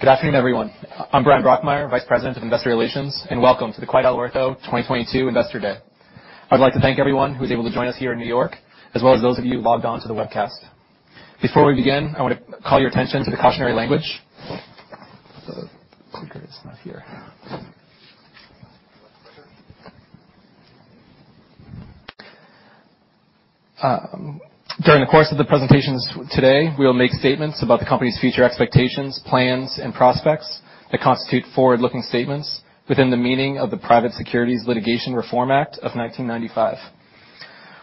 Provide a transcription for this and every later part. Good afternoon, everyone. I'm Bryan Brokmeier, Vice President, Investor Relations, welcome to the QuidelOrtho 2022 Investor Day. I'd like to thank everyone who was able to join us here in New York, as well as those of you who logged on to the webcast. Before we begin, I wanna call your attention to the cautionary language. The clicker is not here. During the course of the presentations today, we will make statements about the company's future expectations, plans, and prospects that constitute forward-looking statements within the meaning of the Private Securities Litigation Reform Act of 1995,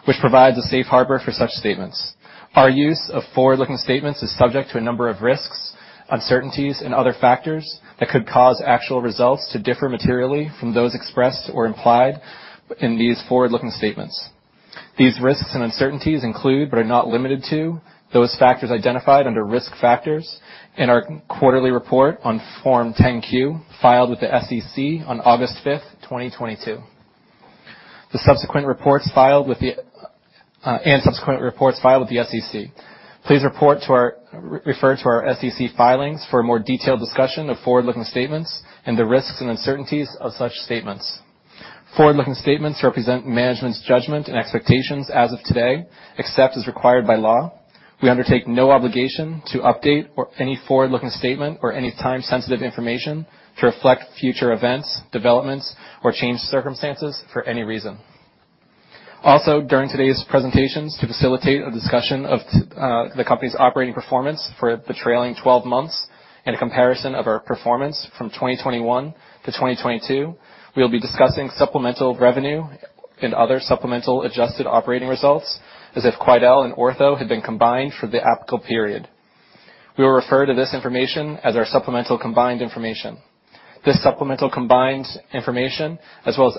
which provides a safe harbor for such statements. Our use of forward-looking statements is subject to a number of risks, uncertainties, and other factors that could cause actual results to differ materially from those expressed or implied in these forward-looking statements. These risks and uncertainties include, but are not limited to, those factors identified under Risk Factors in our quarterly report on Form 10-Q filed with the SEC on August 5, 2022, and subsequent reports filed with the SEC. Please refer to our SEC filings for a more detailed discussion of forward-looking statements and the risks and uncertainties of such statements. Forward-looking statements represent management's judgment and expectations as of today. Except as required by law, we undertake no obligation to update any forward-looking statement or any time-sensitive information to reflect future events, developments, or changed circumstances for any reason. Also, during today's presentations, to facilitate a discussion of the company's operating performance for the trailing 12 months and a comparison of our performance from 2021 to 2022, we'll be discussing supplemental revenue and other supplemental adjusted operating results as if Quidel and Ortho had been combined for the applicable period. We will refer to this information as our supplemental combined information. This supplemental combined information, as well as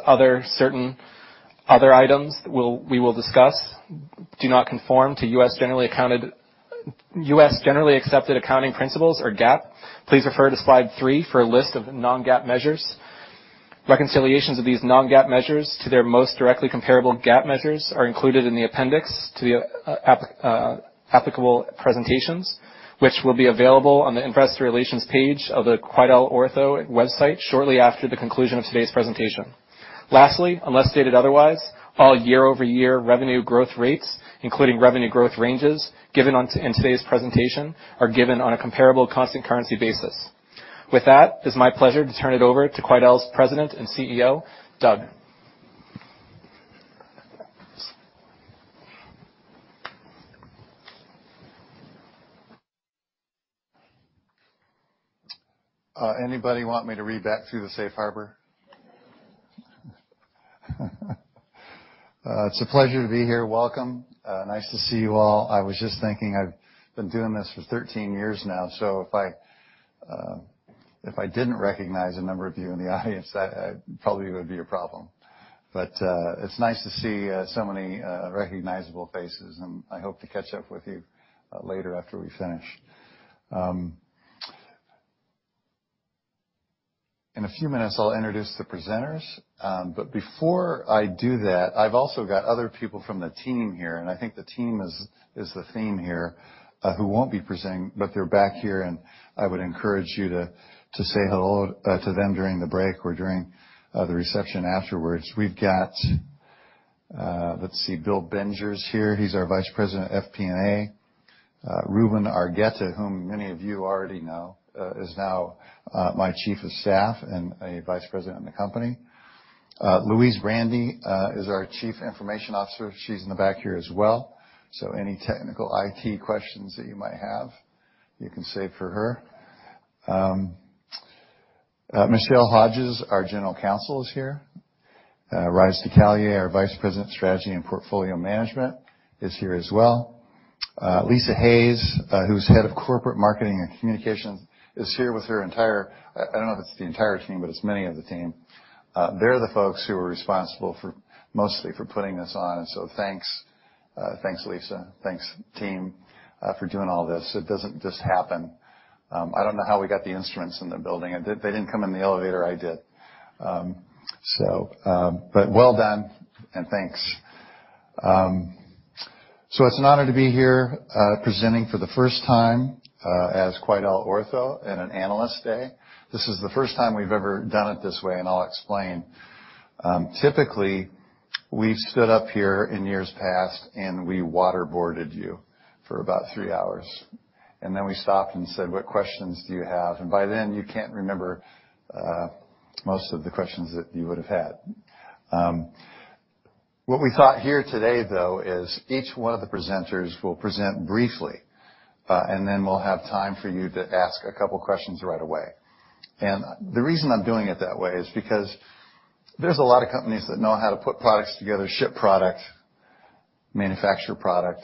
certain other items we will discuss do not conform to U.S. Generally Accepted Accounting Principles, or GAAP. Please refer to slide 3 for a list of non-GAAP measures. Reconciliations of these non-GAAP measures to their most directly comparable GAAP measures are included in the appendix to the applicable presentations, which will be available on the Investor Relations page of the QuidelOrtho website shortly after the conclusion of today's presentation. Lastly, unless stated otherwise, all year-over-year revenue growth rates, including revenue growth ranges given in today's presentation are given on a comparable constant currency basis. With that, it's my pleasure to turn it over to Quidel's President and CEO, Doug. Anybody want me to read back through the safe harbor? It's a pleasure to be here. Welcome. Nice to see you all. I was just thinking I've been doing this for 13 years now, so if I, if I didn't recognize a number of you in the audience, that probably would be a problem. It's nice to see so many recognizable faces, and I hope to catch up with you later after we finish. In a few minutes, I'll introduce the presenters, but before I do that, I've also got other people from the team here, and I think the team is the theme here, who won't be presenting, but they're back here, and I would encourage you to say hello to them during the break or during the reception afterwards. We've got, let's see, Bill Binger's here. He's our Vice President of FP&A. Ruben Argueta, whom many of you already know, is now my Chief of Staff and a vice president in the company. Louise Brandy is our Chief Information Officer. She's in the back here as well. Any technical IT questions that you might have, you can save for her. Michelle Hodges, our General Counsel, is here. Rise DeCallier, our Vice President of Strategy and Portfolio Management is here as well. Lisa Hayes, who's Head of Corporate Marketing and Communications, is here with her entire... I don't know if it's the entire team, but it's many of the team. They're the folks who are responsible for mostly for putting this on. Thanks. Thanks, Lisa. Thanks, team, for doing all this. It doesn't just happen. I don't know how we got the instruments in the building. They didn't come in the elevator. I did. Well done and thanks. It's an honor to be here, presenting for the first time, as QuidelOrtho in an Analyst Day. This is the first time we've ever done it this way, and I'll explain. Typically, we stood up here in years past, and we waterboarded you for about three hours. We stopped and said, "What questions do you have?" By then, you can't remember most of the questions that you would have had. What we thought here today, though, is each one of the presenters will present briefly, and then we'll have time for you to ask a couple questions right away. The reason I'm doing it that way is because there's a lot of companies that know how to put products together, ship product, manufacture product,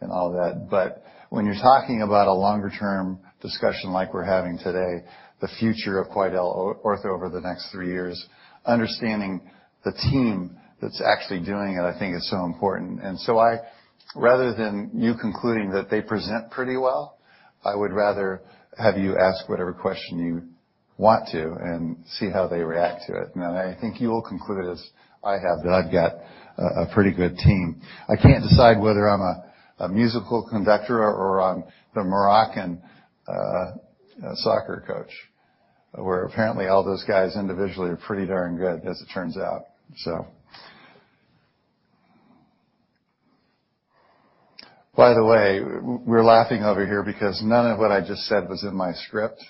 and all that. When you're talking about a longer-term discussion like we're having today, the future of QuidelOrtho over the next three years, understanding the team that's actually doing it, I think is so important. Rather than you concluding that they present pretty well, I would rather have you ask whatever question you want to and see how they react to it. I think you will conclude, as I have, that I've got a pretty good team. I can't decide whether I'm a musical conductor or I'm the Moroccan soccer coach, where apparently all those guys individually are pretty darn good as it turns out. By the way, we're laughing over here because none of what I just said was in my script.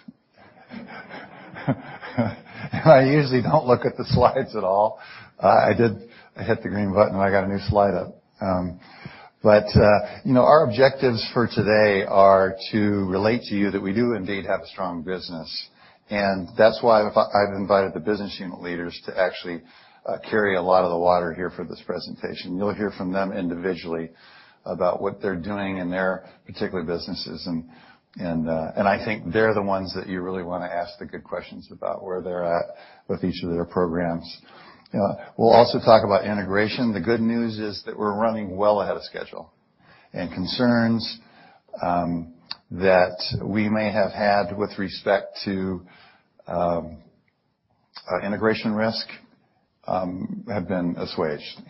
I usually don't look at the slides at all. I did. I hit the green button, I got a new slide up. You know, our objectives for today are to relate to you that we do indeed have a strong business, that's why I've invited the business unit leaders to actually carry a lot of the water here for this presentation. You'll hear from them individually about what they're doing in their particular businesses, and I think they're the ones that you really wanna ask the good questions about where they're at with each of their programs. We'll also talk about integration. The good news is that we're running well ahead of schedule. Concerns that we may have had with respect to integration risk have been assuaged.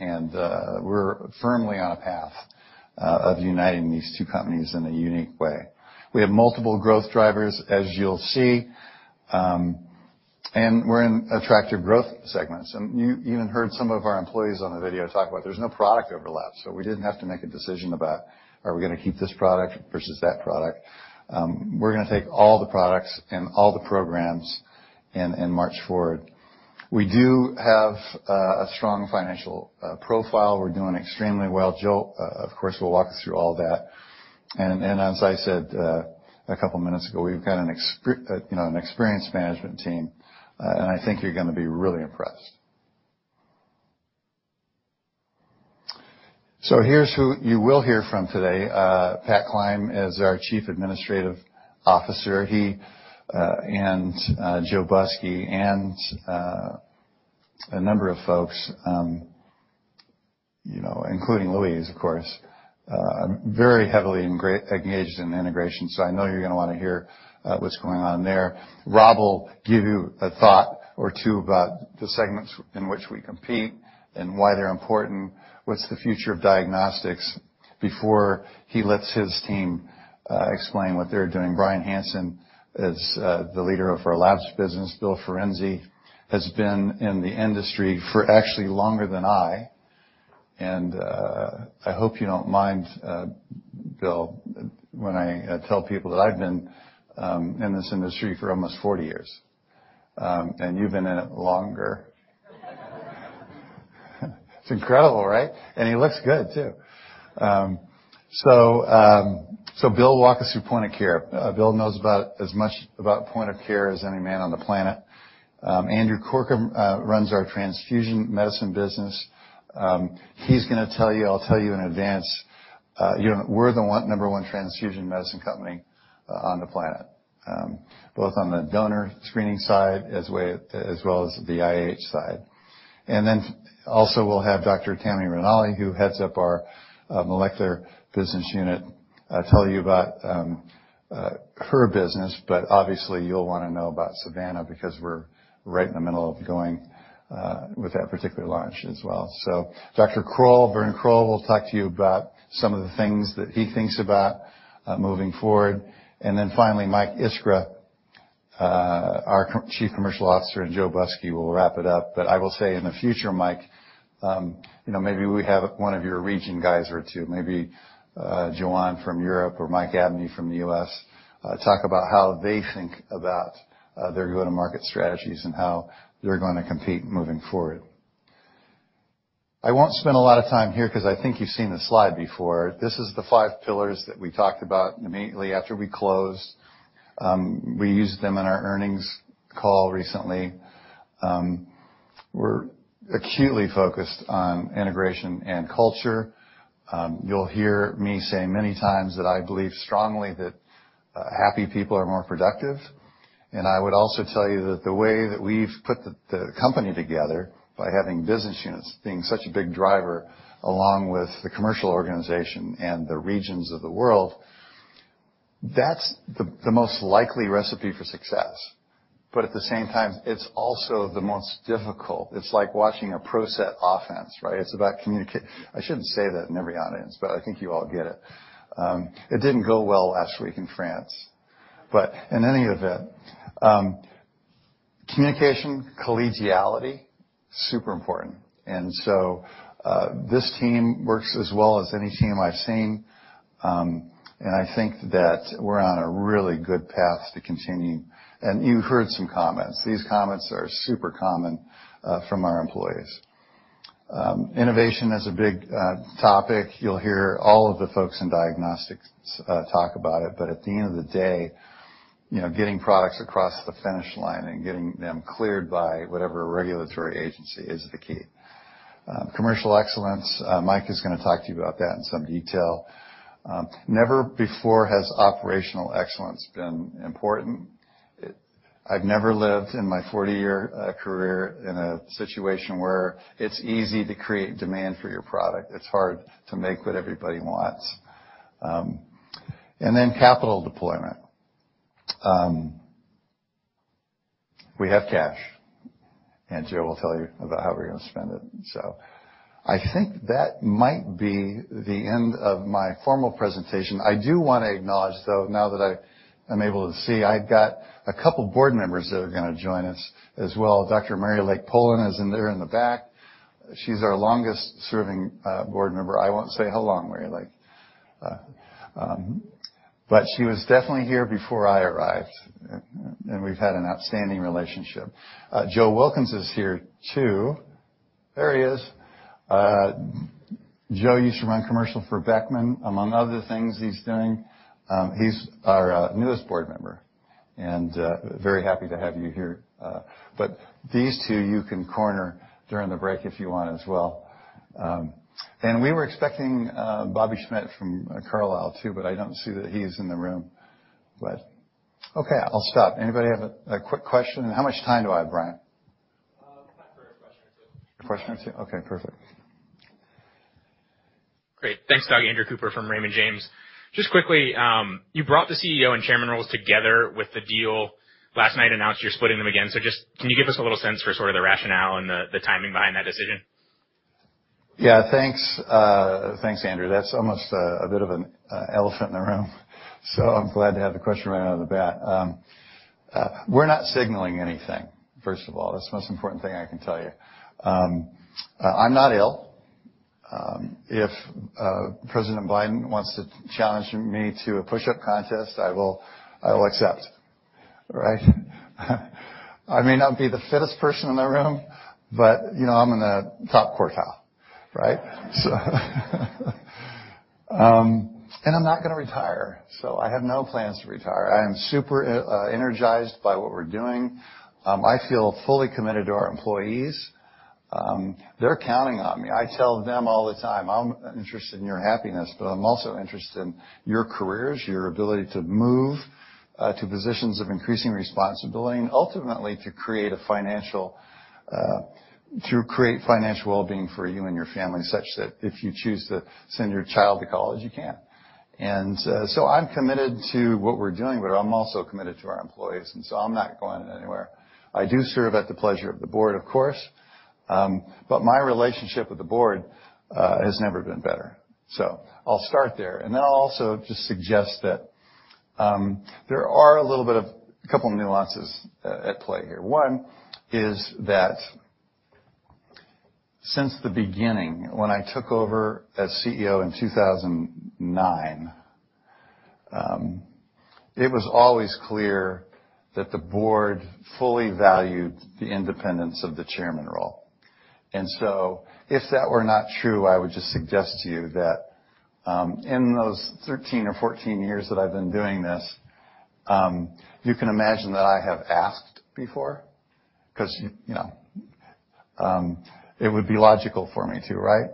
We're firmly on a path of uniting these two companies in a unique way. We have multiple growth drivers, as you'll see, and we're in attractive growth segments. You even heard some of our employees on the video talk about there's no product overlap, so we didn't have to make a decision about, are we gonna keep this product versus that product. We're gonna take all the products and all the programs and march forward. We do have a strong financial profile. We're doing extremely well. Joe, of course, will walk us through all that. And as I said, two minutes ago, we've got an experienced management team, and I think you're gonna be really impressed. Here's who you will hear from today. Pat Klein is our Chief Administrative Officer. He and Joe Busky and a number of folks, you know, including Louise, of course, are very heavily engaged in integration. I know you're gonna wanna hear what's going on there. Rob will give you a thought or two about the segments in which we compete and why they're important, what's the future of diagnostics before he lets his team explain what they're doing. Brian Hansen is the leader of our Labs business. Bill Firenze has been in the industry for actually longer than I. I hope you don't mind, Bill, when I tell people that I've been in this industry for almost 40 years, and you've been in it longer. It's incredible, right? He looks good too. Bill will walk us through point of care. Bill knows about as much about point of care as any man on the planet. Andrew Corkum runs our transfusion medicine business. He's gonna tell you, I'll tell you in advance, we're the number 1 transfusion medicine company on the planet, both on the donor screening side as well as the IH side. We'll have Dr. Tammy Ranalli, who heads up our molecular business unit, tell you about her business, but obviously, you'll wanna know about Savanna because we're right in the middle of going with that particular launch as well. Dr. Werner Kroll will talk to you about some of the things that he thinks about moving forward. Finally, Mike Iskra, our Chief Commercial Officer, and Joe Busky will wrap it up. I will say in the future, Mike, you know, maybe we have one of your region guys or two, maybe, Joan from Europe or Mike Abney from the U.S., talk about how they think about their go-to-market strategies and how they're gonna compete moving forward. I won't spend a lot of time here 'cause I think you've seen the slide before. This is the five pillars that we talked about immediately after we closed. We used them in our earnings call recently. We're acutely focused on integration and culture. You'll hear me say many times that I believe strongly that happy people are more productive. I would also tell you that the way that we've put the company together by having business units being such a big driver, along with the commercial organization and the regions of the world, that's the most likely recipe for success. At the same time, it's also the most difficult. It's like watching a pro set offense, right? I shouldn't say that in every audience, but I think you all get it. It didn't go well last week in France. In any event, communication, collegiality, super important. This team works as well as any team I've seen, and I think that we're on a really good path to continue. You heard some comments. These comments are super common from our employees. Innovation is a big topic. You'll hear all of the folks in diagnostics talk about it. At the end of the day, you know, getting products across the finish line and getting them cleared by whatever regulatory agency is the key. Commercial excellence, Mike is gonna talk to you about that in some detail. Never before has operational excellence been important. I've never lived in my 40-year career in a situation where it's easy to create demand for your product. It's hard to make what everybody wants. Then capital deployment. We have cash, and Joe will tell you about how we're gonna spend it. I think that might be the end of my formal presentation. I do wanna acknowledge, though, now that I'm able to see, I've got a couple board members that are gonna join us as well. Dr. Mary Lake Polan is in there in the back. She's our longest serving board member. I won't say how long, Mary Lake, but she was definitely here before I arrived, and we've had an outstanding relationship. Joe Wilkins is here too. There he is. Joe used to run commercial for Beckman, among other things he's doing. He's our newest board member, and very happy to have you here. But these two you can corner during the break if you want as well. We were expecting Bobby Schmidt from Carlyle too, but I don't see that he's in the room. I'll stop. Anybody have a quick question? How much time do I have, Brian? Time for a question or two. A question or two. Okay, perfect. Great. Thanks, Doug. Andrew Cooper from Raymond James. Just quickly, you brought the CEO and Chairman roles together with the deal last night, announced you're splitting them again. Just, can you give us a little sense for sort of the rationale and the timing behind that decision? Yeah, thanks. Thanks, Andrew. That's almost a bit of an elephant in the room. I'm glad to have the question right out of the bat. We're not signaling anything, first of all. That's the most important thing I can tell you. I'm not ill. If President Biden wants to challenge me to a push-up contest, I will accept. Right? I may not be the fittest person in the room, but, you know, I'm in the top quartile, right? I'm not gonna retire. I have no plans to retire. I am super energized by what we're doing. I feel fully committed to our employees. They're counting on me. I tell them all the time, "I'm interested in your happiness, but I'm also interested in your careers, your ability to move to positions of increasing responsibility and ultimately to create financial wellbeing for you and your family, such that if you choose to send your child to college, you can. I'm committed to what we're doing, but I'm also committed to our employees and so I'm not going anywhere. I do serve at the pleasure of the board, of course. My relationship with the board has never been better. I'll start there. I'll also just suggest that there are a little bit of couple nuances at play here. One is that since the beginning, when I took over as CEO in 2009, it was always clear that the board fully valued the independence of the chairman role. If that were not true, I would just suggest to you that in those 13 or 14 years that I've been doing this, you can imagine that I have asked before, 'cause, you know, it would be logical for me to, right?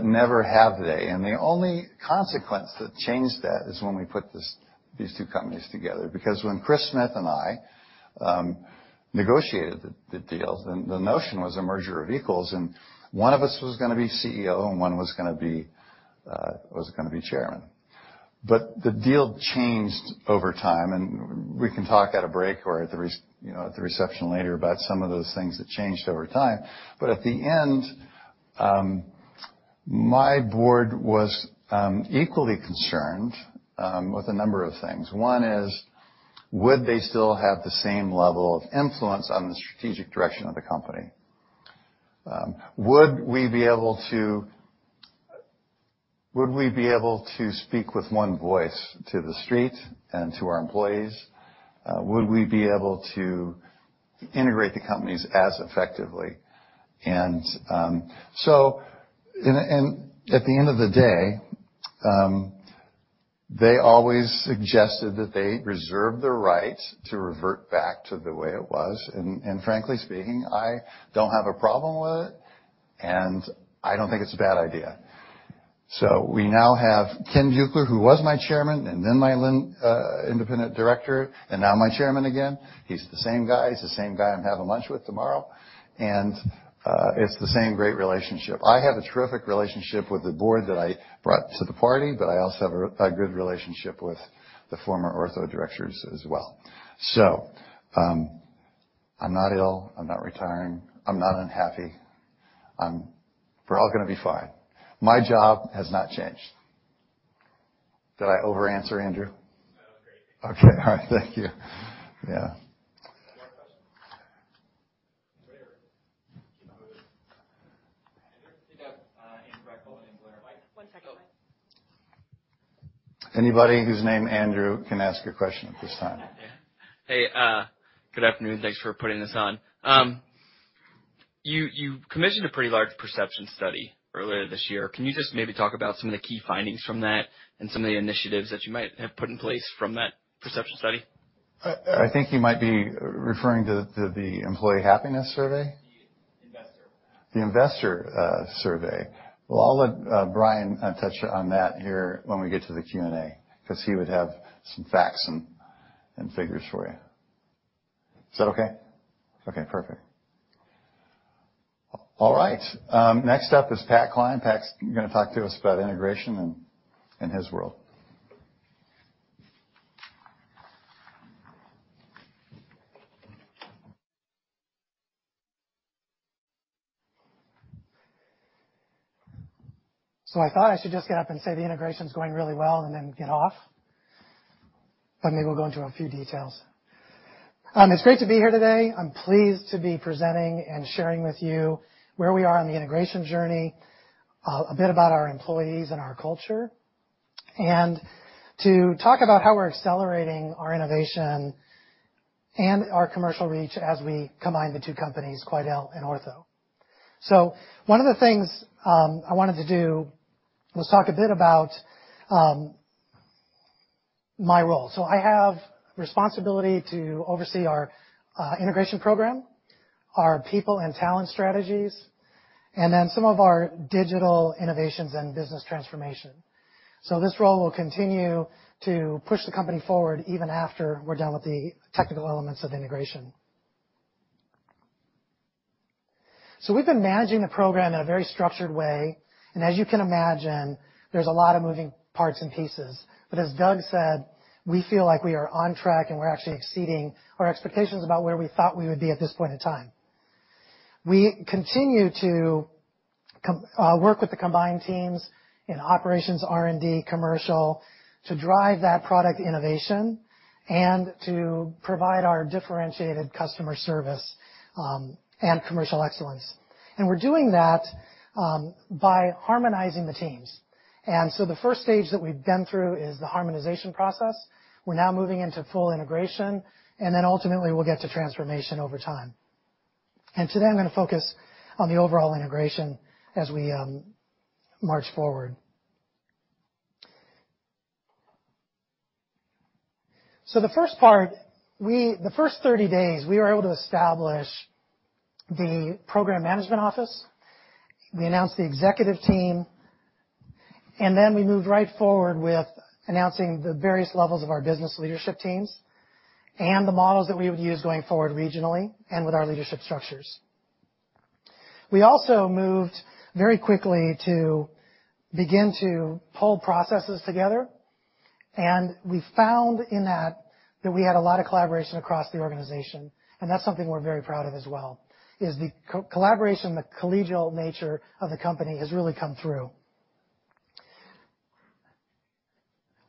Never have they. The only consequence that changed that is when we put these two companies together. When Chris Smith and I negotiated the deals, then the notion was a merger of equals, and one of us was gonna be CEO, and one was gonna be Chairman. The deal changed over time, and we can talk at a break or at the reception later about some of those things that changed over time. At the end, my board was equally concerned with a number of things. One is, would they still have the same level of influence on the strategic direction of the company? Would we be able to speak with one voice to the street and to our employees? Would we be able to integrate the companies as effectively? So at the end of the day, they always suggested that they reserve the right to revert back to the way it was. Frankly speaking, I don't have a problem with it, and I don't think it's a bad idea. We now have Ken Jungler, who was my Chairman and then my Independent Director, and now my Chairman again. He's the same guy. He's the same guy I'm having lunch with tomorrow. It's the same great relationship. I have a terrific relationship with the board that I brought to the party, but I also have a good relationship with the former Ortho Directors as well. I'm not ill. I'm not retiring. I'm not unhappy. We're all gonna be fine. My job has not changed. Did I over-answer, Andrew? No, great. Okay. All right. Thank you. Yeah. More questions. Andrew? You got, Andrew with William Blair & Company. One second. Anybody whose name Andrew can ask a question at this time. Hey, good afternoon. Thanks for putting this on. You commissioned a pretty large perception study earlier this year. Can you just maybe talk about some of the key findings from that and some of the initiatives that you might have put in place from that perception study? I think you might be referring to the employee happiness survey. The investor. The investor survey. Well, I'll let Brian touch on that here when we get to the Q&A 'cause he would have some facts and figures for you. Is that okay? Okay, perfect. All right. Next up is Pat Klein. Pat's gonna talk to us about integration in his world. I thought I should just get up and say the integration's going really well and then get off, but maybe we'll go into a few details. It's great to be here today. I'm pleased to be presenting and sharing with you where we are on the integration journey, a bit about our employees and our culture, and to talk about how we're accelerating our innovation and our commercial reach as we combine the two companies, Quidel and Ortho. One of the things I wanted to do was talk a bit about my role. I have responsibility to oversee our integration program, our people and talent strategies, and then some of our digital innovations and business transformation. This role will continue to push the company forward even after we're done with the technical elements of integration. We've been managing the program in a very structured way, and as you can imagine, there's a lot of moving parts and pieces. As Doug said, we feel like we are on track, and we're actually exceeding our expectations about where we thought we would be at this point in time. We continue to work with the combined teams in operations, R&D, commercial to drive that product innovation and to provide our differentiated customer service and commercial excellence. We're doing that by harmonizing the teams. The first stage that we've been through is the harmonization process. We're now moving into full integration, and then ultimately we'll get to transformation over time. Today I'm gonna focus on the overall integration as we march forward. The first 30 days, we were able to establish the program management office, we announced the executive team, We moved right forward with announcing the various levels of our business leadership teams and the models that we would use going forward regionally and with our leadership structures. We also moved very quickly to begin to pull processes together, We found in that we had a lot of collaboration across the organization, That's something we're very proud of as well, is the co-collaboration, the collegial nature of the company has really come through.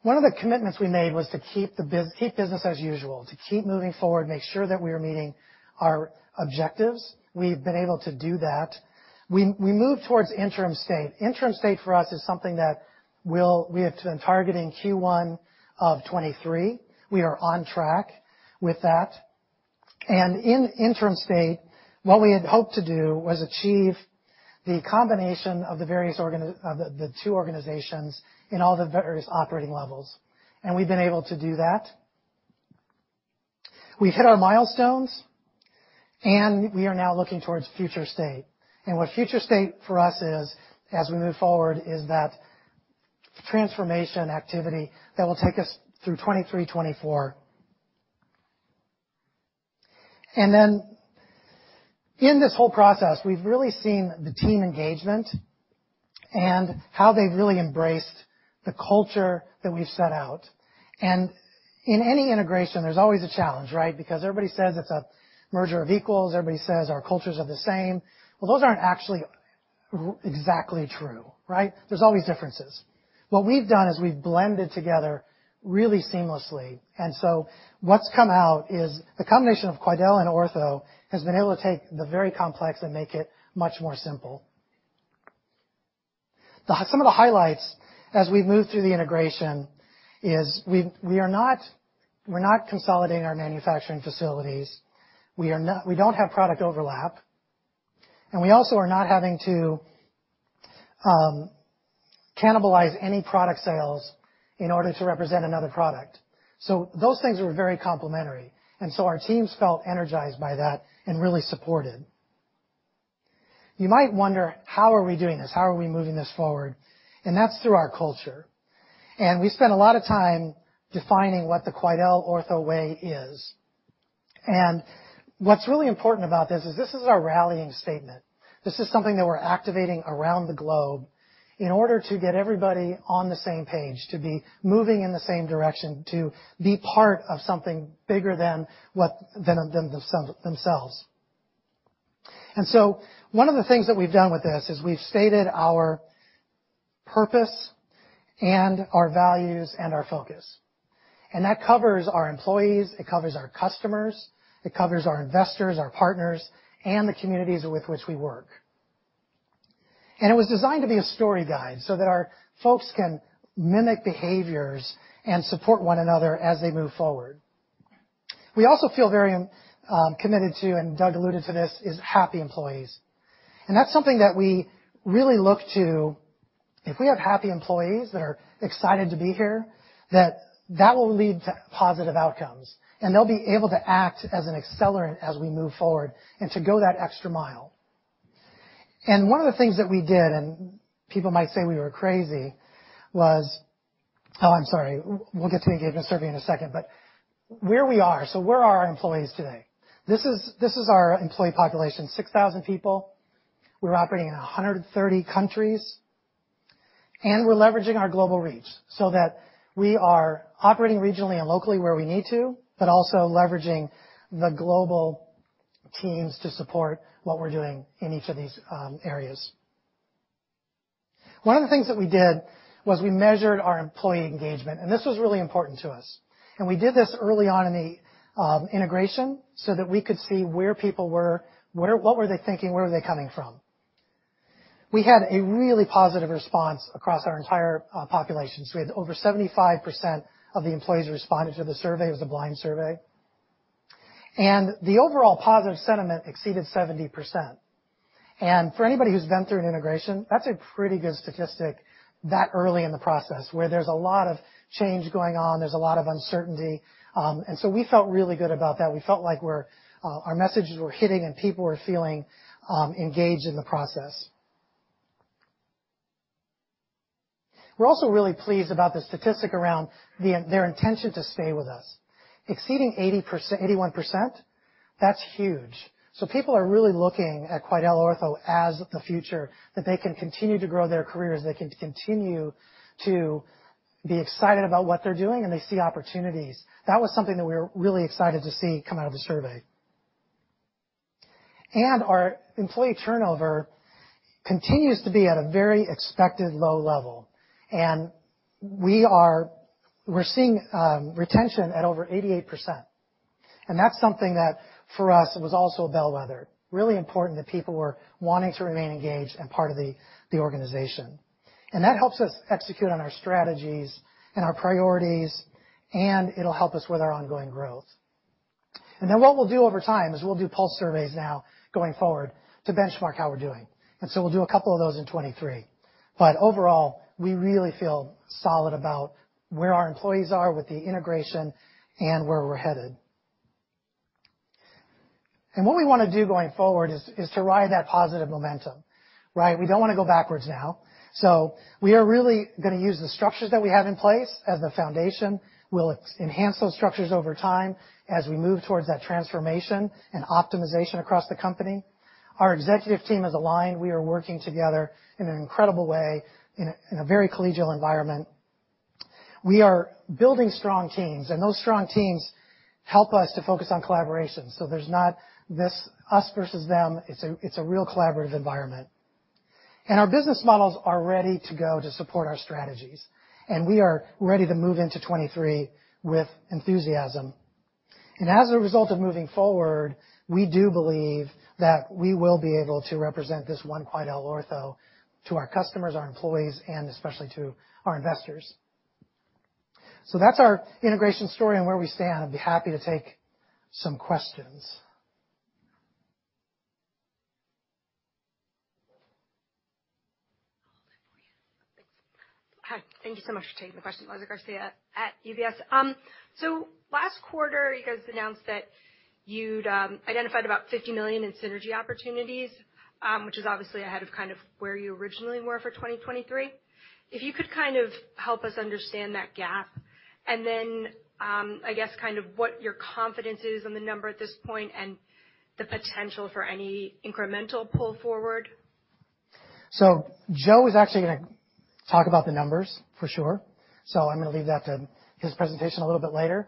One of the commitments we made was to keep business as usual, to keep moving forward, make sure that we are meeting our objectives. We've been able to do that. We moved towards interim state. Interim state for us is something that we have been targeting Q1 of 2023. We are on track with that. In interim state, what we had hoped to do was achieve the combination of the various two organizations in all the various operating levels. We've been able to do that. We've hit our milestones, and we are now looking towards future state. What future state for us is, as we move forward, is that transformation activity that will take us through 2023, 2024. In this whole process, we've really seen the team engagement and how they've really embraced the culture that we've set out. In any integration, there's always a challenge, right? Because everybody says it's a merger of equals. Everybody says our cultures are the same. Well, those aren't actually exactly true, right? There's always differences. What we've done is we've blended together really seamlessly. What's come out is the combination of Quidel and Ortho has been able to take the very complex and make it much more simple. Some of the highlights as we've moved through the integration is we are not consolidating our manufacturing facilities. We don't have product overlap, and we also are not having to cannibalize any product sales in order to represent another product. Those things were very complimentary. Our teams felt energized by that and really supported. You might wonder, how are we doing this? How are we moving this forward? That's through our culture. We spent a lot of time defining what the QuidelOrtho way is. What's really important about this is this is our rallying statement. This is something that we're activating around the globe in order to get everybody on the same page, to be moving in the same direction, to be part of something bigger than what than them, themselves. One of the things that we've done with this is we've stated our purpose and our values and our focus. That covers our employees, it covers our customers, it covers our investors, our partners, and the communities with which we work. It was designed to be a story guide so that our folks can mimic behaviors and support one another as they move forward. We also feel very committed to, and Doug alluded to this, is happy employees. That's something that we really look to. If we have happy employees that are excited to be here, that will lead to positive outcomes, and they'll be able to act as an accelerant as we move forward and to go that extra mile. One of the things that we did, and people might say we were crazy, was. Oh, I'm sorry. We'll get to the engagement survey in a second. Where we are, so where are our employees today? This is our employee population, 6,000 people. We're operating in 130 countries, and we're leveraging our global reach so that we are operating regionally and locally where we need to, but also leveraging the global teams to support what we're doing in each of these areas. One of the things that we did was we measured our employee engagement. This was really important to us. We did this early on in the integration so that we could see where people were, what were they thinking? Where were they coming from? We had a really positive response across our entire population. We had over 75% of the employees responded to the survey. It was a blind survey. The overall positive sentiment exceeded 70%. For anybody who's been through an integration, that's a pretty good statistic that early in the process where there's a lot of change going on, there's a lot of uncertainty. We felt really good about that. We felt like we're our messages were hitting and people were feeling engaged in the process. We're also really pleased about the statistic around their intention to stay with us. Exceeding 80%-81%, that's huge. People are really looking at QuidelOrtho as the future, that they can continue to grow their careers, they can continue to be excited about what they're doing, and they see opportunities. That was something that we were really excited to see come out of the survey. Our employee turnover continues to be at a very expected low level. We're seeing retention at over 88%. That's something that, for us, was also a bellwether. Really important that people were wanting to remain engaged and part of the organization. That helps us execute on our strategies and our priorities, and it'll help us with our ongoing growth. What we'll do over time is we'll do pulse surveys now going forward to benchmark how we're doing. We'll do a couple of those in 2023. Overall, we really feel solid about where our employees are with the integration and where we're headed. What we wanna do going forward is to ride that positive momentum, right? We don't wanna go backwards now. We are really gonna use the structures that we have in place as the foundation. We'll enhance those structures over time as we move towards that transformation and optimization across the company. Our executive team is aligned. We are working together in an incredible way in a very collegial environment. We are building strong teams, and those strong teams help us to focus on collaboration. There's not this us versus them. It's a real collaborative environment. Our business models are ready to go to support our strategies, and we are ready to move into 2023 with enthusiasm. As a result of moving forward, we do believe that we will be able to represent this one QuidelOrtho to our customers, our employees, and especially to our investors. That's our integration story and where we stand. I'd be happy to take some questions. Hi. Thank you so much for taking the question. Eliza Garcia at UBS. Last quarter, you guys announced that you'd identified about $50 million in synergy opportunities, which is obviously ahead of kind of where you originally were for 2023. If you could kind of help us understand that gap and then, I guess, kind of what your confidence is on the number at this point and the potential for any incremental pull forward? Joe is actually gonna talk about the numbers for sure, so I'm gonna leave that to his presentation a little bit later.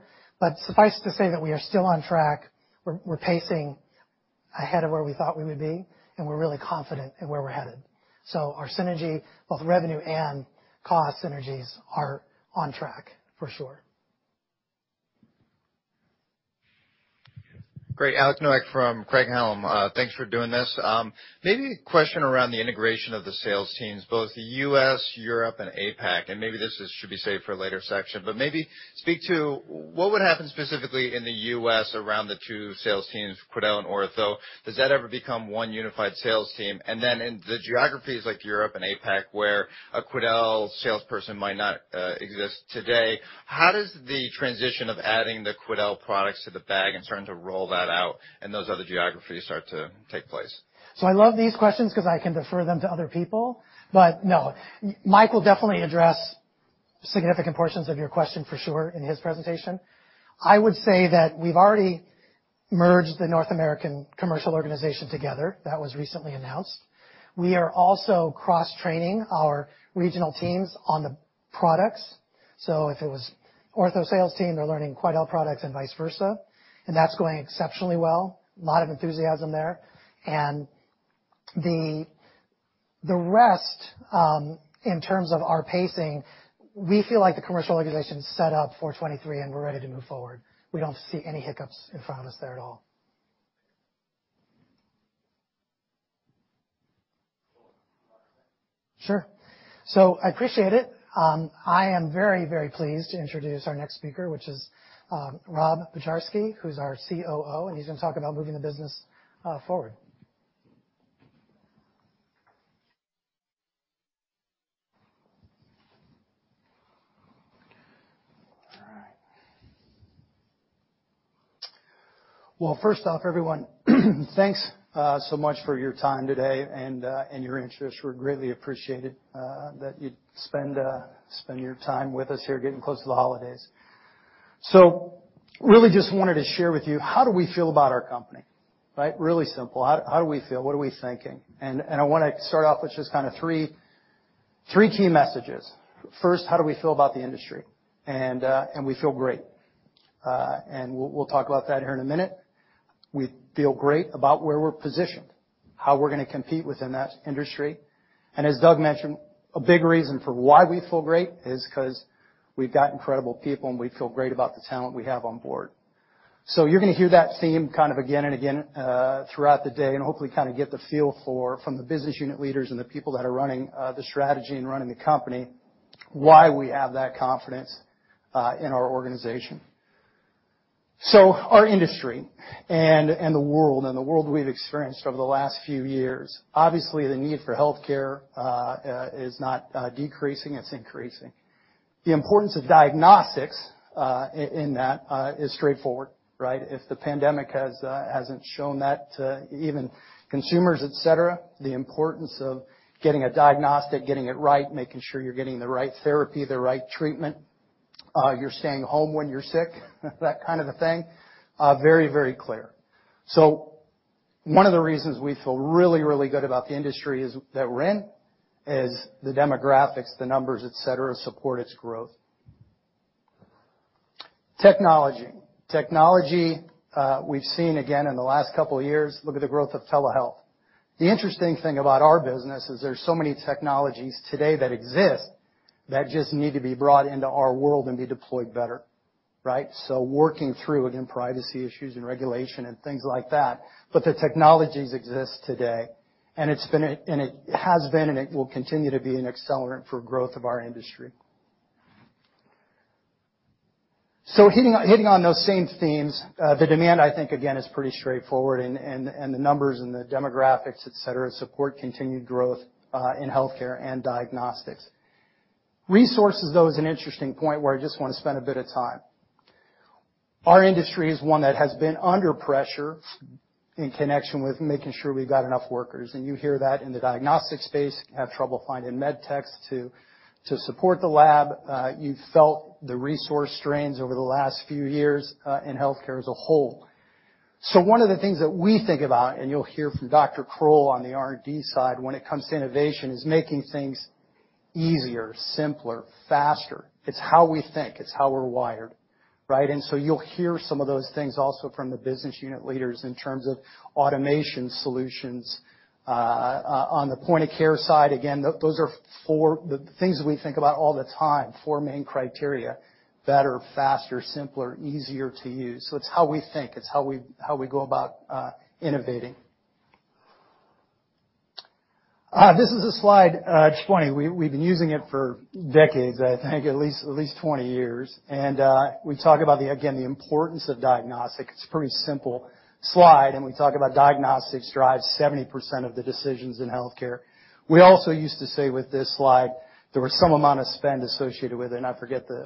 Suffice to say that we are still on track. We're pacing ahead of where we thought we would be, and we're really confident in where we're headed. Our synergy, both revenue and cost synergies, are on track for sure. Great. Alex Nowak from Craig-Hallum. Thanks for doing this. Maybe a question around the integration of the sales teams, both the U.S., Europe, and APAC, and maybe this is should be saved for a later section. Maybe speak to what would happen specifically in the U.S. around the two sales teams, Quidel and Ortho. Does that ever become one unified sales team? Then in the geographies like Europe and APAC, where a Quidel salesperson might not exist today, how does the transition of adding the Quidel products to the bag and starting to roll that out in those other geographies start to take place? I love these questions 'cause I can defer them to other people. No, Mike will definitely address significant portions of your question for sure in his presentation. I would say that we've already merged the North American commercial organization together. That was recently announced. We are also cross-training our regional teams on the products. If it was Ortho sales team, they're learning Quidel products and vice versa, and that's going exceptionally well. A lot of enthusiasm there. The rest, in terms of our pacing, we feel like the commercial organization is set up for 2023, and we're ready to move forward. We don't see any hiccups in front of us there at all. Sure. I appreciate it. I am very pleased to introduce our next speaker, which is, Rob Bujarski, who's our COO, and he's gonna talk about moving the business, forward. All right. Well, first off, everyone, thanks so much for your time today and your interest. We greatly appreciate it that you'd spend your time with us here getting close to the holidays. Really just wanted to share with you, how do we feel about our company, right? Really simple. How do we feel? What are we thinking? I wanna start off with just kinda three key messages. First, how do we feel about the industry? We feel great. We'll talk about that here in a minute. We feel great about where we're positioned, how we're gonna compete within that industry. As Doug mentioned, a big reason for why we feel great is 'cause we've got incredible people, and we feel great about the talent we have on board. You're gonna hear that theme kind of again and again throughout the day, and hopefully, kinda get the feel for from the business unit leaders and the people that are running the strategy and running the company, why we have that confidence in our organization. Our industry and the world, and the world we've experienced over the last few years, obviously the need for healthcare is not decreasing, it's increasing. The importance of diagnostics in that is straightforward, right? If the pandemic hasn't shown that to even consumers, et cetera, the importance of getting a diagnostic, getting it right, making sure you're getting the right therapy, the right treatment, you're staying home when you're sick, that kind of a thing, very, very clear. One of the reasons we feel really, really good about the industry that we're in, is the demographics, the numbers, et cetera, support its growth. Technology. Technology, we've seen again in the last couple of years, look at the growth of telehealth. The interesting thing about our business is there's so many technologies today that exist that just need to be brought into our world and be deployed better, right? Working through, again, privacy issues and regulation and things like that. The technologies exist today, and it has been, and it will continue to be an accelerant for growth of our industry. Hitting on those same themes, the demand, I think, again is pretty straightforward and the numbers and the demographics, et cetera, support continued growth in healthcare and diagnostics. Resources, though, is an interesting point where I just wanna spend a bit of time. Our industry is one that has been under pressure in connection with making sure we've got enough workers, and you hear that in the diagnostic space, have trouble finding med techs to support the lab. You've felt the resource strains over the last few years, in healthcare as a whole. One of the things that we think about, and you'll hear from Dr. Kroll on the R&D side, when it comes to innovation, is making things easier, simpler, faster. It's how we think. It's how we're wired, right? You'll hear some of those things also from the business unit leaders in terms of automation solutions. On the point of care side, again, the things we think about all the time, four main criteria, better, faster, simpler, easier to use. It's how we think. It's how we go about innovating. This is a slide, it's funny, we've been using it for decades, I think at least, at least 20 years. We talk about the, again, the importance of diagnostic. It's a pretty simple slide, and we talk about diagnostics drives 70% of the decisions in healthcare. We also used to say with this slide, there was some amount of spend associated with it, and I forget the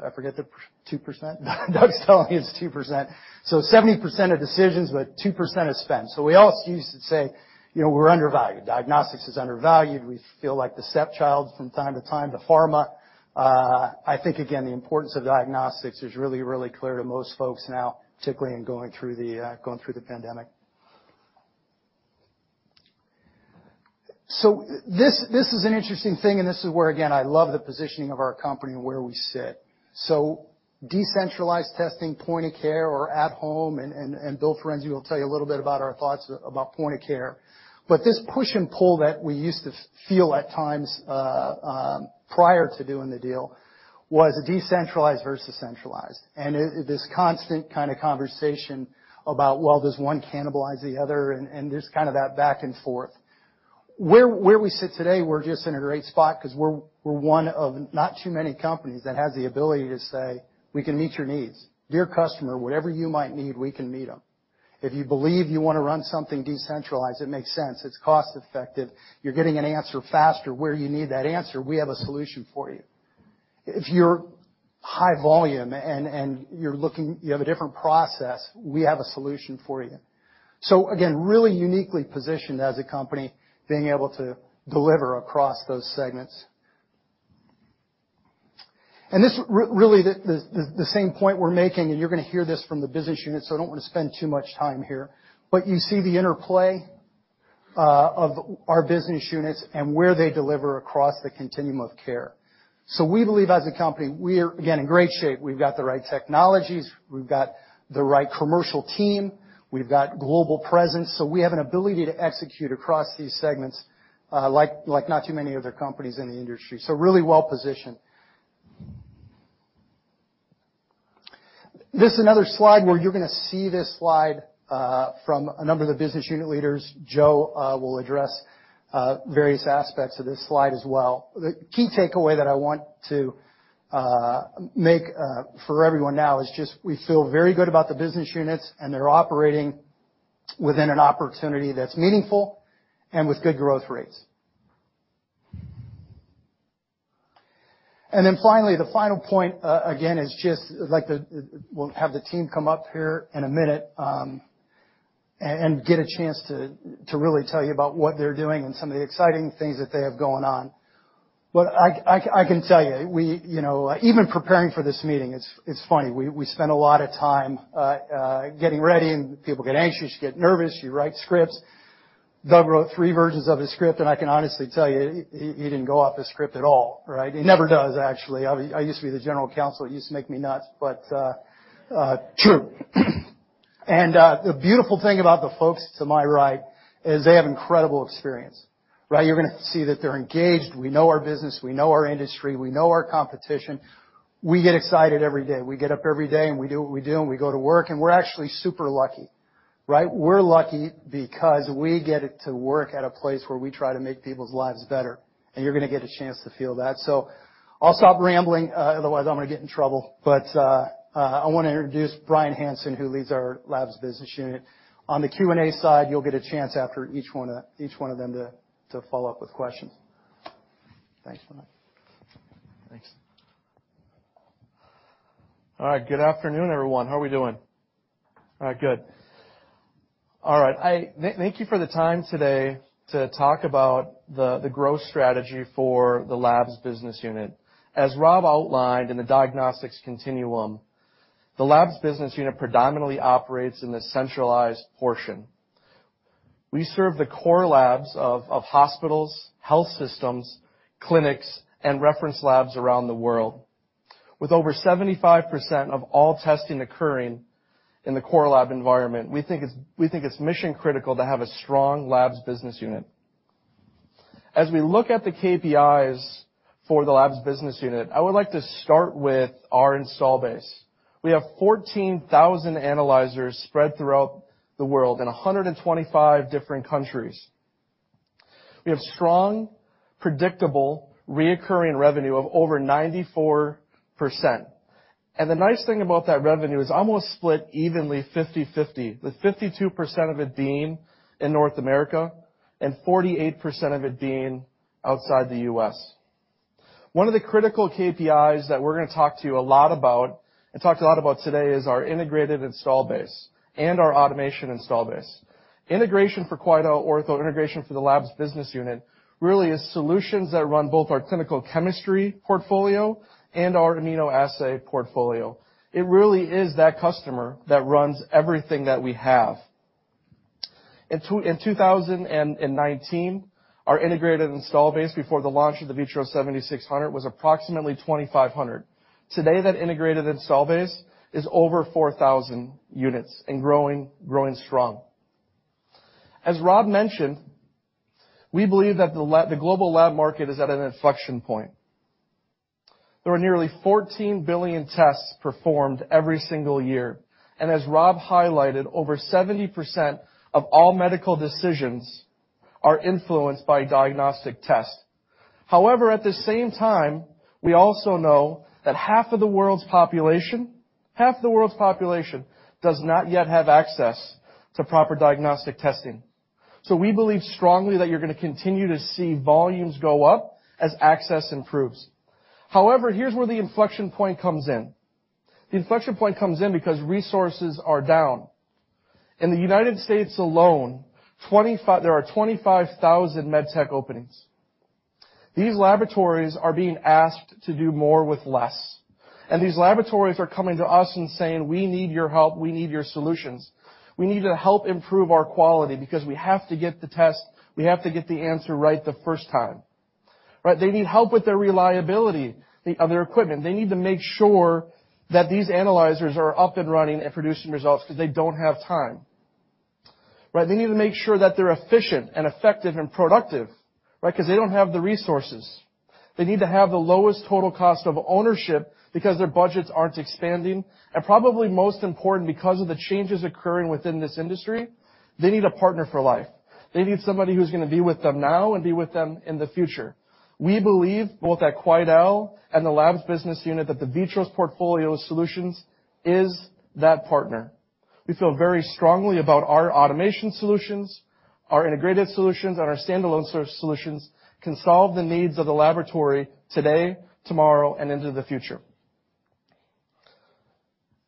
2%? Doug's telling me it's 2%. 70% of decisions, but 2% of spend. We also used to say, you know, we're undervalued. Diagnostics is undervalued. We feel like the stepchild from time to time to pharma. I think, again, the importance of diagnostics is really, really clear to most folks now, particularly in going through the going through the pandemic. This, this is an interesting thing, and this is where, again, I love the positioning of our company and where we sit. Decentralized testing, point of care or at home, and Bill Firenze will tell you a little bit about our thoughts about point of care. But this push and pull that we used to feel at times prior to doing the deal was decentralized versus centralized. This constant kinda conversation about, well, does one cannibalize the other and just kinda that back and forth. Where we sit today, we're just in a great spot 'cause we're one of not too many companies that has the ability to say, we can meet your needs. Dear customer, whatever you might need, we can meet them. If you believe you wanna run something decentralized, it makes sense. It's cost-effective. You're getting an answer faster. Where you need that answer, we have a solution for you. If you're high volume and you have a different process, we have a solution for you. Again, really uniquely positioned as a company being able to deliver across those segments. This really the same point we're making, and you're gonna hear this from the business units, so I don't wanna spend too much time here. You see the interplay of our business units and where they deliver across the continuum of care. We believe as a company, we're again in great shape. We've got the right technologies, we've got the right commercial team, we've got global presence, so we have an ability to execute across these segments, like not too many other companies in the industry. Really well-positioned. This is another slide where you're gonna see this slide from a number of the business unit leaders. Joe will address various aspects of this slide as well. The key takeaway that I want to make for everyone now is just we feel very good about the business units, and they're operating within an opportunity that's meaningful and with good growth rates. Finally, the final point, again, is just like we'll have the team come up here in a minute, and get a chance to really tell you about what they're doing and some of the exciting things that they have going on. I can tell you know, even preparing for this meeting, it's funny. We spend a lot of time getting ready, and people get anxious, you get nervous, you write scripts. Doug wrote three versions of his script, and I can honestly tell you, he didn't go off the script at all, right? He never does, actually. I used to be the general counsel, it used to make me nuts, but true. The beautiful thing about the folks to my right is they have incredible experience, right? You're gonna see that they're engaged. We know our business. We know our industry. We know our competition. We get excited every day. We get up every day, and we do what we do, and we go to work, and we're actually super lucky, right? We're lucky because we get to work at a place where we try to make people's lives better, and you're gonna get a chance to feel that. I'll stop rambling, otherwise, I'm gonna get in trouble. I wanna introduce Brian Hanson, who leads our Labs Business Unit. On the Q&A side, you'll get a chance after each one of them to follow up with questions. Thanks so much. Thanks. All right. Good afternoon, everyone. How are we doing? All right, good. All right. Thank you for the time today to talk about the growth strategy for the Labs Business Unit. As Rob outlined in the diagnostics continuum, the Labs Business Unit predominantly operates in the centralized portion. We serve the core labs of hospitals, health systems, clinics, and reference labs around the world. With over 75% of all testing occurring in the core lab environment, we think it's mission-critical to have a strong Labs Business Unit. As we look at the KPIs for the Labs Business Unit, I would like to start with our install base. We have 14,000 analyzers spread throughout the world in 125 different countries. We have strong, predictable, reoccurring revenue of over 94%. The nice thing about that revenue is almost split evenly, 50/50, with 52% of it being in North America and 48% of it being outside the U.S. One of the critical KPIs that we're gonna talk to you a lot about and talk a lot about today is our integrated install base and our automation install base. Integration for QuidelOrtho, integration for the Labs Business Unit really is solutions that run both our clinical chemistry portfolio and our immunoassay portfolio. It really is that customer that runs everything that we have. In 2019, our integrated install base before the launch of the VITROS XT 7600 was approximately 2,500. Today, that integrated install base is over 4,000 units and growing strong. As Rob mentioned, we believe that the global lab market is at an inflection point. There are nearly 14 billion tests performed every single year, as Rob highlighted, over 70% of all medical decisions are influenced by diagnostic tests. At the same time, we also know that half of the world's population does not yet have access to proper diagnostic testing. We believe strongly that you're gonna continue to see volumes go up as access improves. Here's where the inflection point comes in. The inflection point comes in because resources are down. In the United States alone, there are 25,000 med tech openings. These laboratories are being asked to do more with less, these laboratories are coming to us and saying, we need your help. We need your solutions. We need to help improve our quality because we have to get the test, we have to get the answer right the first time. Right? They need help with their reliability, the, of their equipment. They need to make sure that these analyzers are up and running and producing results because they don't have time. Right? They need to make sure that they're efficient and effective and productive. Right? Cause they don't have the resources. They need to have the lowest total cost of ownership because their budgets aren't expanding. Probably most important because of the changes occurring within this industry, they need a partner for life. They need somebody who's gonna be with them now and be with them in the future. We believe both at Quidel and the labs business unit that the VITROS portfolio solutions is that partner. We feel very strongly about our automation solutions, our integrated solutions, and our standalone solutions can solve the needs of the laboratory today, tomorrow, and into the future.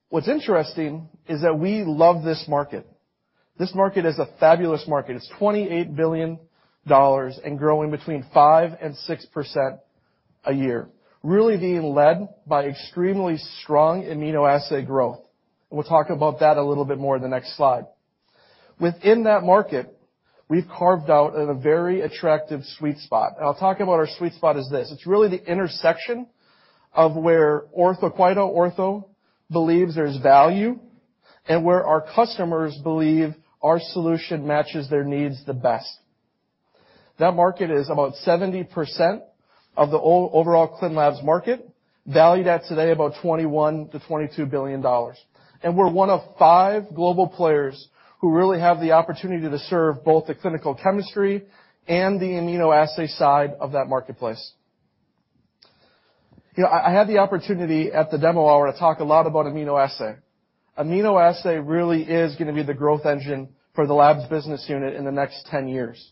What's interesting is that we love this market. This market is a fabulous market. It's $28 billion and growing between 5% and 6% a year, really being led by extremely strong immunoassay growth. We'll talk about that a little bit more in the next slide. Within that market, we've carved out a very attractive sweet spot, and I'll talk about our sweet spot as this. It's really the intersection of where QuidelOrtho believes there's value and where our customers believe our solution matches their needs the best. That market is about 70% of the overall clin labs market, valued at today about $21 billion-$22 billion. We're one of five global players who really have the opportunity to serve both the clinical chemistry and the immunoassay side of that marketplace. You know, I had the opportunity at the demo hour to talk a lot about immunoassay. Immunoassay really is gonna be the growth engine for the labs business unit in the next 10 years.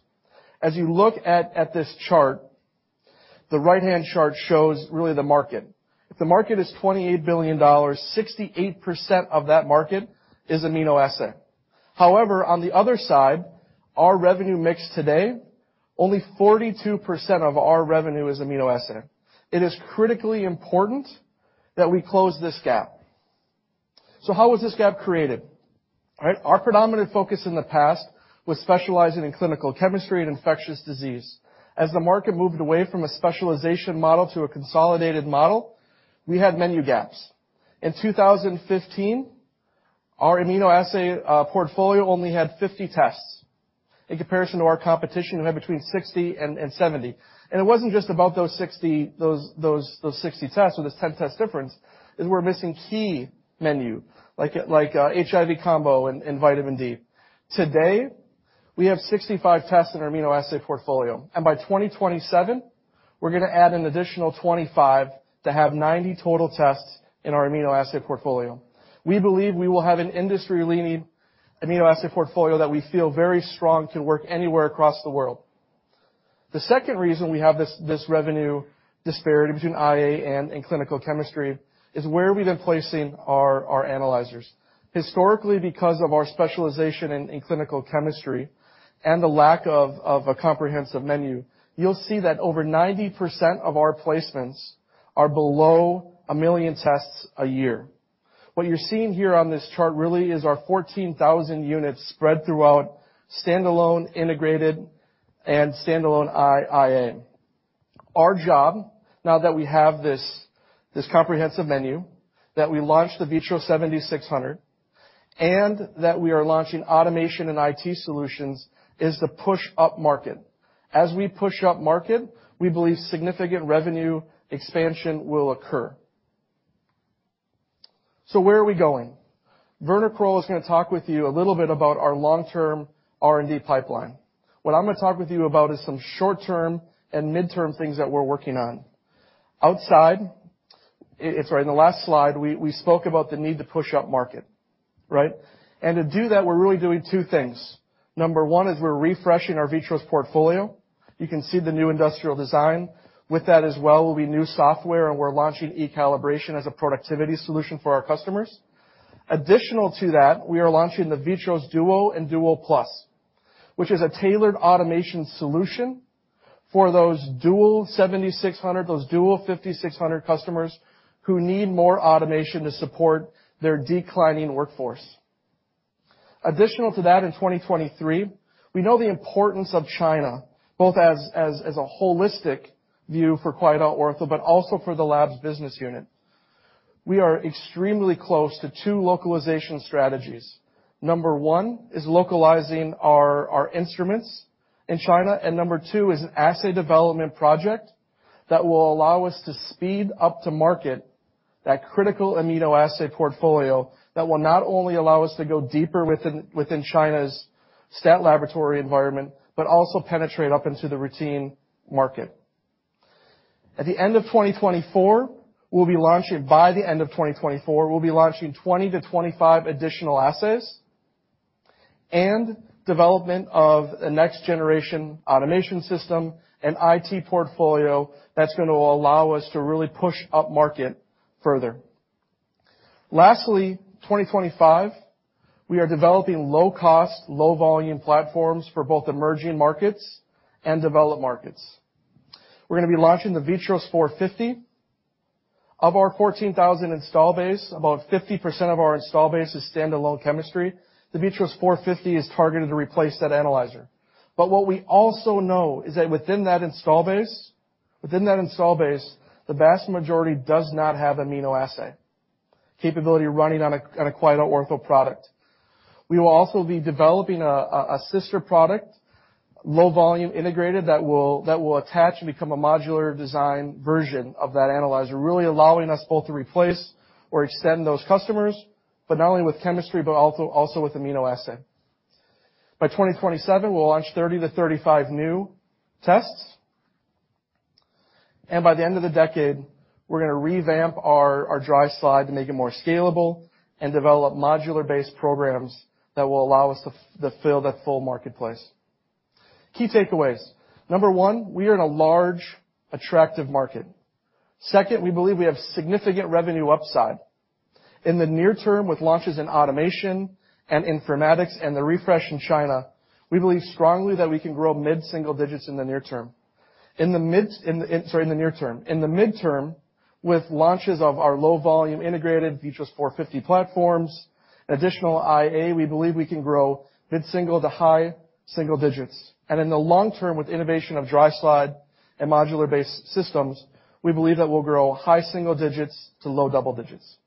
As you look at this chart, the right-hand chart shows really the market. If the market is $28 billion, 68% of that market is immunoassay. However, on the other side, our revenue mix today, only 42% of our revenue is immunoassay. It is critically important that we close this gap. How was this gap created? All right, our predominant focus in the past was specializing in clinical chemistry and infectious disease. As the market moved away from a specialization model to a consolidated model, we had menu gaps. In 2015, our immunoassay portfolio only had 50 tests in comparison to our competition who had between 60 and 70. It wasn't just about those 60 tests or this 10 test difference, is we're missing key menu, like HIV combo and vitamin D. Today, we have 65 tests in our immunoassay portfolio, and by 2027, we're gonna add an additional 25 to have 90 total tests in our immunoassay portfolio. We believe we will have an industry-leading immunoassay portfolio that we feel very strong can work anywhere across the world. The second reason we have this revenue disparity between IA and clinical chemistry is where we've been placing our analyzers. Historically, because of our specialization in clinical chemistry and the lack of a comprehensive menu, you'll see that over 90% of our placements are below 1 million tests a year. What you're seeing here on this chart really is our 14,000 units spread throughout standalone integrated and standalone IA. Our job, now that we have this comprehensive menu, that we launched the VITROS 7600, and that we are launching automation and IT solutions, is to push up market. As we push up market, we believe significant revenue expansion will occur. Where are we going? Werner Kroll is gonna talk with you a little bit about our long-term R&D pipeline. What I'm gonna talk with you about is some short-term and mid-term things that we're working on. It's right in the last slide, we spoke about the need to push up market, right? To do that, we're really doing two things. Number one is we're refreshing our VITROS portfolio. You can see the new industrial design. With that as well will be new software, and we're launching e-Calibration as a productivity solution for our customers. Additional to that, we are launching the VITROS Duo and Duo Plus, which is a tailored automation solution for those Duo 7600, those Duo 5600 customers who need more automation to support their declining workforce. Additional to that, in 2023, we know the importance of China, both as a holistic view for QuidelOrtho, but also for the Labs Business Unit. We are extremely close to two localization strategies. Number one is localizing our instruments in China. Number two is an assay development project that will allow us to speed up to market that critical immunoassay portfolio that will not only allow us to go deeper within China's stat laboratory environment, but also penetrate up into the routine market. By the end of 2024, we'll be launching 20-25 additional assays and development of a next generation automation system and IT portfolio that's going to allow us to really push up market further. Lastly, 2025, we are developing low cost, low volume platforms for both emerging markets and developed markets. We're going to be launching the VITROS 450. Of our 14,000 install base, about 50% of our install base is standalone chemistry. The VITROS 450 is targeted to replace that analyzer. What we also know is that within that install base, the vast majority does not have immunoassay capability running on a QuidelOrtho product. We will also be developing a sister product, low volume integrated, that will attach and become a modular design version of that analyzer, really allowing us both to replace or extend those customers, but not only with chemistry, but also with immunoassay. By 2027, we'll launch 30-35 new tests. By the end of the decade, we're gonna revamp our dry slide to make it more scalable and develop modular-based programs that will allow us to fill that full marketplace. Key takeaways. Number one, we are in a large attractive market. Second, we believe we have significant revenue upside. In the near term, with launches in automation and informatics and the refresh in China, we believe strongly that we can grow mid-single digits in the near term. In the mid-term, with launches of our low volume integrated VITROS 450 platforms, additional IA, we believe we can grow mid-single to high single digits. In the long term, with innovation of dry slide and modular-based systems, we believe that we'll grow high single digits to low double digits.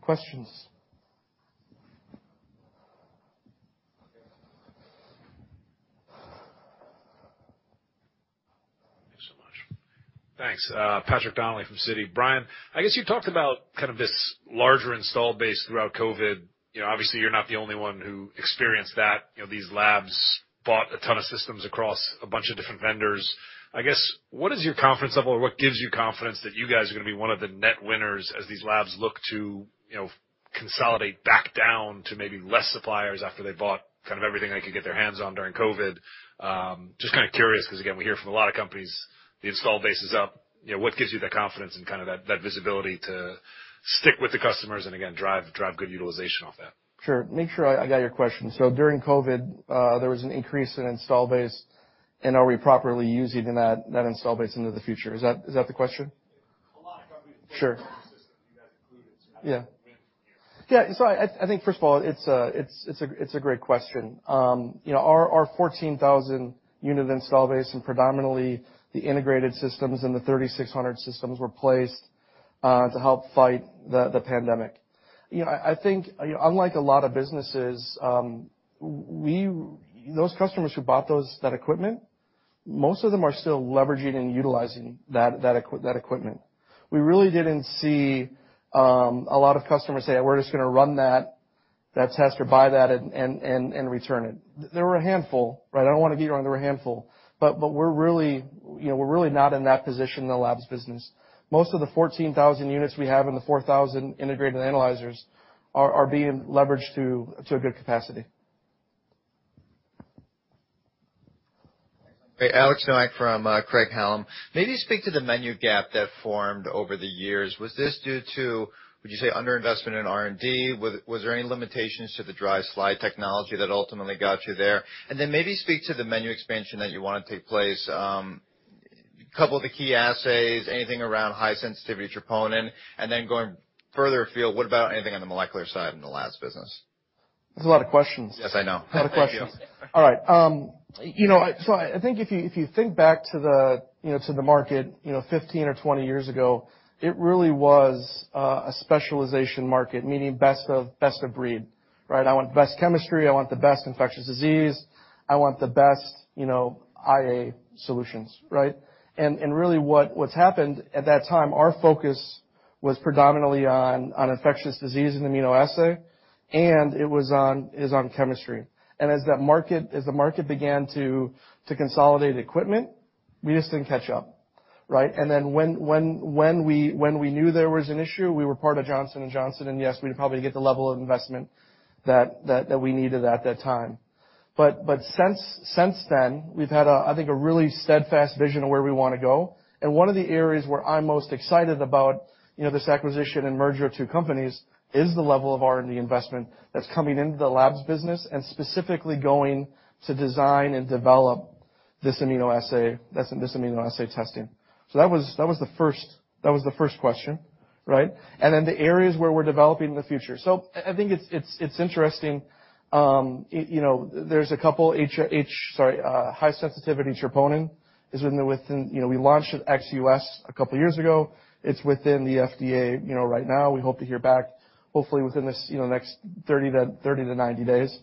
Questions? Thanks. Patrick Donnelly from Citi. Brian, I guess you talked about kind of this larger install base throughout COVID. You know, obviously, you're not the only one who experienced that. You know, these labs bought a ton of systems across a bunch of different vendors. I guess, what is your confidence level or what gives you confidence that you guys are gonna be one of the net winners as these labs look to, you know, consolidate back down to maybe less suppliers after they bought kind of everything they could get their hands on during COVID? just kind of curious, 'cause again, we hear from a lot of companies, the install base is up. You know, what gives you the confidence and kinda that visibility to stick with the customers and again, drive good utilization off that? Sure. Make sure I got your question. During COVID, there was an increase in install base, and are we properly using that install base into the future? Is that the question? A lot of companies Sure. System, you guys included. Yeah. I was wondering I think first of all, it's a great question. You know, our 14,000 unit install base and predominantly the integrated systems and the 3600 systems were placed to help fight the pandemic. You know, I think, you know, unlike a lot of businesses, those customers who bought those, that equipment, most of them are still leveraging and utilizing that equipment. We really didn't see a lot of customers say, we're just gonna run that test or buy that and return it. There were a handful, right? I don't wanna get you wrong. There were a handful. We're really, you know, we're really not in that position in the Labs business. Most of the 14,000 units we have and the 4,000 integrated analyzers are being leveraged to a good capacity. Hey, Alex Nowak from Craig-Hallum. Maybe speak to the menu gap that formed over the years. Was this due to, would you say, underinvestment in R&D? Was there any limitations to the dry slide technology that ultimately got you there? Maybe speak to the menu expansion that you wanna take place. Couple of the key assays, anything around high-sensitivity troponin, and then going further afield, what about anything on the molecular side in the labs business? That's a lot of questions. Yes, I know. Lot of questions. Thank you. All right. You know, I think if you, if you think back to the, you know, to the market, you know, 15 or 20 years ago, it really was a specialization market, meaning best of breed, right? I want the best chemistry. I want the best infectious disease. I want the best, you know, IA solutions, right? Really what's happened at that time, our focus was predominantly on infectious disease and immunoassay, and it was on chemistry. As the market began to consolidate equipment, we just didn't catch up, right? When we knew there was an issue, we were part of Johnson & Johnson, and yes, we'd probably get the level of investment that we needed at that time. since then, we've had a, I think, a really steadfast vision of where we wanna go. One of the areas where I'm most excited about, you know, this acquisition and merger of two companies is the level of R&D investment that's coming into the labs business and specifically going to design and develop this immunoassay testing. That was the first question, right? Then the areas where we're developing in the future. I think it's interesting, you know, there's a couple high-sensitivity troponin is within the, within, you know, we launched it ex-US a couple years ago. It's within the FDA, you know, right now. We hope to hear back hopefully within this, you know, next 30 to 90 days.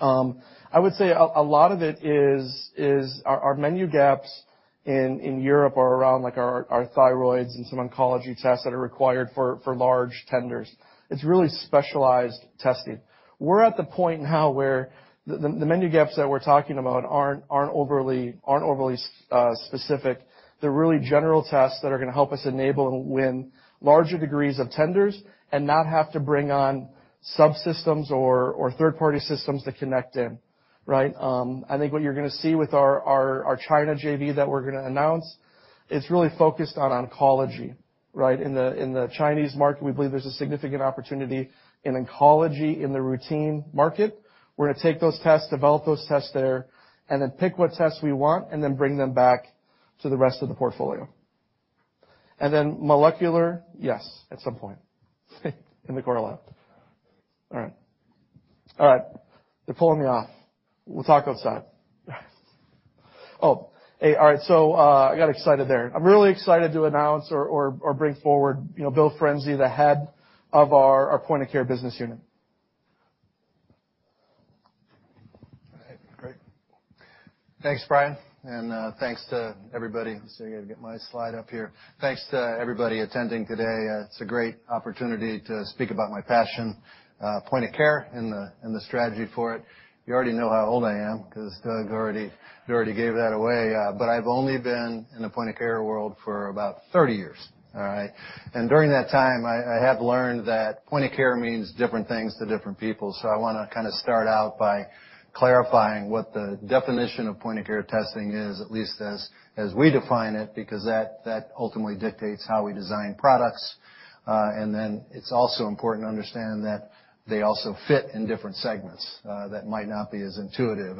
I would say a lot of it is our menu gaps in Europe are around, like, our thyroids and some oncology tests that are required for large tenders. It's really specialized testing. We're at the point now where the menu gaps that we're talking about aren't overly specific. They're really general tests that are gonna help us enable and win larger degrees of tenders and not have to bring on subsystems or third-party systems to connect in, right? I think what you're gonna see with our China JV that we're gonna announce, it's really focused on oncology, right? In the Chinese market, we believe there's a significant opportunity in oncology in the routine market. We're gonna take those tests, develop those tests there, then pick what tests we want, then bring them back to the rest of the portfolio. Then molecular, yes, at some point in the core lab. All right. All right. They're pulling me off. We'll talk outside. Hey, all right. I got excited there. I'm really excited to announce or bring forward, you know, Bill Frenzy, the Head of our Point of Care Business Unit. All right. Great. Thanks, Brian, and thanks to everybody. Let's see. I gotta get my slide up here. Thanks to everybody attending today. It's a great opportunity to speak about my passion, point-of-care and the, and the strategy for it. You already know how old I am 'cause Doug already, he already gave that away, but I've only been in the point-of-care world for about 30 years, all right? During that time, I have learned that point-of-care means different things to different people, so I wanna kinda start out by clarifying what the definition of point-of-care testing is, at least as we define it, because that ultimately dictates how we design products. Then it's also important to understand that they also fit in different segments that might not be as intuitive.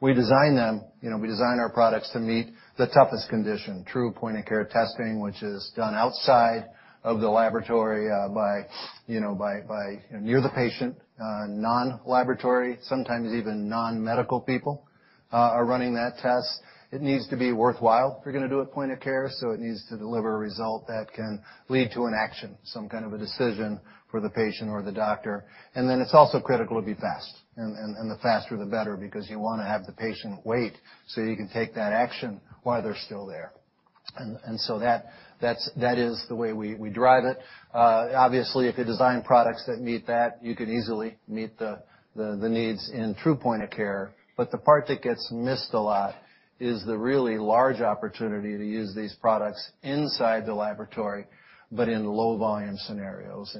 We design them, you know, we design our products to meet the toughest condition, true point of care testing, which is done outside of the laboratory, by, you know, by near the patient, non-laboratory, sometimes even non-medical people are running that test. It needs to be worthwhile if you're gonna do it point of care, so it needs to deliver a result that can lead to an action, some kind of a decision for the patient or the doctor. Then it's also critical to be fast. The faster, the better because you wanna have the patient wait so you can take that action while they're still there. That is the way we drive it. Obviously, if you design products that meet that, you can easily meet the needs in true point of care. The part that gets missed a lot is the really large opportunity to use these products inside the laboratory, but in low volume scenarios.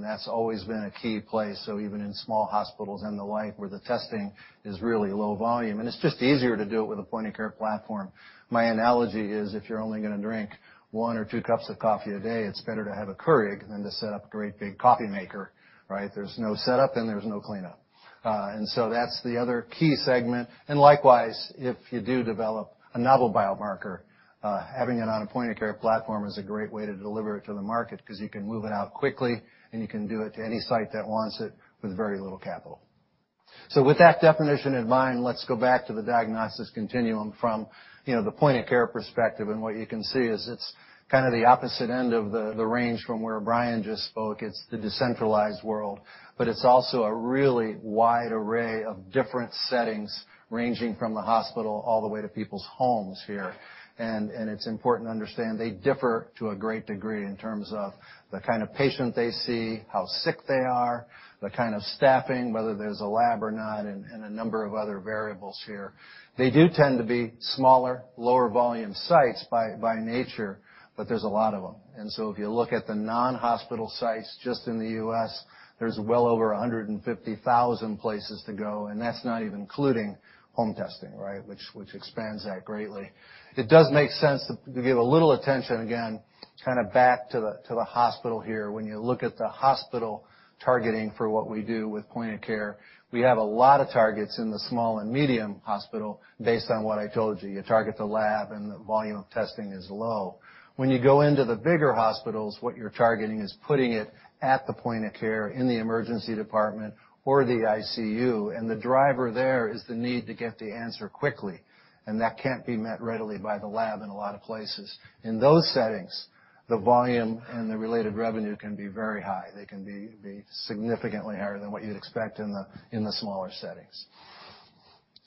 That's always been a key place, so even in small hospitals and the like, where the testing is really low volume. It's just easier to do it with a point of care platform. My analogy is, if you're only gonna drink one or two cups of coffee a day, it's better to have a Keurig than to set up a great big coffee maker, right? There's no setup and there's no cleanup. That's the other key segment. Likewise, if you do develop a novel biomarker, having it on a point of care platform is a great way to deliver it to the market 'cause you can move it out quickly, and you can do it to any site that wants it with very little capital. With that definition in mind, let's go back to the diagnostics continuum from, you know, the point of care perspective. What you can see is it's kind of the opposite end of the range from where Brian just spoke. It's the decentralized world. It's also a really wide array of different settings, ranging from the hospital all the way to people's homes here. It's important to understand they differ to a great degree in terms of the kind of patient they see, how sick they are, the kind of staffing, whether there's a lab or not, and a number of other variables here. They do tend to be smaller, lower volume sites by nature, but there's a lot of them. If you look at the non-hospital sites just in the U.S., there's well over 150,000 places to go, and that's not even including home testing, right? Which expands that greatly. It does make sense to give a little attention, again, kinda back to the hospital here. When you look at the hospital targeting for what we do with point of care, we have a lot of targets in the small and medium hospital based on what I told you. You target the lab, the volume of testing is low. When you go into the bigger hospitals, what you're targeting is putting it at the point of care in the emergency department or the ICU, the driver there is the need to get the answer quickly, that can't be met readily by the lab in a lot of places. In those settings, the volume and the related revenue can be very high. They can be significantly higher than what you'd expect in the smaller settings.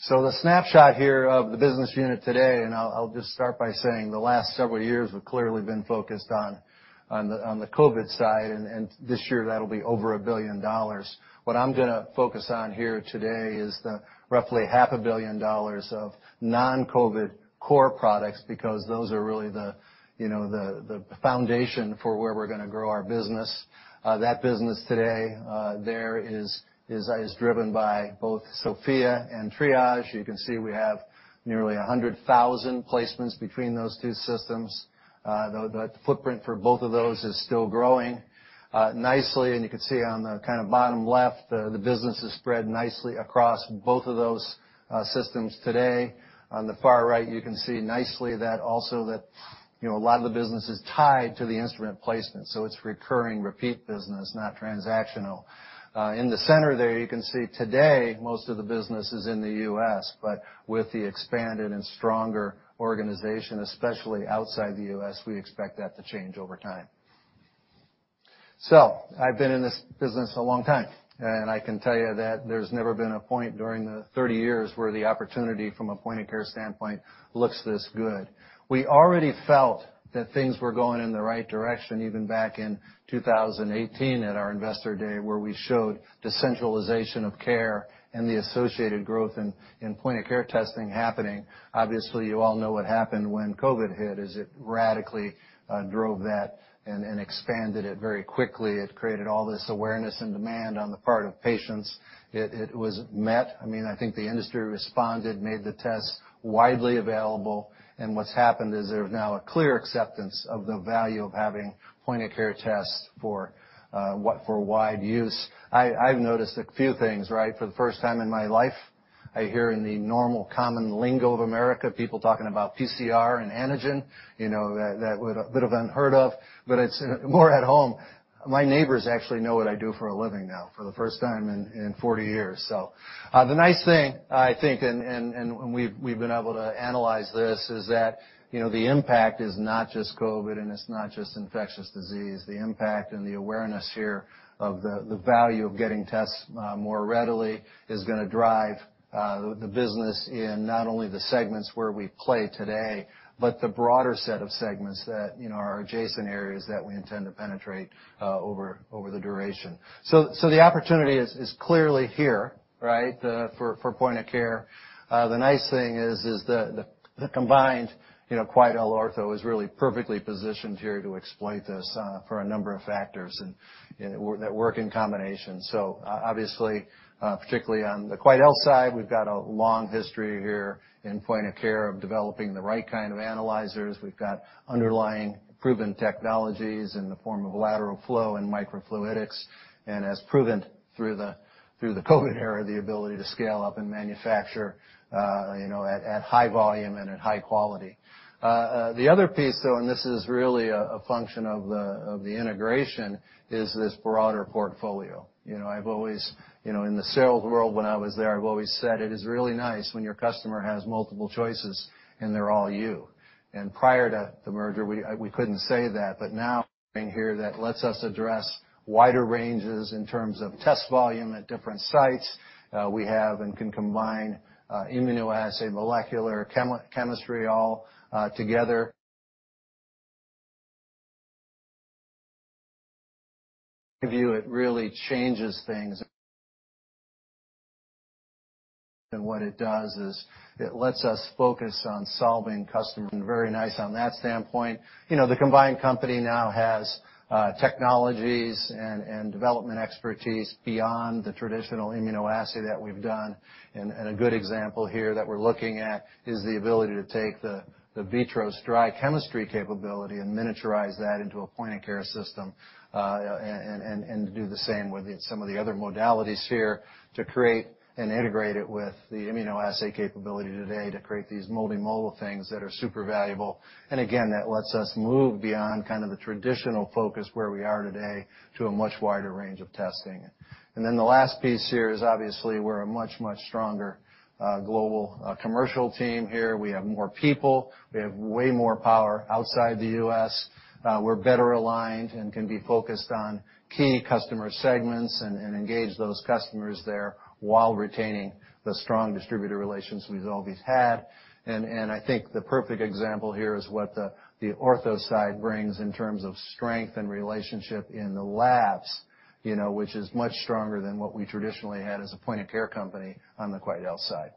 The snapshot here of the business unit today, I'll just start by saying the last several years have clearly been focused on the COVID side, this year that'll be over $1 billion. What I'm gonna focus on here today is the roughly half a billion dollars of non-COVID core products because those are really the, you know, the foundation for where we're gonna grow our business. That business today, there is driven by both SOFIA and TRIAGE. You can see we have nearly 100,000 placements between those two systems. The footprint for both of those is still growing nicely. You can see on the kind of bottom left, the business is spread nicely across both of those systems today. On the far right, you can see nicely that also, you know, a lot of the business is tied to the instrument placement, so it's recurring repeat business, not transactional. In the center there, you can see today most of the business is in the U.S., but with the expanded and stronger organization, especially outside the U.S., we expect that to change over time. I've been in this business a long time, and I can tell you that there's never been a point during the 30 years where the opportunity from a point of care standpoint looks this good. We already felt that things were going in the right direction, even back in 2018 at our investor day, where we showed decentralization of care and the associated growth in point of care testing happening. You all know what happened when COVID hit, is it radically drove that and expanded it very quickly. It created all this awareness and demand on the part of patients. It was met. I mean, I think the industry responded, made the tests widely available, and what's happened is there's now a clear acceptance of the value of having point of care tests for wide use. I've noticed a few things, right? For the first time in my life, I hear in the normal common lingo of America people talking about PCR and antigen, you know, that would have been unheard of, but it's more at home. My neighbors actually know what I do for a living now for the first time in 40 years. The nice thing, I think, and when we've been able to analyze this is that, you know, the impact is not just COVID, and it's not just infectious disease. The impact and the awareness here of the value of getting tests more readily is gonna drive the business in not only the segments where we play today, but the broader set of segments that, you know, are adjacent areas that we intend to penetrate over the duration. The opportunity is clearly here, right? For point of care. The nice thing is the combined, you know, QuidelOrtho is really perfectly positioned here to exploit this for a number of factors and, you know, that work in combination. Obviously, particularly on the Quidel side, we've got a long history here in point of care of developing the right kind of analyzers. We've got underlying proven technologies in the form of lateral flow and microfluidics. As proven through the COVID era, the ability to scale up and manufacture, you know, at high volume and at high quality. The other piece, though, and this is really a function of the integration, is this broader portfolio. You know, in the sales world when I was there, I've always said it is really nice when your customer has multiple choices, and they're all you. Prior to the merger, we couldn't say that, but now here that lets us address wider ranges in terms of test volume at different sites. We have and can combine immunoassay, molecular, chemistry all together. View it really changes things. What it does is it lets us focus on solving customers and very nice on that standpoint. You know, the combined company now has technologies and development expertise beyond the traditional immunoassay that we've done. A good example here that we're looking at is the ability to take the VITROS dry chemistry capability and miniaturize that into a point of care system. Do the same with some of the other modalities here to create and integrate it with the immunoassay capability today to create these multimodal things that are super valuable. Again, that lets us move beyond kind of the traditional focus where we are today to a much wider range of testing. Then the last piece here is, obviously, we're a much stronger global commercial team here. We have more people. We have way more power outside the U.S. We're better aligned and can be focused on key customer segments and engage those customers there while retaining the strong distributor relations we've always had. I think the perfect example here is what the Ortho side brings in terms of strength and relationship in the labs, you know, which is much stronger than what we traditionally had as a point of care company on the Quidel side.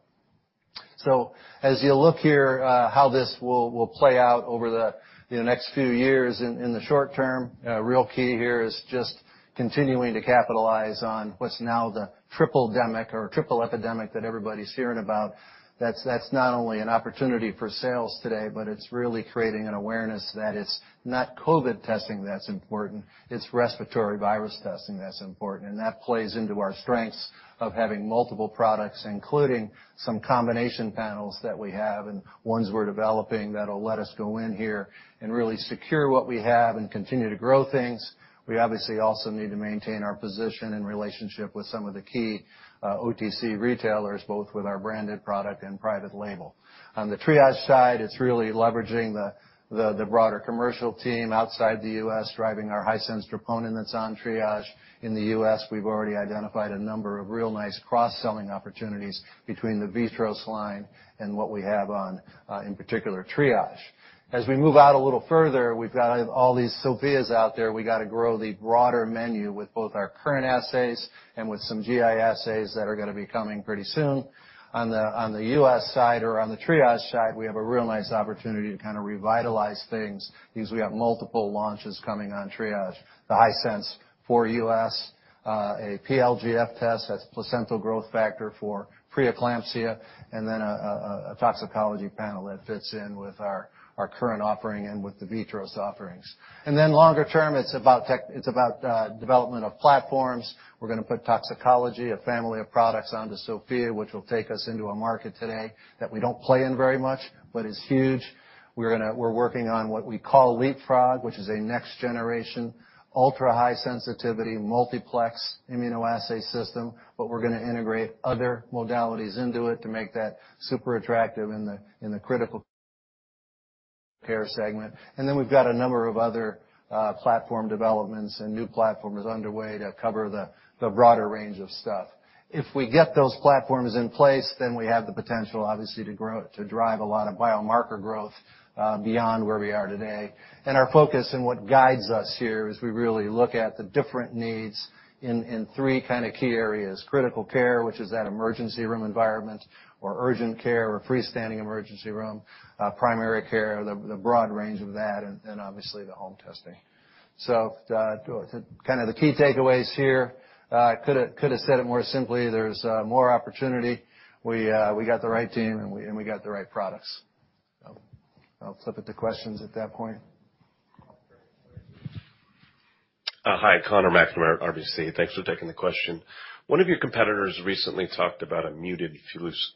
As you look here, how this will play out over the next few years in the short term, a real key here is just continuing to capitalize on what's now the triple-demic or triple epidemic that everybody's hearing about. That's not only an opportunity for sales today, but it's really creating an awareness that it's not COVID testing that's important, it's respiratory virus testing that's important. That plays into our strengths of having multiple products, including some combination panels that we have and ones we're developing that'll let us go in here and really secure what we have and continue to grow things. We obviously also need to maintain our position and relationship with some of the key OTC retailers, both with our branded product and private label. On the TRIAGE side, it's really leveraging the broader commercial team outside the U.S. driving our high sense troponin that's on TRIAGE. In the U.S., we've already identified a number of real nice cross-selling opportunities between the VITROS line and what we have on, in particular, TRIAGE. As we move out a little further, we've got all these SOFIAs out there. We gotta grow the broader menu with both our current assays and with some GI assays that are gonna be coming pretty soon. On the U.S. side or on the Triage side, we have a real nice opportunity to kind of revitalize things because we have multiple launches coming on Triage. The high sense for U.S., a PLGF test. That's placental growth factor for pre-eclampsia, and then a toxicology panel that fits in with our current offering and with the VITROS offerings. Longer term, it's about development of platforms. We're gonna put toxicology, a family of products onto SOFIA, which will take us into a market today that we don't play in very much but is huge. We're gonna... We're working on what we call Leapfrog, which is a next-generation, ultra-high sensitivity, multiplex immunoassay system, but we're gonna integrate other modalities into it to make that super attractive in the critical care segment. Then we've got a number of other, platform developments and new platforms underway to cover the broader range of stuff. If we get those platforms in place, then we have the potential, obviously, to drive a lot of biomarker growth beyond where we are today. Our focus and what guides us here is we really look at the different needs in three kind of key areas: critical care, which is that emergency room environment or urgent care or freestanding emergency room, primary care, the broad range of that, and obviously, the home testing. kind of the key takeaways here, I could've said it more simply. There's more opportunity. We got the right team, and we got the right products. I'll flip it to questions at that point. Hi, Conor McNamara, RBC. Thanks for taking the question. One of your competitors recently talked about a muted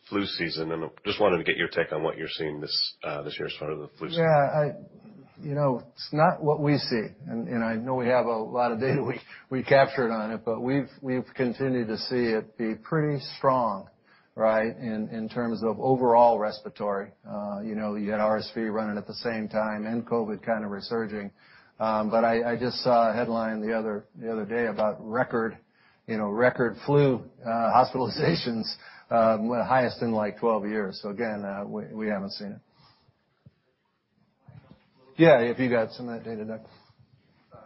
flu season. Just wanted to get your take on what you're seeing this year as far as the flu season? Yeah, You know, it's not what we see, and, you know, I know we have a lot of data we captured on it, but we've continued to see it be pretty strong, right, in terms of overall respiratory. You know, you had RSV running at the same time and COVID kind of resurging. I just saw a headline the other day about record, you know, record flu, hospitalizations, highest in, like, 12 years. Again, we haven't seen it. Yeah, if you got some of that data, Doug? Conor,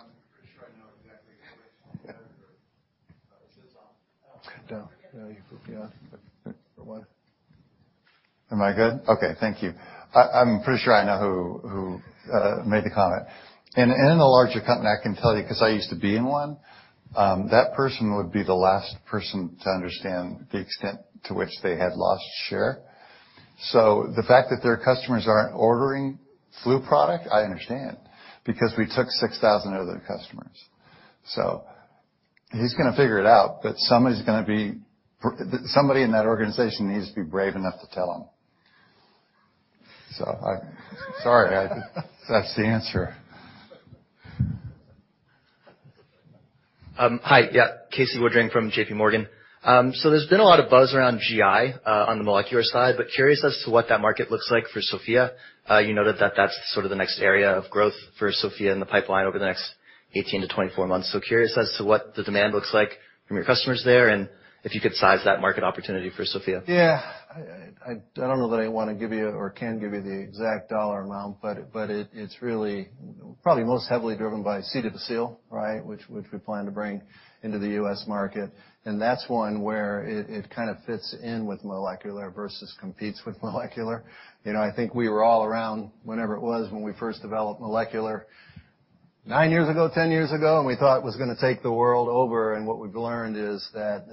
I'm pretty sure I know exactly who made the comment, but is this on? Yeah. You could be on for one. Am I good? Okay, thank you. I'm pretty sure I know who made the comment. In a larger company, I can tell you, 'cause I used to be in one, that person would be the last person to understand the extent to which they had lost share. The fact that their customers aren't ordering flu product, I understand because we took 6,000 of their customers. He's gonna figure it out, but somebody's gonna be Somebody in that organization needs to be brave enough to tell him. Sorry, I. That's the answer. Hi. Yeah. Casey Woodring from JPMorgan. There's been a lot of buzz around GI on the molecular side, but curious as to what that market looks like for SOFIA. You noted that that's sort of the next area of growth for SOFIA in the pipeline over the next 18 to 24 months. Curious as to what the demand looks like from your customers there and if you could size that market opportunity for SOFIA. Yeah. I don't know that I wanna give you or can give you the exact dollar amount, but it's really probably most heavily driven by C. difficile, right? Which we plan to bring into the U.S. market. That's one where it kind of fits in with molecular versus competes with molecular. You know, I think we were all around whenever it was when we first developed molecular 9 years ago, 10 years ago, and we thought it was gonna take the world over. What we've learned is that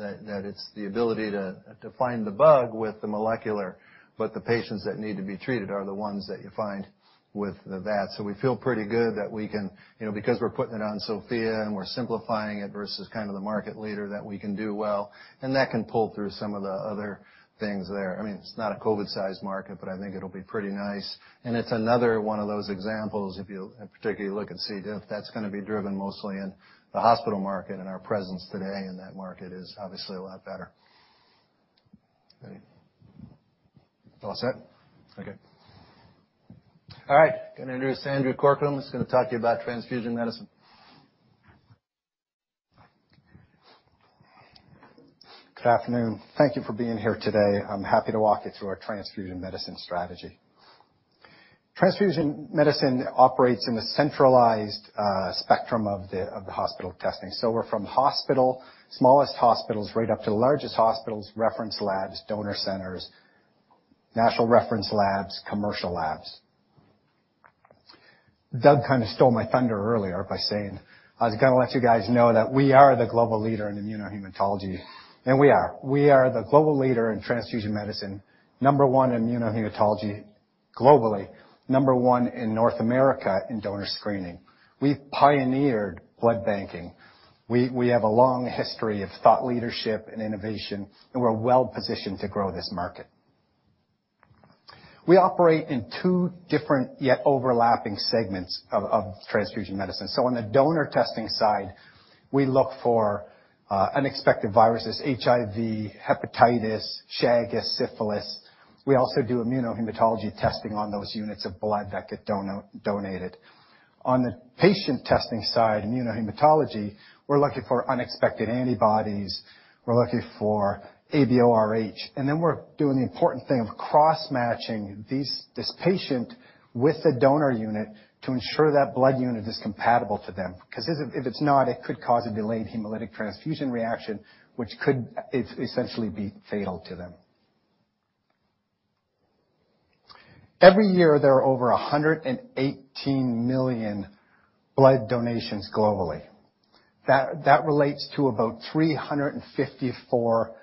it's the ability to find the bug with the molecular, but the patients that need to be treated are the ones that you find with that. We feel pretty good that we can, you know, because we're putting it on SOFIA and we're simplifying it versus kind of the market leader that we can do well, and that can pull through some of the other things there. I mean, it's not a COVID-sized market, but I think it'll be pretty nice. It's another one of those examples, if you particularly look at C. diff, that's gonna be driven mostly in the hospital market and our presence today in that market is obviously a lot better. All set? Okay. All right, gonna introduce Andrew Corkum, who's gonna talk to you about transfusion medicine. Good afternoon. Thank you for being here today. I'm happy to walk you through our transfusion medicine strategy. Transfusion medicine operates in the centralized spectrum of the hospital testing. We're from hospital, smallest hospitals right up to the largest hospitals, reference labs, donor centers, national reference labs, commercial labs. Doug kind of stole my thunder earlier by saying I was going to let you guys know that we are the global leader in immunohematology, and we are. We are the global leader in transfusion medicine, number one in immunohematology globally, number one in North America in donor screening. We've pioneered blood banking. We have a long history of thought leadership and innovation, we're well-positioned to grow this market. We operate in two different yet overlapping segments of transfusion medicine. On the donor testing side, we look for unexpected viruses, HIV, hepatitis, Chagas, syphilis. We also do immunohematology testing on those units of blood that get donated. On the patient testing side, immunohematology, we're looking for unexpected antibodies. We're looking for ABO/Rh. Then we're doing the important thing of cross-matching this patient with the donor unit to ensure that blood unit is compatible to them, 'cause if it's not, it could cause a delayed hemolytic transfusion reaction, which could essentially be fatal to them. Every year, there are over 118 million blood donations globally. That relates to about 354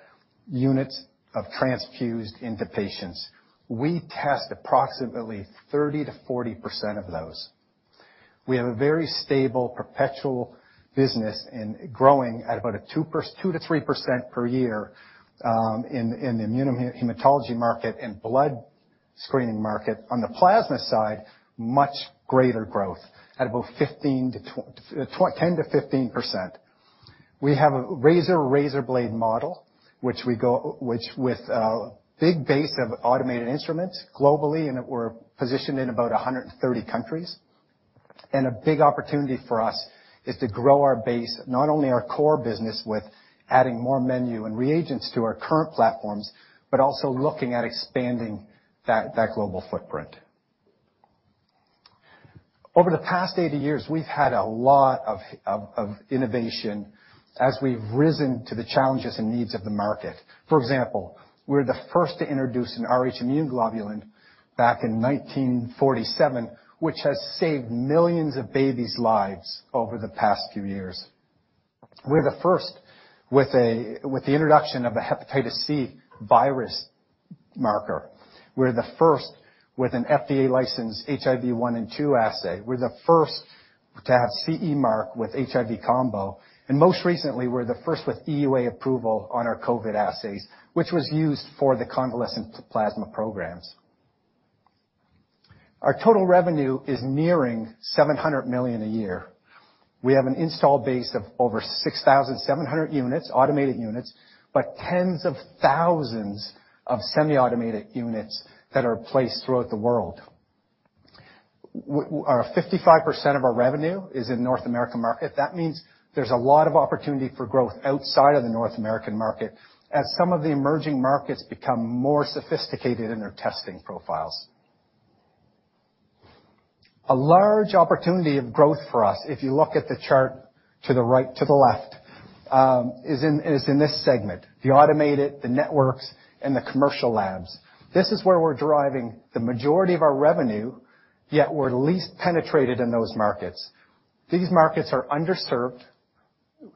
units of transfused into patients. We test approximately 30%-40% of those. We have a very stable, perpetual business and growing at about a 2%-3% per year in the immunohematology market and blood screening market. On the plasma side, much greater growth at about 10%-15%. We have a razor blade model, Which with a big base of automated instruments globally, and that we're positioned in about 130 countries. A big opportunity for us is to grow our base, not only our core business with adding more menu and reagents to our current platforms, but also looking at expanding that global footprint. Over the past 80 years, we've had a lot of innovation as we've risen to the challenges and needs of the market. For example, we're the first to introduce an Rh immune globulin back in 1947, which has saved millions of babies' lives over the past few years. We're the first with the introduction of a hepatitis C virus marker. We're the first with an FDA-licensed HIV-1 and HIV-2 assay. We're the first to have CE mark with HIV combo. Most recently, we're the first with EUA approval on our COVID assays, which was used for the convalescent p-plasma programs. Our total revenue is nearing $700 million a year. We have an install base of over 6,700 units, automated units, but tens of thousands of semi-automated units that are placed throughout the world. 55% of our revenue is in North American market. That means there's a lot of opportunity for growth outside of the North American market as some of the emerging markets become more sophisticated in their testing profiles. A large opportunity of growth for us, if you look at the chart to the left, is in this segment, the automated, the networks, and the commercial labs. This is where we're driving the majority of our revenue, yet we're least penetrated in those markets. These markets are underserved.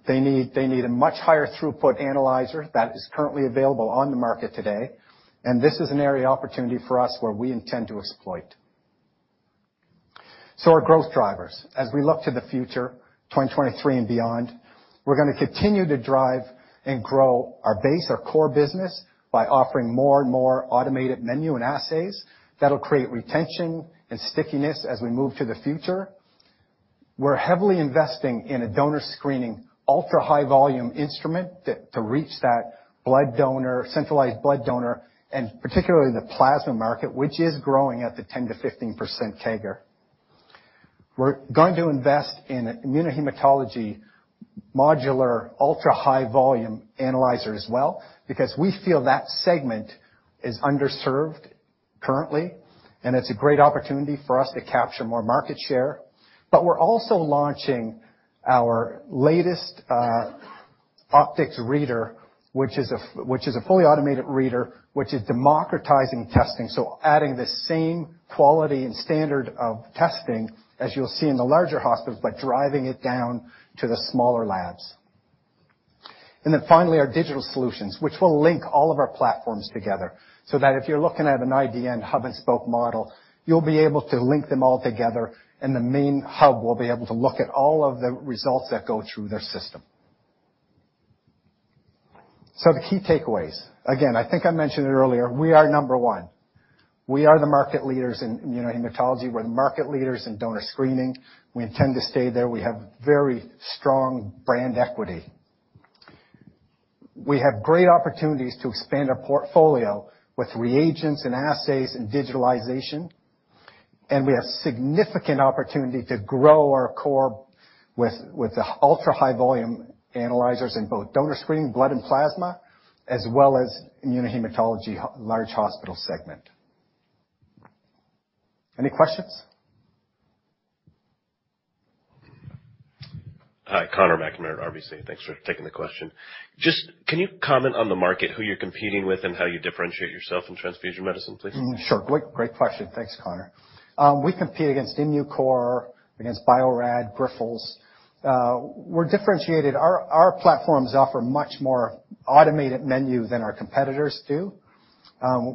They need a much higher throughput analyzer that is currently available on the market today, and this is an area of opportunity for us where we intend to exploit. Our growth drivers. As we look to the future, 2023 and beyond, we're gonna continue to drive and grow our base, our core business, by offering more and more automated menu and assays that'll create retention and stickiness as we move to the future. We're heavily investing in a donor screening, ultra-high volume instrument to reach that blood donor, centralized blood donor, and particularly the plasma market, which is growing at the 10%-15% CAGR. We're going to invest in immunohematology modular, ultra-high volume analyzer as well, because we feel that segment is underserved currently, and it's a great opportunity for us to capture more market share. We're also launching our latest optics reader, which is a fully automated reader, which is democratizing testing. Adding the same quality and standard of testing as you'll see in the larger hospitals, but driving it down to the smaller labs. Finally, our digital solutions, which will link all of our platforms together, so that if you're looking at an IDN hub-and-spoke model, you'll be able to link them all together, and the main hub will be able to look at all of the results that go through their system. The key takeaways. Again, I think I mentioned it earlier, we are number 1. We are the market leaders in immunohematology. We're the market leaders in donor screening. We intend to stay there. We have very strong brand equity. We have great opportunities to expand our portfolio with reagents and assays and digitalization. we have significant opportunity to grow our core with the ultra-high volume analyzers in both donor screening, blood and plasma, as well as immunohematology large hospital segment. Any questions? Hi, Conor McNamara, RBC. Thanks for taking the question. Can you comment on the market, who you're competing with, and how you differentiate yourself in transfusion medicine, please? Sure. Great question. Thanks, Conor. We compete against Immucor, against Bio-Rad, Grifols. We're differentiated. Our platforms offer much more automated menu than our competitors do.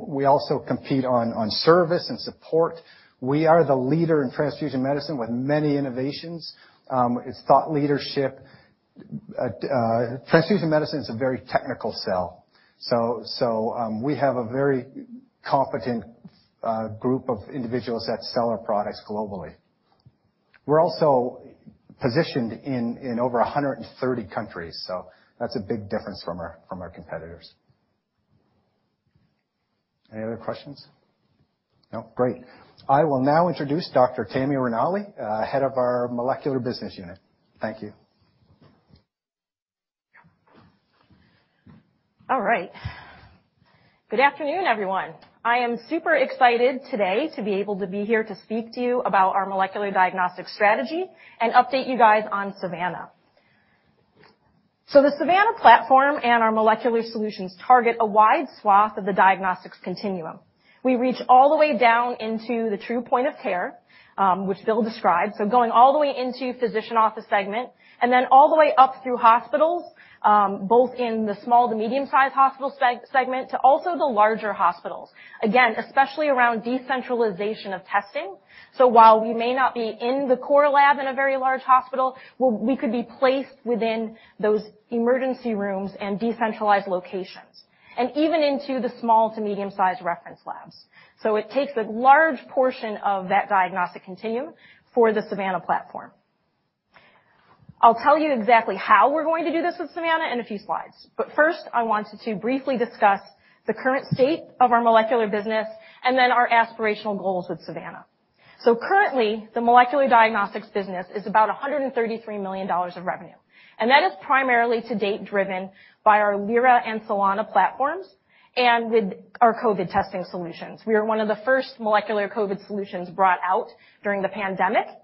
We also compete on service and support. We are the leader in transfusion medicine with many innovations. It's thought leadership. Transfusion medicine is a very technical sell. We have a very competent group of individuals that sell our products globally. We're also positioned in over 130 countries, so that's a big difference from our competitors. Any other questions? No? Great. I will now introduce Dr. Tammy Ranalli, head of our molecular business unit. Thank you. All right. Good afternoon, everyone. I am super excited today to be able to be here to speak to you about our molecular diagnostics strategy and update you guys on Savanna. The Savanna platform and our molecular solutions target a wide swath of the diagnostics continuum. We reach all the way down into the true point of care, which Bill described, going all the way into physician office segment, and then all the way up through hospitals, both in the small to medium-sized hospital segment to also the larger hospitals. Again, especially around decentralization of testing. While we may not be in the core lab in a very large hospital, we could be placed within those emergency rooms and decentralized locations, and even into the small to medium-sized reference labs. It takes a large portion of that diagnostic continuum for the Savanna platform. I'll tell you exactly how we're going to do this with Savanna in a few slides. First, I wanted to briefly discuss the current state of our molecular business and then our aspirational goals with Savanna. Currently, the molecular diagnostics business is about $133 million of revenue. That is primarily to date driven by our LYRA and SOLANA platforms and with our COVID testing solutions. We are one of the first molecular COVID solutions brought out during the pandemic, and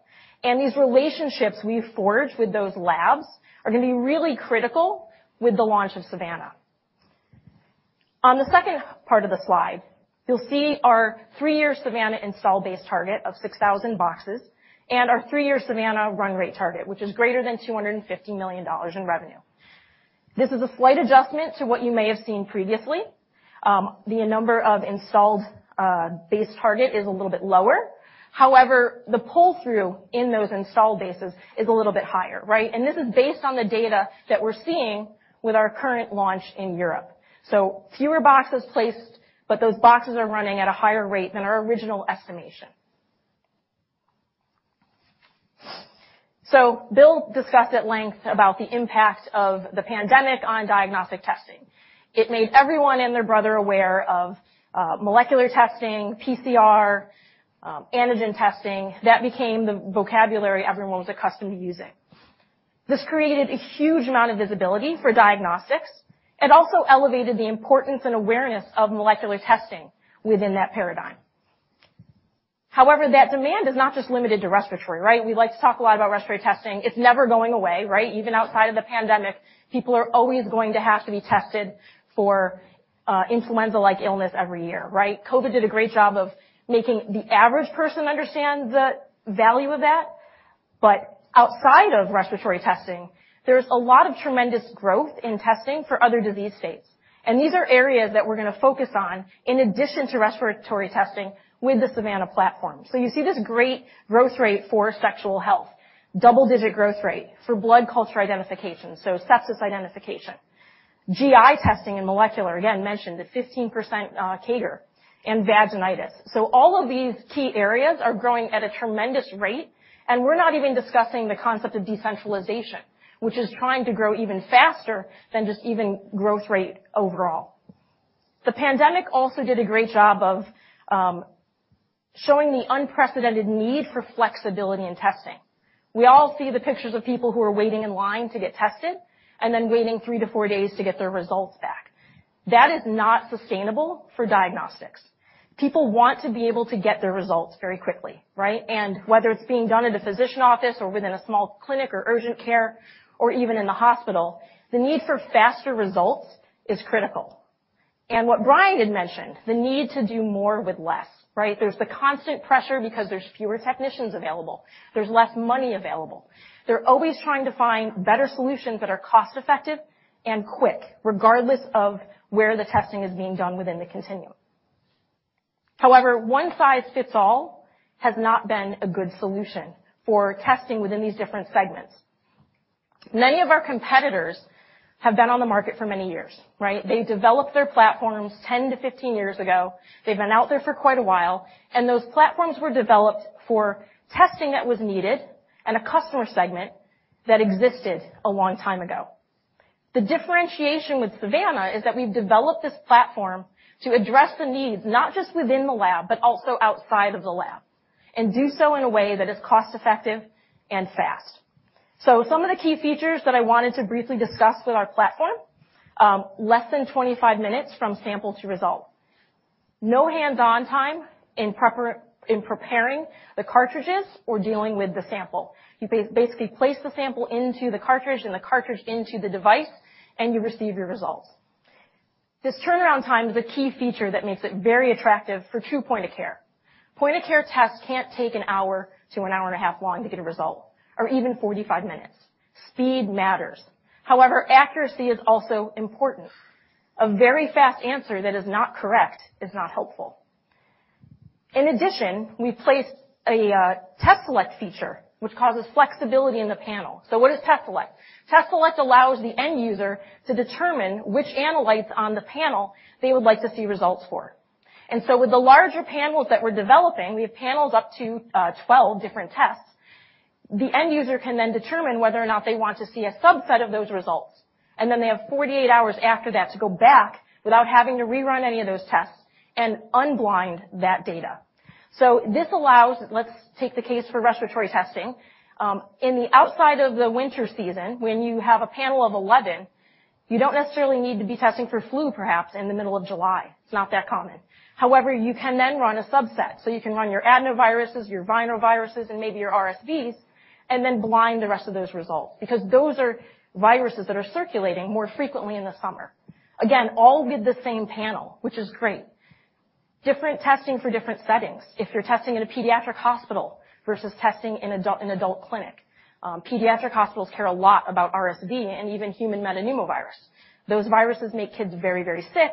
these relationships we forged with those labs are going to be really critical with the launch of Savanna. On the second part of the slide, you'll see our 3-year Savanna install base target of 6,000 boxes and our three year Savanna run rate target, which is greater than $250 million in revenue. This is a slight adjustment to what you may have seen previously. The number of installed base target is a little bit lower. However, the pull-through in those install bases is a little bit higher, right? This is based on the data that we're seeing with our current launch in Europe. Fewer boxes placed, but those boxes are running at a higher rate than our original estimation. Bill discussed at length about the impact of the pandemic on diagnostic testing. It made everyone and their brother aware of molecular testing, PCR, antigen testing. That became the vocabulary everyone was accustomed to using. This created a huge amount of visibility for diagnostics. It also elevated the importance and awareness of molecular testing within that paradigm. However, that demand is not just limited to respiratory, right? We like to talk a lot about respiratory testing. It's never going away, right? Even outside of the pandemic, people are always going to have to be tested for influenza-like illness every year, right? COVID did a great job of making the average person understand the value of that. Outside of respiratory testing, there's a lot of tremendous growth in testing for other disease states. These are areas that we're gonna focus on in addition to respiratory testing with the Savanna platform. You see this great growth rate for sexual health, double-digit growth rate for blood culture identification, so sepsis identification. GI testing and molecular, again, mentioned the 15% CAGR and vaginitis. All of these key areas are growing at a tremendous rate, and we're not even discussing the concept of decentralization, which is trying to grow even faster than just even growth rate overall. The pandemic also did a great job of showing the unprecedented need for flexibility in testing. We all see the pictures of people who are waiting in line to get tested and then waiting three to four days to get their results back. That is not sustainable for diagnostics. People want to be able to get their results very quickly, right? Whether it's being done in the physician office or within a small clinic or urgent care or even in the hospital, the need for faster results is critical. What Brian had mentioned, the need to do more with less, right? There's the constant pressure because there's fewer technicians available. There's less money available. They're always trying to find better solutions that are cost-effective and quick, regardless of where the testing is being done within the continuum. However, one size fits all has not been a good solution for testing within these different segments. Many of our competitors have been on the market for many years, right? They developed their platforms 10-15 years ago. They've been out there for quite a while, and those platforms were developed for testing that was needed and a customer segment that existed a long time ago. The differentiation with Savanna is that we've developed this platform to address the needs, not just within the lab, but also outside of the lab, and do so in a way that is cost effective and fast. Some of the key features that I wanted to briefly discuss with our platform, less than 25 minutes from sample to result. No hands-on time in preparing the cartridges or dealing with the sample. You basically place the sample into the cartridge and the cartridge into the device, and you receive your results. This turnaround time is a key feature that makes it very attractive for true point of care. Point of care tests can't take one hour to one and a half hours long to get a result or even 45 minutes. Speed matters. However, accuracy is also important. A very fast answer that is not correct is not helpful. In addition, we placed a test select feature, which causes flexibility in the panel. What is test select? Test select allows the end user to determine which analytes on the panel they would like to see results for. With the larger panels that we're developing, we have panels up to 12 different tests. The end user can then determine whether or not they want to see a subset of those results, and then they have 48 hours after that to go back without having to rerun any of those tests and unblind that data. This allows, let's take the case for respiratory testing, in the outside of the winter season, when you have a panel of 11, you don't necessarily need to be testing for flu, perhaps, in the middle of July. It's not that common. However, you can then run a subset. You can run your adenoviruses, your rhinoviruses, and maybe your RSVs, and then blind the rest of those results because those are viruses that are circulating more frequently in the summer. Again, all with the same panel, which is great. Different testing for different settings. If you're testing in a pediatric hospital versus testing in adult, an adult clinic, pediatric hospitals care a lot about RSV and even human metapneumovirus. Those viruses make kids very, very sick.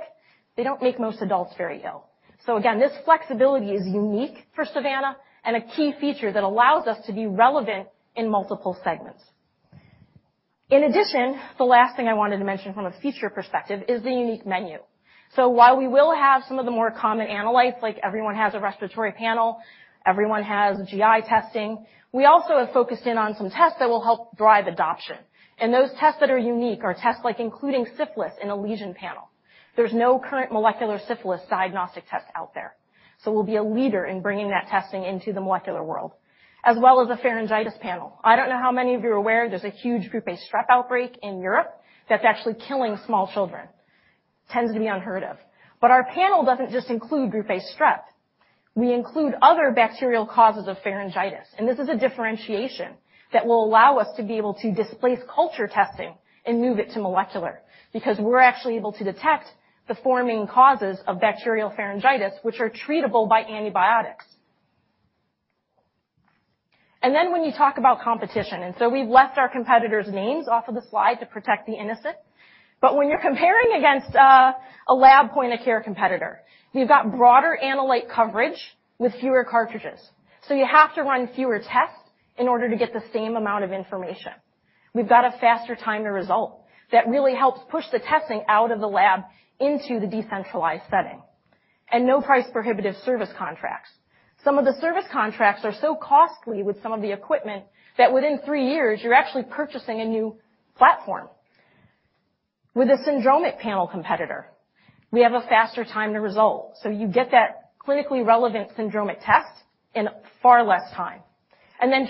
They don't make most adults very ill. Again, this flexibility is unique for Savanna and a key feature that allows us to be relevant in multiple segments. In addition, the last thing I wanted to mention from a feature perspective is the unique menu. While we will have some of the more common analytes, like everyone has a respiratory panel, everyone has GI testing, we also have focused in on some tests that will help drive adoption. Those tests that are unique are tests like including syphilis in a lesion panel. There's no current molecular syphilis diagnostic test out there. We'll be a leader in bringing that testing into the molecular world, as well as a pharyngitis panel. I don't know how many of you are aware, there's a huge group A strep outbreak in Europe that's actually killing small children. Tends to be unheard of. Our panel doesn't just include group A strep. We include other bacterial causes of pharyngitis, and this is a differentiation that will allow us to be able to displace culture testing and move it to molecular because we're actually able to detect the forming causes of bacterial pharyngitis, which are treatable by antibiotics. When you talk about competition, we've left our competitors' names off of the slide to protect the innocent. When you're comparing against a lab point of care competitor, you've got broader analyte coverage with fewer cartridges. You have to run fewer tests in order to get the same amount of information. We've got a faster time to result that really helps push the testing out of the lab into the decentralized setting. No price prohibitive service contracts. Some of the service contracts are so costly with some of the equipment that within three years you're actually purchasing a new platform. With a syndromic panel competitor, we have a faster time to result, so you get that clinically relevant syndromic test in far less time.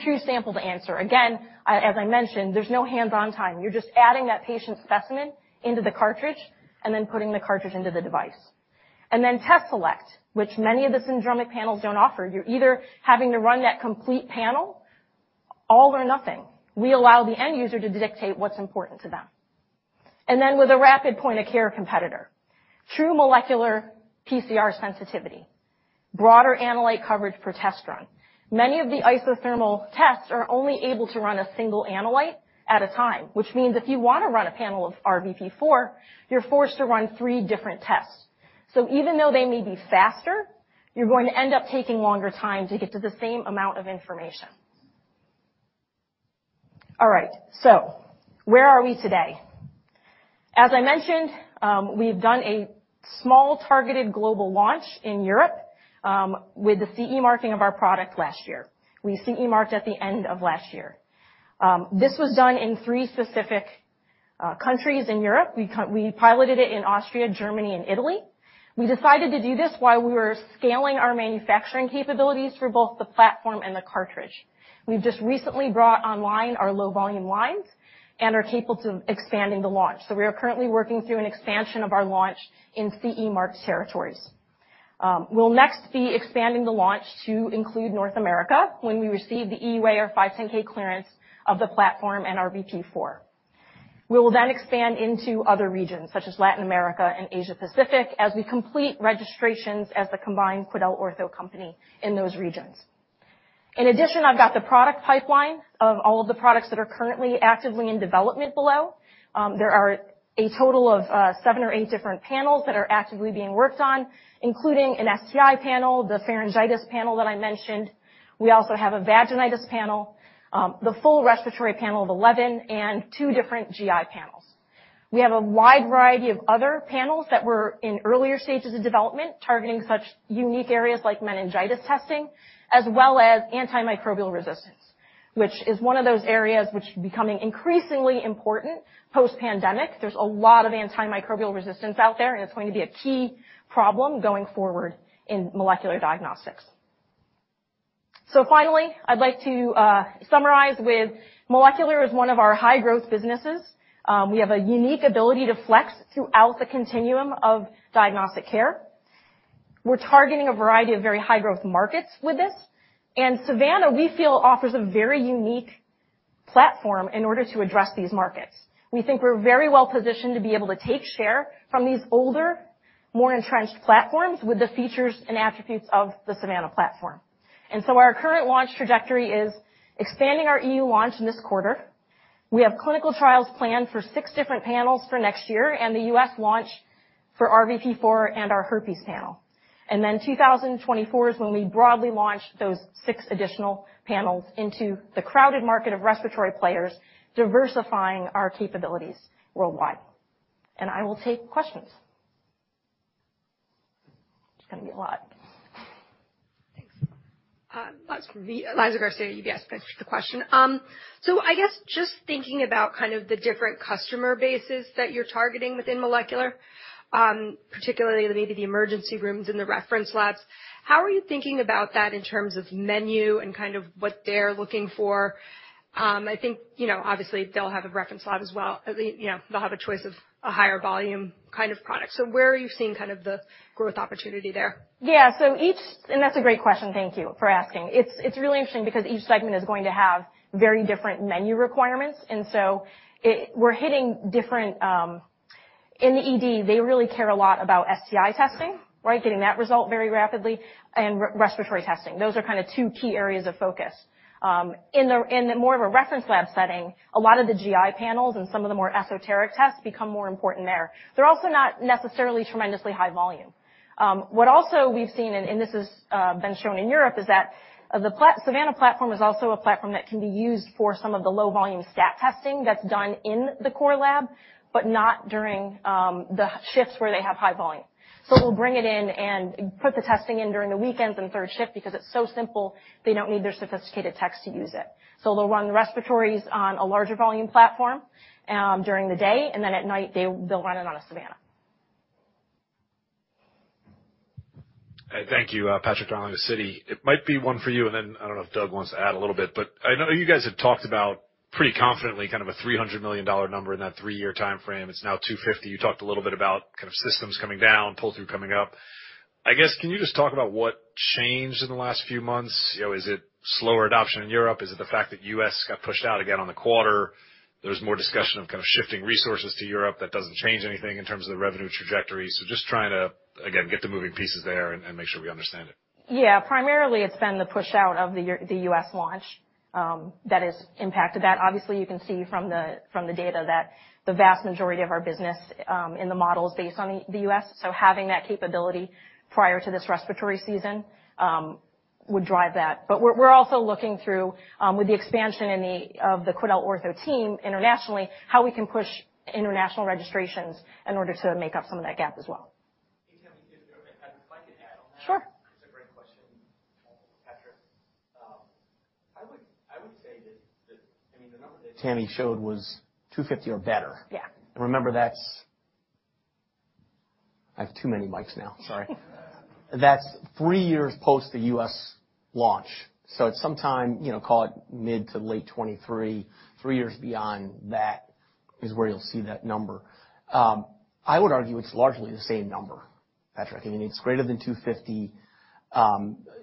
True sample to answer. Again, as I mentioned, there's no hands-on time. You're just adding that patient specimen into the cartridge and then putting the cartridge into the device. Test select, which many of the syndromic panels don't offer. You're either having to run that complete panel, all or nothing. We allow the end user to dictate what's important to them. With a rapid point-of-care competitor, true molecular PCR sensitivity, broader analyte coverage per test run. Many of the isothermal tests are only able to run a single analyte at a time, which means if you want to run a panel of RVP4, you're forced to run three different tests. Even though they may be faster, you're going to end up taking longer time to get to the same amount of information. All right. Where are we today? As I mentioned, we've done a small targeted global launch in Europe, with the CE marking of our product last year. We CE marked at the end of last year. This was done in three specific countries in Europe, we piloted it in Austria, Germany, and Italy. We decided to do this while we were scaling our manufacturing capabilities for both the platform and the cartridge. We've just recently brought online our low volume lines and are capable to expanding the launch. We are currently working through an expansion of our launch in CE mark territories. We'll next be expanding the launch to include North America when we receive the EUA or 510(k) clearance of the platform and our RVP4. We will expand into other regions such as Latin America and Asia Pacific as we complete registrations as the combined QuidelOrtho company in those regions. In addition, I've got the product pipeline of all of the products that are currently actively in development below. There are a total of seven or eight different panels that are actively being worked on, including an STI panel, the pharyngitis panel that I mentioned. We also have a vaginitis panel, the full respiratory panel of 11 and two different GI panels. We have a wide variety of other panels that were in earlier stages of development, targeting such unique areas like meningitis testing, as well as antimicrobial resistance, which is one of those areas which is becoming increasingly important post-pandemic. There's a lot of antimicrobial resistance out there, and it's going to be a key problem going forward in molecular diagnostics. Finally, I'd like to summarize with molecular is one of our high-growth businesses. We have a unique ability to flex throughout the continuum of diagnostic care. We're targeting a variety of very high-growth markets with this. Savanna, we feel, offers a very unique platform in order to address these markets. We think we're very well-positioned to be able to take share from these older, more entrenched platforms with the features and attributes of the Savanna platform. Our current launch trajectory is expanding our EU launch in this quarter. We have clinical trials planned for six different panels for next year and the U.S. launch for RVP4 and our herpes panel. 2024 is when we broadly launch those six additional panels into the crowded market of respiratory players, diversifying our capabilities worldwide. I will take questions. It's gonna be a lot. Thanks. Eliza Garcia, UBS. Thanks for the question. I guess just thinking about kind of the different customer bases that you're targeting within molecular, particularly maybe the emergency rooms and the reference labs, how are you thinking about that in terms of menu and kind of what they're looking for? I think, you know, obviously, they'll have a reference lab as well. At least, you know, they'll have a choice of a higher volume kind of product. Where are you seeing kind of the growth opportunity there? Yeah. That's a great question. Thank you for asking. It's really interesting because each segment is going to have very different menu requirements. We're hitting different. In the ED, they really care a lot about STI testing, right? Getting that result very rapidly and respiratory testing. Those are kinda two key areas of focus. In the more of a reference lab setting, a lot of the GI panels and some of the more esoteric tests become more important there. They're also not necessarily tremendously high volume. What also we've seen, and this has been shown in Europe, is that the Savanna platform is also a platform that can be used for some of the low volume stat testing that's done in the core lab, but not during the shifts where they have high volume. We'll bring it in and put the testing in during the weekends and third shift because it's so simple, they don't need their sophisticated techs to use it. They'll run the respiratories on a larger volume platform during the day, and then at night they'll run it on a Savanna. Thank you. Patrick at Citi. It might be one for you, and then I don't know if Doug wants to add a little bit. I know you guys have talked about pretty confidently kind of a $300 million number in that three-year timeframe. It's now $250 million. You talked a little bit about kind of systems coming down, pull-through coming up. I guess, can you just talk about what changed in the last few months? You know, is it slower adoption in Europe? Is it the fact that U.S. got pushed out again on the quarter? There's more discussion of kind of shifting resources to Europe. That doesn't change anything in terms of the revenue trajectory. Just trying to, again, get the moving pieces there and make sure we understand it. Yeah. Primarily, it's been the pushout of the U.S. launch that has impacted that. Obviously, you can see from the data that the vast majority of our business in the model is based on the U.S. Having that capability prior to this respiratory season would drive that. We're also looking through with the expansion of the QuidelOrtho team internationally, how we can push international registrations in order to make up some of that gap as well. Hey, Tammy. If I could add on that. Sure. It's a great question, Patrick. I would say that, I mean, the number that Tammy showed was 250 or better. Yeah. Remember, that's. I have too many mics now. Sorry. That's three years post the U.S. launch. At some time, you know, call it mid to late 2023, three years beyond that is where you'll see that number. I would argue it's largely the same number, Patrick. I mean, it's greater than 250.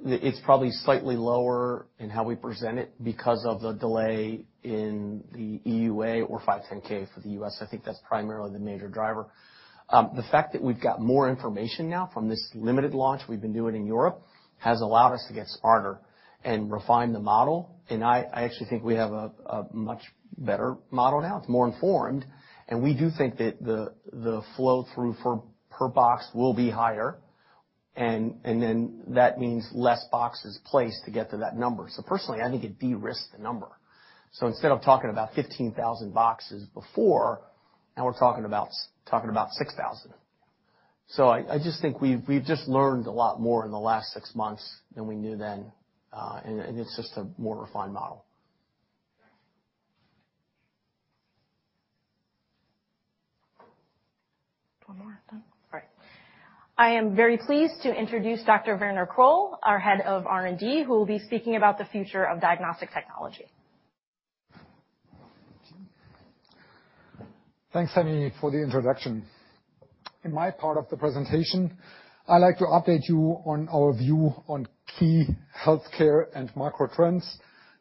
It's probably slightly lower in how we present it because of the delay in the EUA or 510(k) for the U.S. I think that's primarily the major driver. The fact that we've got more information now from this limited launch we've been doing in Europe has allowed us to get smarter and refine the model. I actually think we have a much better model now. It's more informed. We do think that the flow-through for per box will be higher, and then that means less boxes placed to get to that number. Personally, I think it de-risks the number. Instead of talking about 15,000 boxes before, now we're talking about 6,000. I just think we've just learned a lot more in the last six months than we knew then, and it's just a more refined model. One more? No? All right. I am very pleased to introduce Dr. Werner Kroll, our Head of R&D, who will be speaking about the future of diagnostic technology. Thanks, Tammy, for the introduction. In my part of the presentation, I like to update you on our view on key healthcare and macro trends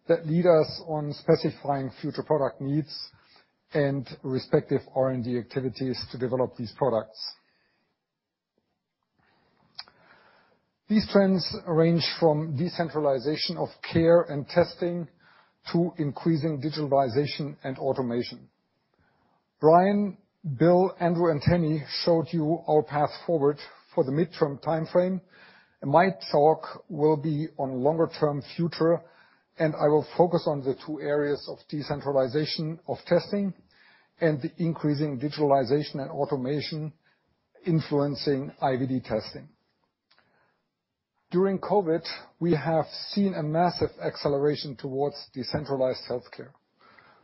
that lead us on specifying future product needs and respective R&D activities to develop these products. These trends range from decentralization of care and testing to increasing digitalization and automation. Brian, Bill, Andrew, and Tammy showed you our path forward for the midterm timeframe. My talk will be on longer term future. I will focus on the two areas of decentralization of testing and the increasing digitalization and automation influencing IVD testing. During COVID, we have seen a massive acceleration towards decentralized healthcare.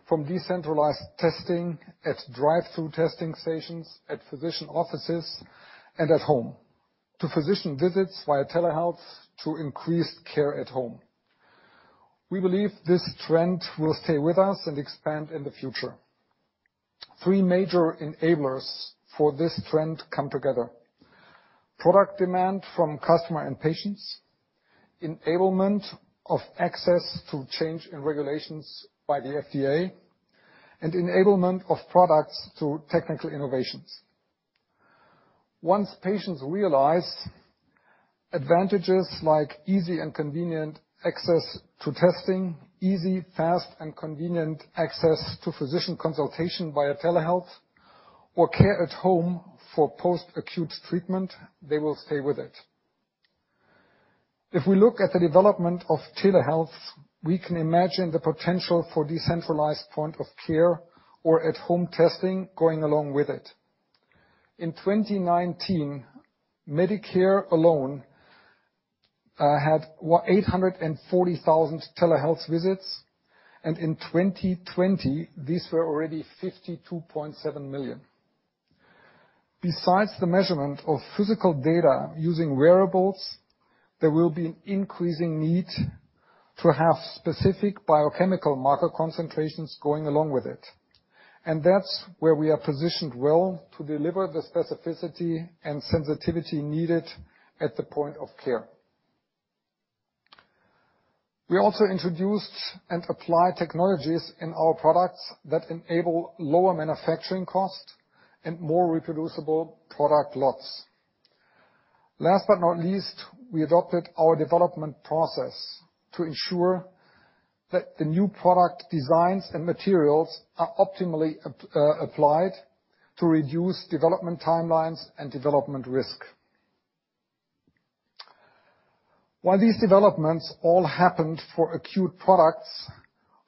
From decentralized testing at drive-through testing stations, at physician offices, and at home, to physician visits via telehealth, to increased care at home. We believe this trend will stay with us and expand in the future. Three major enablers for this trend come together. Product demand from customer and patients, enablement of access to change in regulations by the FDA, and enablement of products to technical innovations. Once patients realize advantages like easy and convenient access to testing, easy, fast, and convenient access to physician consultation via telehealth or care at home for post-acute treatment, they will stay with it. If we look at the development of telehealth, we can imagine the potential for decentralized point of care or at home testing going along with it. In 2019, Medicare alone had 840,000 telehealth visits, and in 2020, these were already 52.7 million. Besides the measurement of physical data using wearables, there will be increasing need to have specific biochemical marker concentrations going along with it. That's where we are positioned well to deliver the specificity and sensitivity needed at the point of care. We also introduced and applied technologies in our products that enable lower manufacturing costs and more reproducible product lots. Last but not least, we adopted our development process to ensure that the new product designs and materials are optimally applied to reduce development timelines and development risk. While these developments all happened for acute products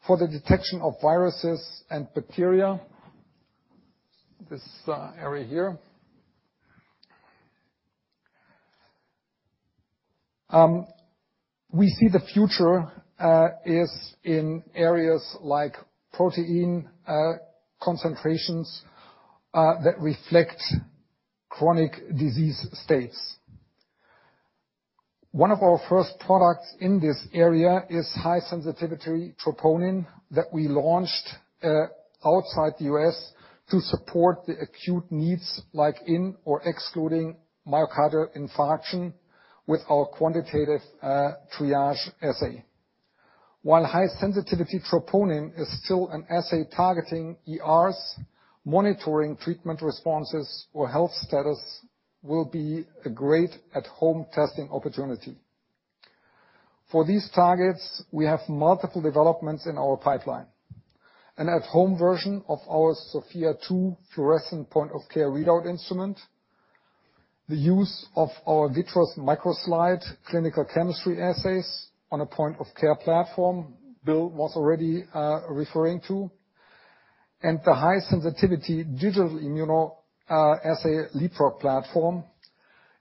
for the detection of viruses and bacteria, this area here, we see the future is in areas like protein concentrations that reflect chronic disease states. One of our first products in this area is high-sensitivity troponin that we launched outside the U.S. to support the acute needs like in or excluding myocardial infarction with our quantitative TRIAGE assay. While high sensitivity troponin is still an assay targeting ERs, monitoring treatment responses or health status will be a great at home testing opportunity. For these targets, we have multiple developments in our pipeline. An at home version of our SOFIA 2 fluorescent point of care readout instrument. The use of our VITROS microslide clinical chemistry assays on a point of care platform Bill was already referring to. The high sensitivity digital immunoassay Leapfrog platform,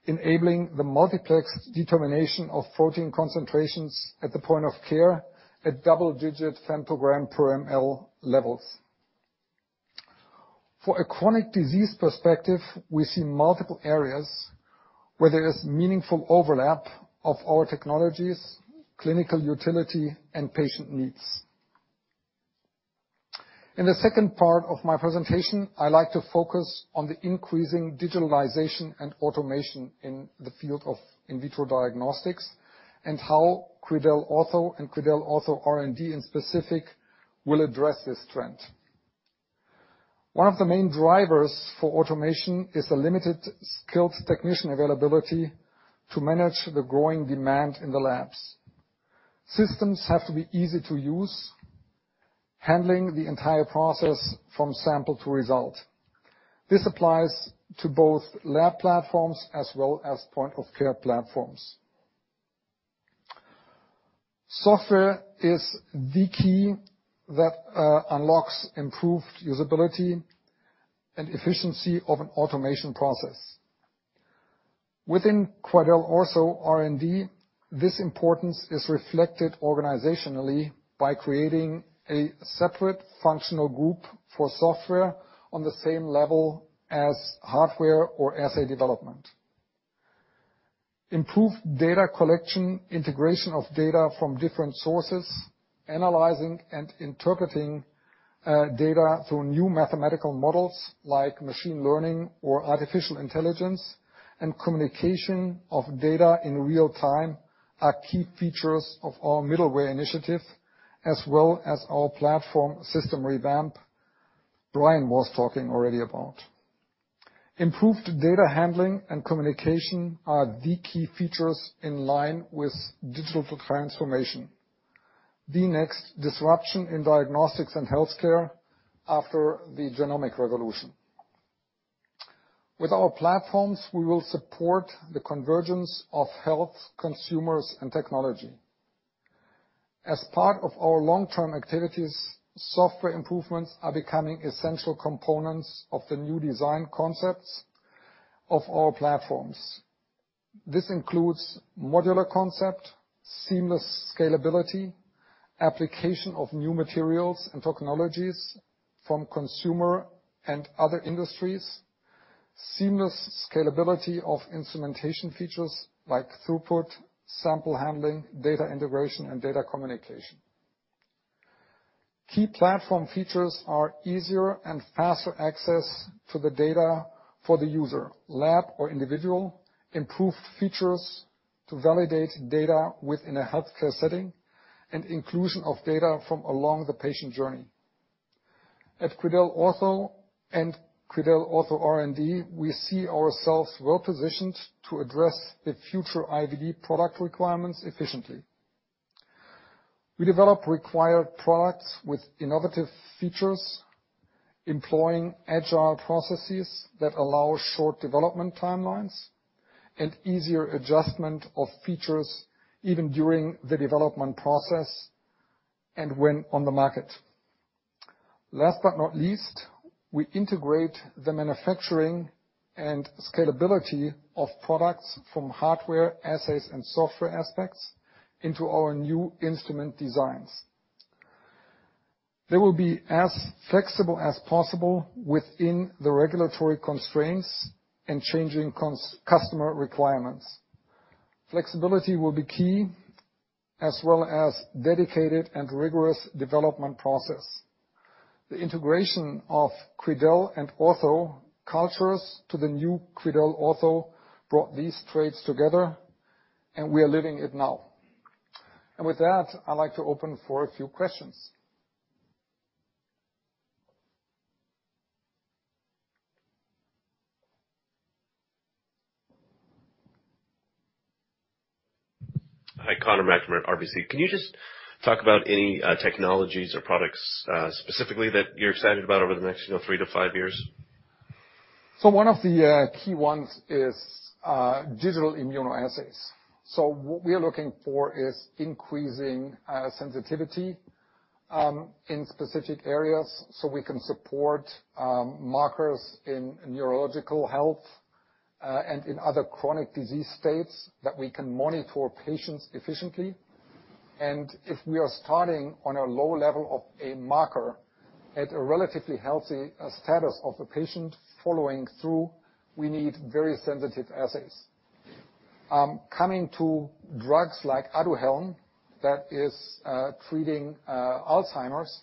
enabling the multiplex determination of protein concentrations at the point of care at double-digit femtogram per ml levels. For a chronic disease perspective, we see multiple areas where there is meaningful overlap of our technologies, clinical utility, and patient needs. In the second part of my presentation, I like to focus on the increasing digitalization and automation in the field of in vitro diagnostics and how QuidelOrtho and QuidelOrtho R&D in specific will address this trend. One of the main drivers for automation is the limited skilled technician availability to manage the growing demand in the labs. Systems have to be easy to use, handling the entire process from sample to result. This applies to both lab platforms as well as point-of-care platforms. Software is the key that unlocks improved usability and efficiency of an automation process. Within QuidelOrtho R&D, this importance is reflected organizationally by creating a separate functional group for software on the same level as hardware or assay development. Improved data collection, integration of data from different sources, analyzing and interpreting data through new mathematical models like machine learning or artificial intelligence, and communication of data in real time are key features of our middleware initiative, as well as our platform system revamp Brian was talking already about. Improved data handling and communication are the key features in line with digital transformation. The next disruption in diagnostics and healthcare after the genomic revolution. With our platforms, we will support the convergence of health, consumers, and technology. As part of our long-term activities, software improvements are becoming essential components of the new design concepts of our platforms. This includes modular concept, seamless scalability, application of new materials and technologies from consumer and other industries, seamless scalability of instrumentation features like throughput, sample handling, data integration, and data communication. Key platform features are easier and faster access to the data for the user, lab or individual, improved features to validate data within a healthcare setting, and inclusion of data from along the patient journey. At QuidelOrtho and QuidelOrtho R&D, we see ourselves well positioned to address the future IVD product requirements efficiently. We develop required products with innovative features, employing agile processes that allow short development timelines and easier adjustment of features even during the development process and when on the market. Last but not least, we integrate the manufacturing and scalability of products from hardware, assays, and software aspects into our new instrument designs. They will be as flexible as possible within the regulatory constraints and changing customer requirements. Flexibility will be key, as well as dedicated and rigorous development process. The integration of Quidel and Ortho cultures to the new QuidelOrtho brought these traits together, and we are living it now. With that, I'd like to open for a few questions. Hi, Conor McNamara, RBC. Can you just talk about any technologies or products specifically that you're excited about over the next, you know, three to five years? One of the key ones is digital immunoassays. What we are looking for is increasing sensitivity in specific areas, so we can support markers in neurological health and in other chronic disease states that we can monitor patients efficiently. If we are starting on a low level of a marker at a relatively healthy status of the patient following through, we need very sensitive assays. Coming to drugs like Aduhelm, that is treating Alzheimer's,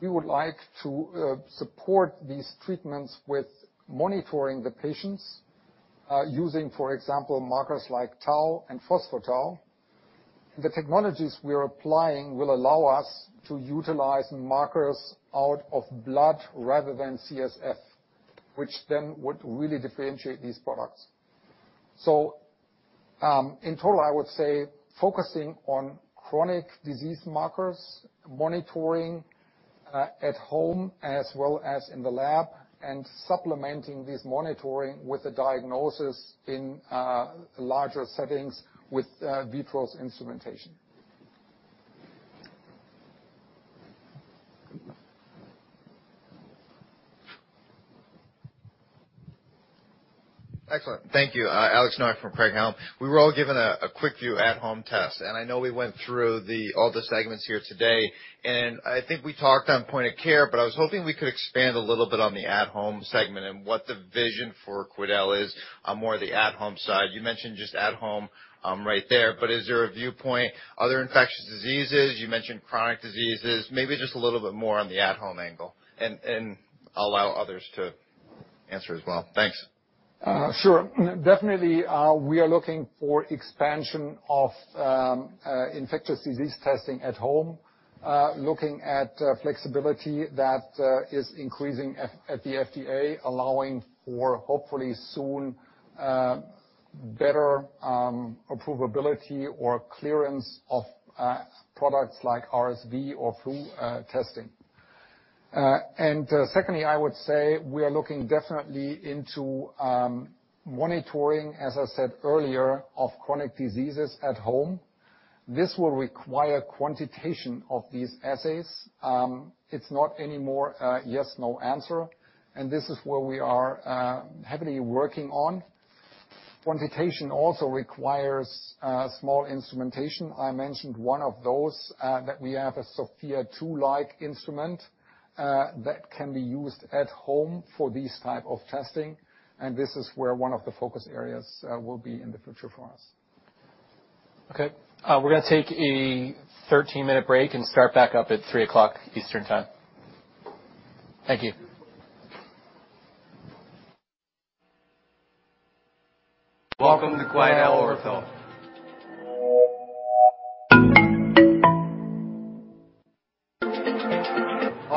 we would like to support these treatments with monitoring the patients using, for example, markers like tau and phospho-tau. The technologies we are applying will allow us to utilize markers out of blood rather than CSF, which then would really differentiate these products. In total, I would say focusing on chronic disease markers, monitoring, at home as well as in the lab, and supplementing this monitoring with a diagnosis in larger settings with VITROS instrumentation. Excellent. Thank you. Alex Nowak from Craig-Hallum. We were all given a quick view at-home test, and I know we went through all the segments here today, and I think we talked on point of care, but I was hoping we could expand a little bit on the at-home segment and what the vision for Quidel is on more of the at-home side. You mentioned just at home right there, is there a viewpoint, other infectious diseases? You mentioned chronic diseases. Maybe just a little bit more on the at-home angle and I'll allow others to answer as well. Thanks. Sure. Definitely, we are looking for expansion of infectious disease testing at home, looking at flexibility that is increasing at the FDA, allowing for hopefully soon, better approvability or clearance of products like RSV or flu testing. Secondly, I would say we are looking definitely into monitoring, as I said earlier, of chronic diseases at home. This will require quantitation of these assays. It's not any more, yes/no answer, and this is where we are heavily working on. Quantitation also requires small instrumentation. I mentioned one of those that we have, a SOFIA 2 like instrument, that can be used at home for these type of testing, and this is where one of the focus areas will be in the future for us. Okay. We're gonna take a 13-minute break and start back up at 3:00 P.M. Eastern Time. Thank you. Welcome to QuidelOrtho.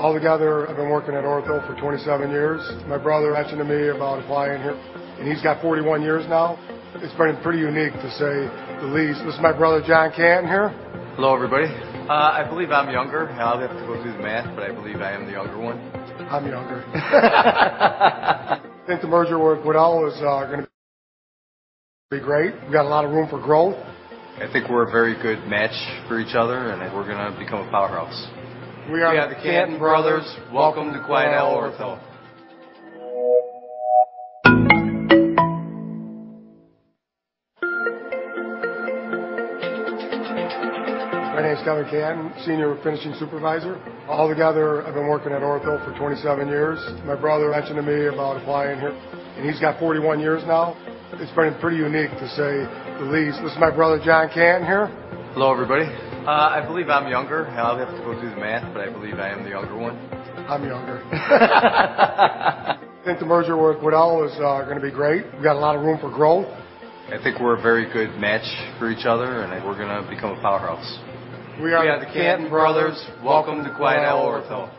All together, I've been working at Ortho for 27 years. My brother mentioned to me about applying here. He's got 41 years now. It's been pretty unique, to say the least. This is my brother, John Canton, here. Hello, everybody. I believe I'm younger. I'll have to go do the math, but I believe I am the younger one. I'm younger. I think the merger with Quidel is gonna be great. We've got a lot of room for growth. I think we're a very good match for each other, and we're gonna become a powerhouse. We are. Canton brothers. Welcome to QuidelOrtho. My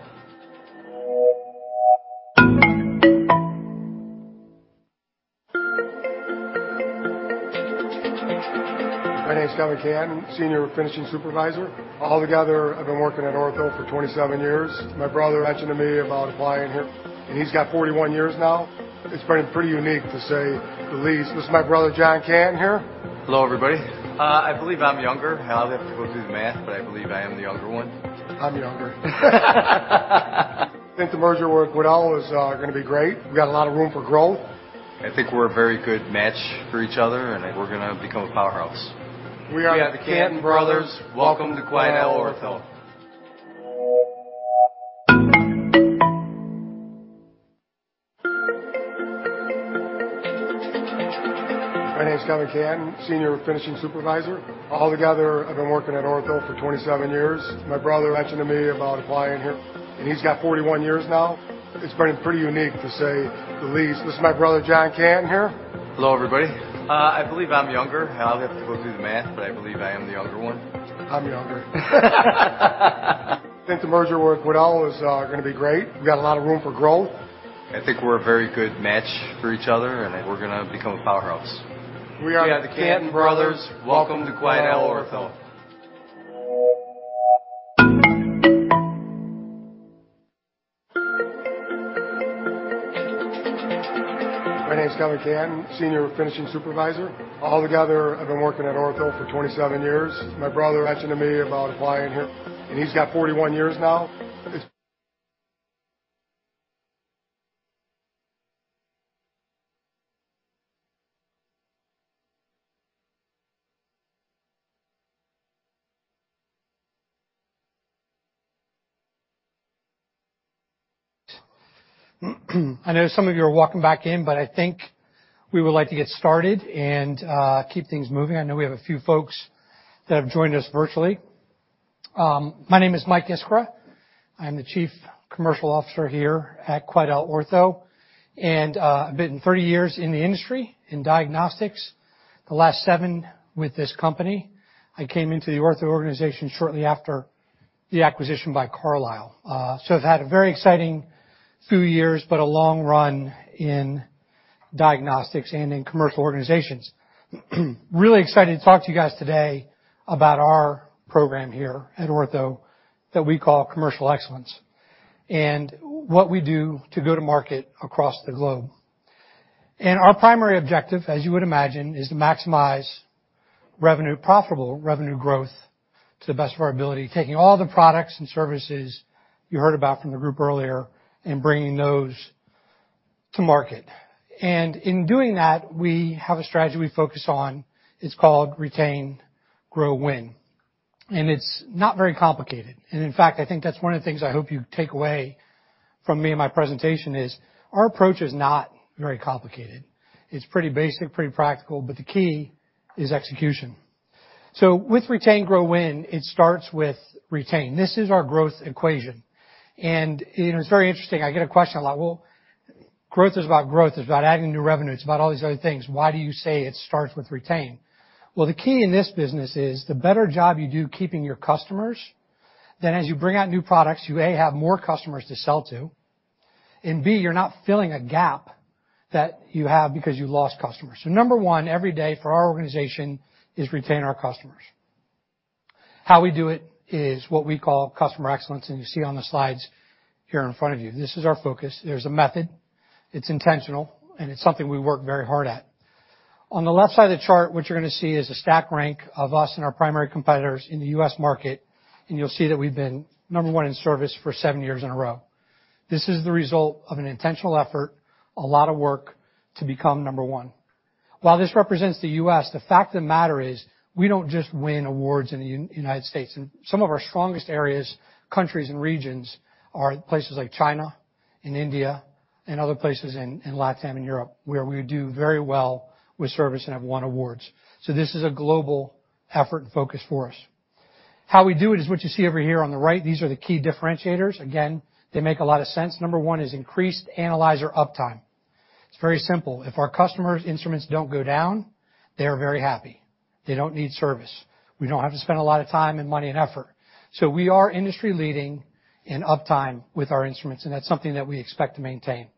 name is Kevin Canton, Senior Finishing Supervisor. All together, I've been working at Ortho for 27 years. My brother mentioned to me about applying here. He's got 41 years now. It's been pretty unique, to say the least. This is my brother, John Canton, here. Hello, everybody. I believe I'm younger. I'll have to go do the math, but I believe I am the younger one. I'm younger. I think the merger with Quidel is gonna be great. We've got a lot of room for growth. I think we're a very good match for each other, and we're gonna become a powerhouse. We are the- Canton brothers. Welcome to QuidelOrtho. My name is Kevin Canton, Senior Finishing Supervisor. Altogether, I've been working at Ortho for 27 years. My brother mentioned to me about applying here, he's got 41 years now. It's been pretty unique, to say the least. This is my brother, John Canton, here. Hello, everybody. I believe I'm younger. I'll have to go do the math, but I believe I am the younger one. I'm younger. I think the merger with Quidel is gonna be great. We've got a lot of room for growth. I think we're a very good match for each other, and we're gonna become a powerhouse. We are the- Canton brothers. Welcome to QuidelOrtho. My name is Kevin Canton, Senior Finishing Supervisor. All together, I've been working at Ortho for 27 years. My brother mentioned to me about applying here. He's got 41 years now. I know some of you are walking back in, but I think we would like to get started and keep things moving. I know we have a few folks that have joined us virtually. My name is Mike Iskra. I'm the Chief Commercial Officer here at QuidelOrtho, and I've been 30 years in the industry, in diagnostics. The last seven with this company. I came into the Ortho organization shortly after the acquisition by Carlyle. So I've had a very exciting few years but a long run in diagnostics and in commercial organizations. Really excited to talk to you guys today about our program here at Ortho that we call Commercial Excellence. What we do to go to market across the globe. Our primary objective, as you would imagine, is to maximize revenue, profitable revenue growth to the best of our ability, taking all the products and services you heard about from the group earlier and bringing those to market. In doing that, we have a strategy we focus on. It's called Retain-Grow-Win, and it's not very complicated. In fact, I think that's one of the things I hope you take away from me and my presentation is, our approach is not very complicated. It's pretty basic, pretty practical, but the key is execution. With Retain-Grow-Win, it starts with retain. This is our growth equation. You know, it's very interesting. I get a question a lot. Well, growth is about growth, it's about adding new revenue, it's about all these other things. Why do you say it starts with retain? The key in this business is the better job you do keeping your customers, then as you bring out new products, you, A, have more customers to sell to, and B, you're not filling a gap that you have because you lost customers. Number one, every day for our organization is retain our customers. How we do it is what we call customer excellence, and you see on the slides here in front of you. This is our focus. There's a method, it's intentional, and it's something we work very hard at. On the left side of the chart, what you're gonna see is the stack rank of us and our primary competitors in the U.S. market, and you'll see that we've been number one in service for seven years in a row. This is the result of an intentional effort, a lot of work to become number one. While this represents the U.S., the fact of the matter is, we don't just win awards in the United States. Some of our strongest areas, countries and regions are places like China and India and other places in LatAm and Europe, where we do very well with service and have won awards. This is a global effort and focus for us. How we do it is what you see over here on the right. These are the key differentiators. Again, they make a lot of sense. Number one is increased analyzer uptime. It's very simple. If our customers' instruments don't go down, they are very happy. They don't need service. We don't have to spend a lot of time and money and effort. We are industry leading in uptime with our instruments, and that's something that we expect to maintain.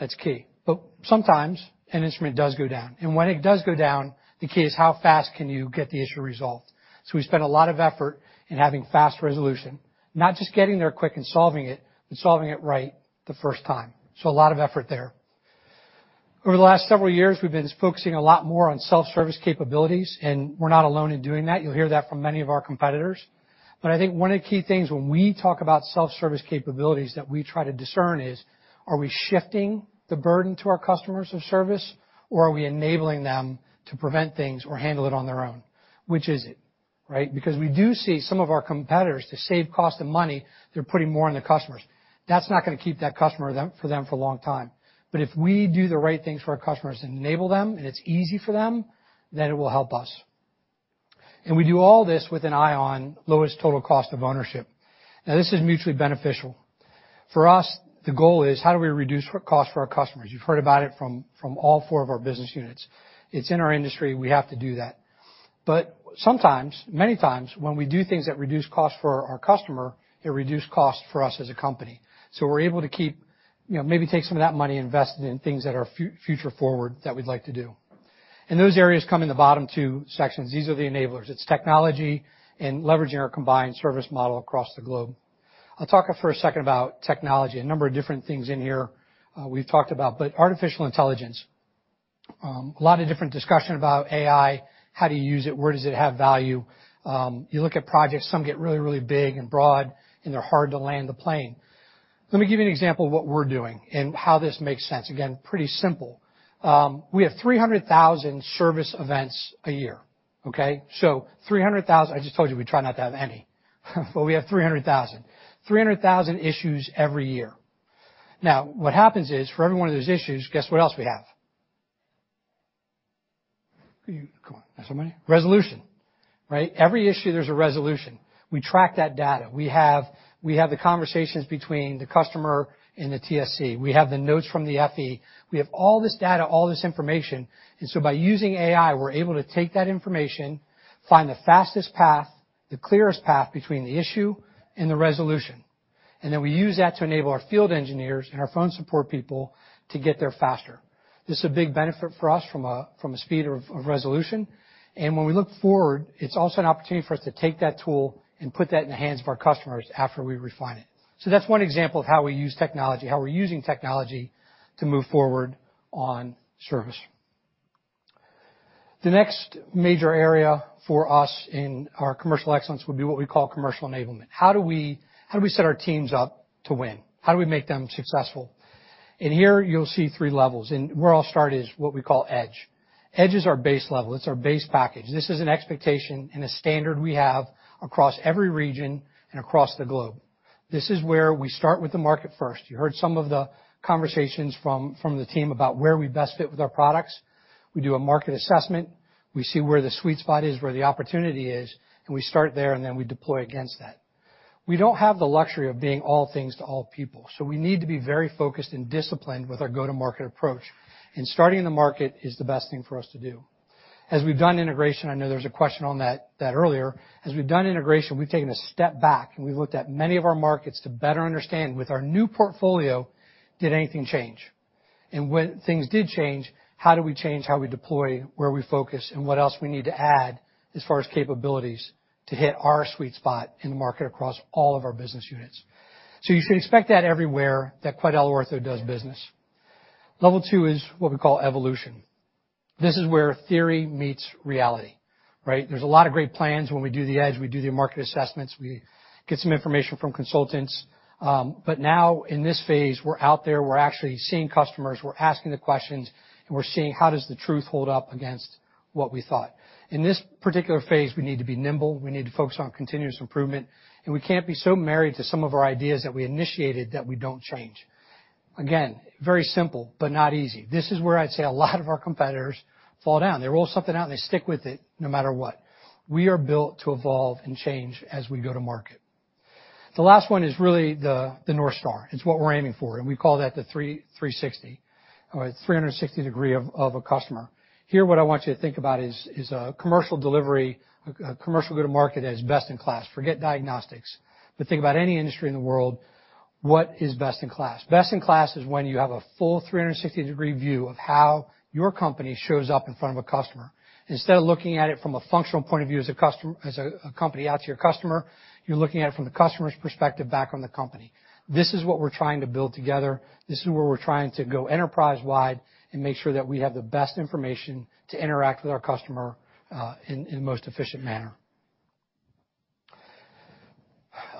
That's key. Sometimes an instrument does go down, and when it does go down, the key is how fast can you get the issue resolved. We spend a lot of effort in having fast resolution, not just getting there quick and solving it, but solving it right the first time. A lot of effort there. Over the last several years, we've been focusing a lot more on self-service capabilities, and we're not alone in doing that. You'll hear that from many of our competitors. I think one of the key things when we talk about self-service capabilities that we try to discern is, are we shifting the burden to our customers of service, or are we enabling them to prevent things or handle it on their own? Which is it, right? We do see some of our competitors, to save cost and money, they're putting more on the customers. That's not gonna keep that customer for them for a long time. If we do the right things for our customers and enable them, and it's easy for them, it will help us. We do all this with an eye on lowest total cost of ownership. This is mutually beneficial. For us, the goal is how do we reduce cost for our customers? You've heard about it from all four of our business units. It's in our industry, we have to do that. Sometimes, many times, when we do things that reduce cost for our customer, it reduce cost for us as a company. We're able to keep, you know, maybe take some of that money, invest it in things that are future forward that we'd like to do. Those areas come in the bottom two sections. These are the enablers. It's technology and leveraging our combined service model across the globe. I'll talk for a second about technology. A number of different things in here, we've talked about, but artificial intelligence. A lot of different discussion about AI, how do you use it, where does it have value? You look at projects, some get really, really big and broad, and they're hard to land the plane. Let me give you an example of what we're doing and how this makes sense. Again, pretty simple. We have 300,000 service events a year, okay? 300,000. I just told you we try not to have any, but we have 300,000. 300,000 issues every year. What happens is, for every one of those issues, guess what else we have? Come on. Somebody. Resolution, right? Every issue, there's a resolution. We track that data. We have the conversations between the customer and the TSC. We have the notes from the FE. We have all this data, all this information, by using AI, we're able to take that information, find the fastest path, the clearest path between the issue and the resolution, and then we use that to enable our field engineers and our phone support people to get there faster. This is a big benefit for us from a speed of resolution. When we look forward, it's also an opportunity for us to take that tool and put that in the hands of our customers after we refine it. That's one example of how we use technology, how we're using technology to move forward on service. The next major area for us in our commercial excellence would be what we call commercial enablement. How do we set our teams up to win? How do we make them successful? Here you'll see three levels, and where I'll start is what we call Edge. Edge is our base level. It's our base package. This is an expectation and a standard we have across every region and across the globe. This is where we start with the market first. You heard some of the conversations from the team about where we best fit with our products. We do a market assessment. We see where the sweet spot is, where the opportunity is, and we start there, and then we deploy against that. We don't have the luxury of being all things to all people, so we need to be very focused and disciplined with our go-to-market approach. Starting in the market is the best thing for us to do. As we've done integration, I know there was a question on that earlier. As we've done integration, we've taken a step back, and we've looked at many of our markets to better understand, with our new portfolio, did anything change? When things did change, how do we change how we deploy, where we focus, and what else we need to add as far as capabilities to hit our sweet spot in the market across all of our business units? You should expect that everywhere that QuidelOrtho does business. Level two is what we call Evolution. This is where theory meets reality, right? There's a lot of great plans when we do the Edge, we do the market assessments, we get some information from consultants. Now in this phase, we're out there. We're actually seeing customers. We're asking the questions, we're seeing how does the truth hold up against what we thought. In this particular phase, we need to be nimble. We need to focus on continuous improvement, we can't be so married to some of our ideas that we initiated that we don't change. Again, very simple, not easy. This is where I'd say a lot of our competitors fall down. They roll something out, they stick with it no matter what. We are built to evolve and change as we go to market. The last one is really the North Star. It's what we're aiming for, and we call that the 360 or 360-degree of a customer. Here, what I want you to think about is commercial delivery, a commercial go-to-market that is best in class. Forget diagnostics, but think about any industry in the world. What is best in class? Best in class is when you have a full 360-degree view of how your company shows up in front of a customer. Instead of looking at it from a functional point of view as a company out to your customer, you're looking at it from the customer's perspective back on the company. This is what we're trying to build together. This is where we're trying to go enterprise-wide and make sure that we have the best information to interact with our customer, in the most efficient manner.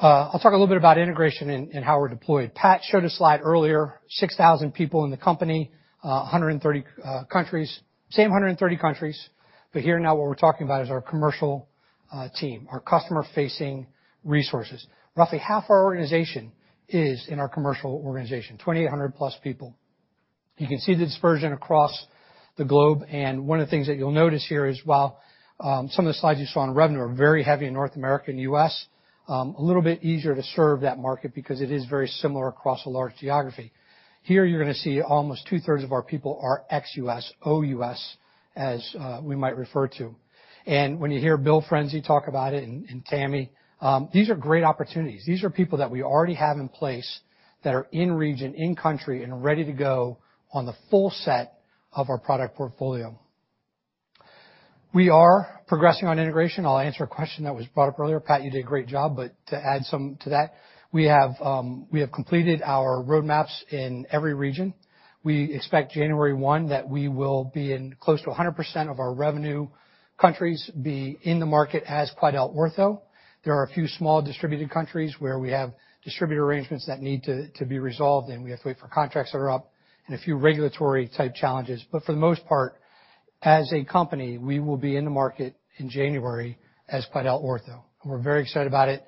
I'll talk a little bit about integration and how we're deployed. Pat showed a slide earlier, 6,000 people in the company, 130 countries. Same 130 countries, but here now what we're talking about is our commercial team, our customer-facing resources. Roughly half our organization is in our commercial organization, 2,800+ people. One of the things that you'll notice here is while, some of the slides you saw on revenue are very heavy in North America and U.S., a little bit easier to serve that market because it is very similar across a large geography. Here, you're gonna see almost two-thirds of our people are ex-US, OUS, as we might refer to. When you hear Bill Frenzy talk about it and Tammy, these are great opportunities. These are people that we already have in place that are in region, in country, and ready to go on the full set of our product portfolio. We are progressing on integration. I'll answer a question that was brought up earlier. Pat, you did a great job, but to add some to that, we have completed our roadmaps in every region. We expect January 1 that we will be in close to 100% of our revenue countries be in the market as QuidelOrtho. There are a few small distributed countries where we have distributor arrangements that need to be resolved. We have to wait for contracts that are up and a few regulatory type challenges. For the most part, as a company, we will be in the market in January as QuidelOrtho. We're very excited about it.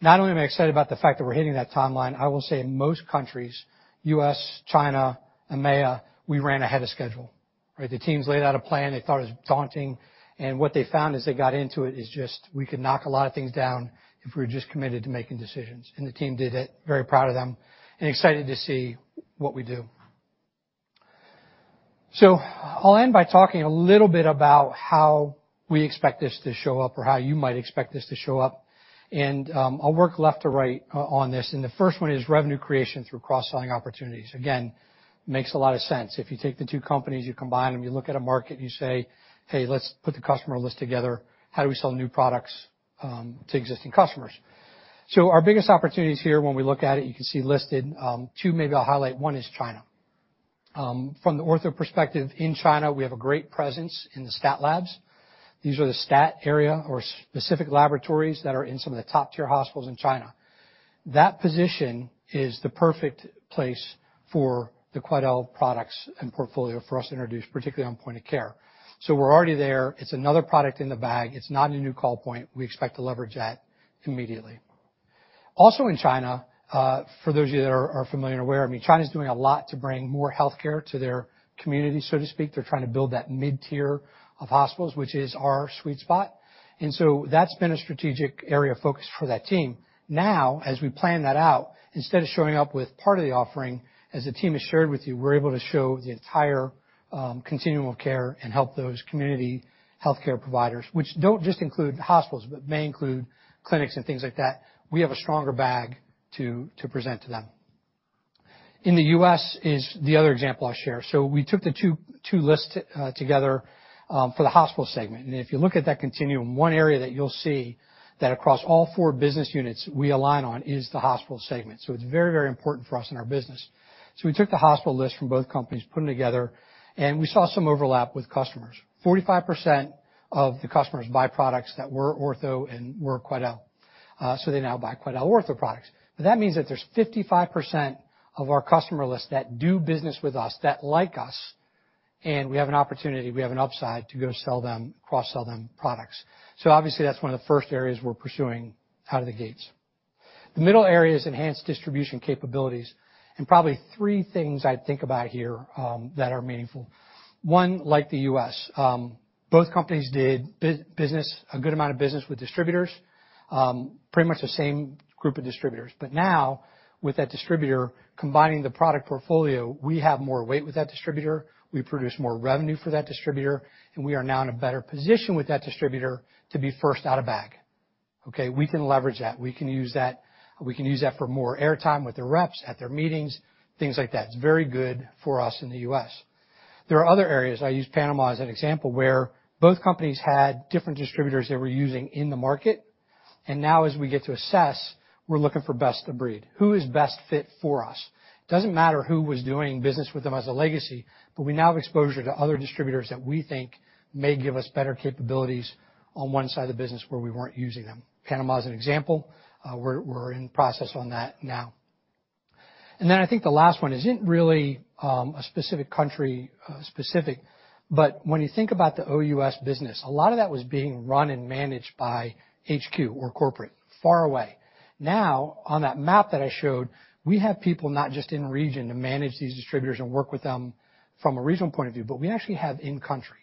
Not only am I excited about the fact that we're hitting that timeline, I will say in most countries, U.S., China, EMEA, we ran ahead of schedule, right? The teams laid out a plan they thought it was daunting, and what they found as they got into it is just we could knock a lot of things down if we're just committed to making decisions. The team did it. Very proud of them and excited to see what we do. I'll end by talking a little bit about how we expect this to show up or how you might expect this to show up. I'll work left to right on this. The first one is revenue creation through cross-selling opportunities. Again, makes a lot of sense. If you take the two companies, you combine them, you look at a market, and you say, hey, let's put the customer list together. How do we sell new products to existing customers? Our biggest opportunities here, when we look at it, you can see listed, two maybe I'll highlight. One is China. From the Ortho perspective, in China, we have a great presence in the stat labs. These are the stat area or specific laboratories that are in some of the top-tier hospitals in China. That position is the perfect place for the Quidel products and portfolio for us to introduce, particularly on point of care. We're already there. It's another product in the bag. It's not a new call point. We expect to leverage that immediately. Also in China, for those of you that are familiar and aware, I mean, China's doing a lot to bring more healthcare to their community, so to speak. They're trying to build that mid-tier of hospitals, which is our sweet spot. That's been a strategic area of focus for that team. Now, as we plan that out, instead of showing up with part of the offering, as the team has shared with you, we're able to show the entire continuum of care and help those community healthcare providers, which don't just include hospitals, but may include clinics and things like that. We have a stronger bag to present to them. In the U.S. is the other example I'll share. We took the two lists together for the hospital segment. If you look at that continuum, one area that you'll see that across all four business units we align on is the hospital segment. It's very, very important for us in our business. We took the hospital list from both companies, put them together, and we saw some overlap with customers. 45% of the customers buy products that were Ortho and were Quidel. They now buy QuidelOrtho products. That means that there's 55% of our customer lists that do business with us, that like us, and we have an opportunity, we have an upside to go sell them, cross-sell them products. Obviously, that's one of the first areas we're pursuing out of the gates. The middle area is enhanced distribution capabilities, probably three things I'd think about here that are meaningful. One, like the U.S., both companies did business, a good amount of business with distributors, pretty much the same group of distributors. Now, with that distributor combining the product portfolio, we have more weight with that distributor, we produce more revenue for that distributor, we are now in a better position with that distributor to be first out of bag. Okay? We can leverage that. We can use that. We can use that for more airtime with their reps at their meetings, things like that. It's very good for us in the U.S. There are other areas, I use Panama as an example, where both companies had different distributors they were using in the market. Now as we get to assess, we're looking for best of breed. Who is best fit for us? Doesn't matter who was doing business with them as a legacy, but we now have exposure to other distributors that we think may give us better capabilities on one side of the business where we weren't using them. Panama as an example, we're in process on that now. Then I think the last one isn't really a specific country specific, but when you think about the OUS business, a lot of that was being run and managed by HQ or corporate, far away. on that map that I showed, we have people not just in region to manage these distributors and work with them from a regional point of view, but we actually have in country.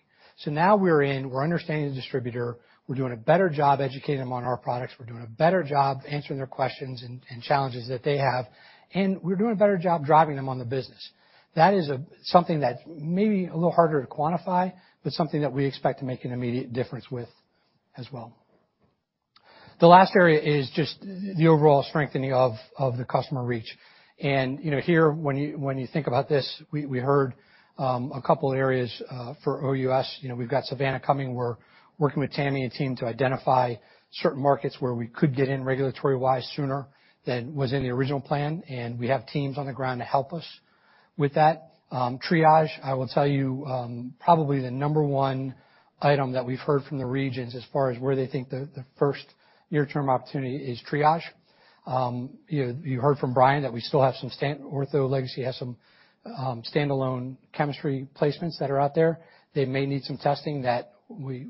now we're in, we're understanding the distributor, we're doing a better job educating them on our products, we're doing a better job answering their questions and challenges that they have, and we're doing a better job driving them on the business. That is something that may be a little harder to quantify, but something that we expect to make an immediate difference with as well. The last area is just the overall strengthening of the customer reach. you know, here, when you, when you think about this, we heard a couple areas for OUS. we've got Savanna coming. We're working with Tammy and team to identify certain markets where we could get in regulatory-wise sooner than was in the original plan, and we have teams on the ground to help us with that. TRIAGE, I will tell you, probably the number one item that we've heard from the regions as far as where they think the first near-term opportunity is TRIAGE. You heard from Brian Hansen that we still have some Ortho legacy has some standalone chemistry placements that are out there. They may need some testing that we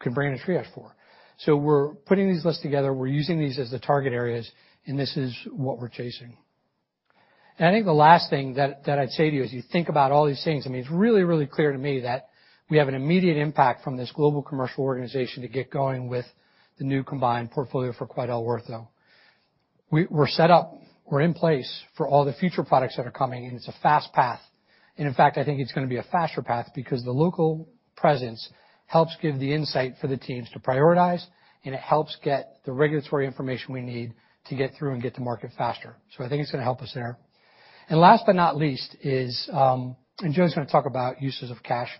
can bring in a TRIAGE for. We're putting these lists together. We're using these as the target areas, and this is what we're chasing. I think the last thing that I'd say to you, as you think about all these things, I mean, it's really, really clear to me that we have an immediate impact from this global commercial organization to get going with the new combined portfolio for QuidelOrtho. We're set up, we're in place for all the future products that are coming, and it's a fast path. In fact, I think it's gonna be a faster path because the local presence helps give the insight for the teams to prioritize, and it helps get the regulatory information we need to get through and get to market faster. I think it's gonna help us there. Last but not least is, and Joe's gonna talk about uses of cash,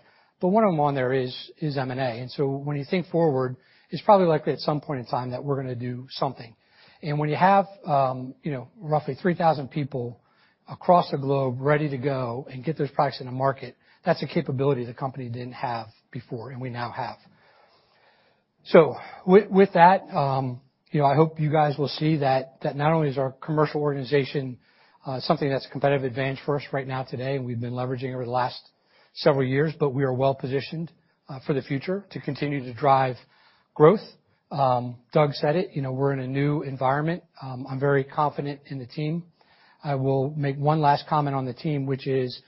but one of them on there is M&A. When you think forward, it's probably likely at some point in time that we're gonna do something. When you have, you know, roughly 3,000 people across the globe ready to go and get those products in the market, that's a capability the company didn't have before, and we now have. With that, you know, I hope you guys will see that not only is our commercial organization something that's competitive advantage for us right now today, and we've been leveraging over the last several years, but we are well positioned for the future to continue to drive growth. Doug said it, you know, we're in a new environment. I'm very confident in the team. I will make one last comment on the team, which is,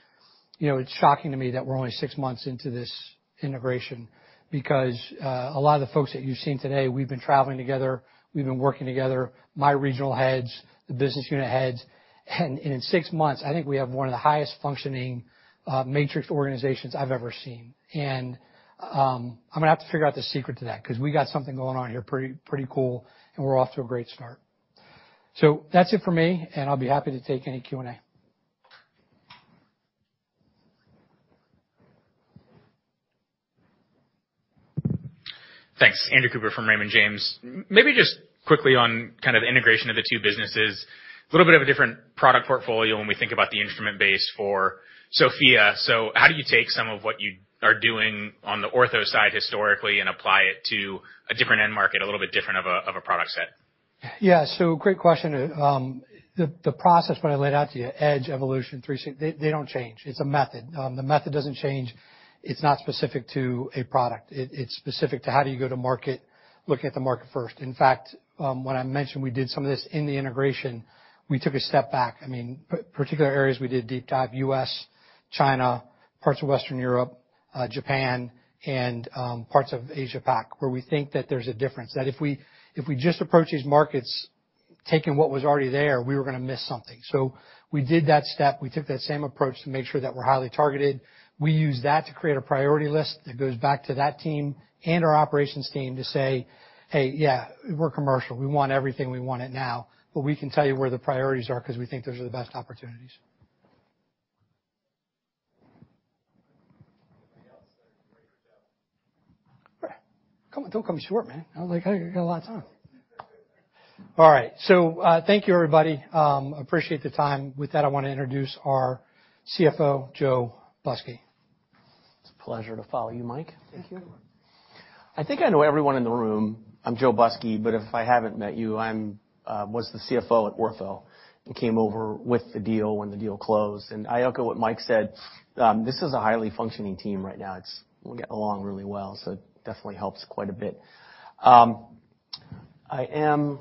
you know, it's shocking to me that we're only six months into this integration because, a lot of the folks that you've seen today, we've been traveling together, we've been working together, my regional heads, the business unit heads. In six months, I think we have one of the highest functioning, matrix organizations I've ever seen. I'm gonna have to figure out the secret to that 'cause we got something going on here pretty cool, and we're off to a great start. That's it for me, and I'll be happy to take any Q&A. Thanks. Andrew Cooper from Raymond James. Maybe just quickly on kind of integration of the two businesses. Little bit of a different product portfolio when we think about the instrument base for SOFIA. How do you take some of what you are doing on the Ortho side historically and apply it to a different end market, a little bit different of a product set? Yeah. Great question. The process, when I laid out to you, Edge, Evolution, three C, they don't change. It's a method. The method doesn't change. It's not specific to a product. It's specific to how do you go to market, looking at the market first. In fact, when I mentioned we did some of this in the integration, we took a step back. I mean, particular areas we did a deep dive, U.S., China, parts of Western Europe, Japan, and parts of Asia Pac, where we think that there's a difference. If we just approach these markets taking what was already there, we were gonna miss something. We did that step. We took that same approach to make sure that we're highly targeted. We use that to create a priority list that goes back to that team and our operations team to say, hey, yeah, we're commercial. We want everything. We want it now, but we can tell you where the priorities are 'cause we think those are the best opportunities. Anything else or you're good, Joe? Come on, don't cut me short, man. I was like, I got a lot of time. All right. Thank you, everybody. Appreciate the time. With that, I wanna introduce our CFO, Joe Busky. It's a pleasure to follow you, Mike. Thank you. I think I know everyone in the room. I'm Joe Busky, but if I haven't met you, I was the CFO at Ortho and came over with the deal when the deal closed. I echo what Mike said. This is a highly functioning team right now. We get along really well, so it definitely helps quite a bit. I can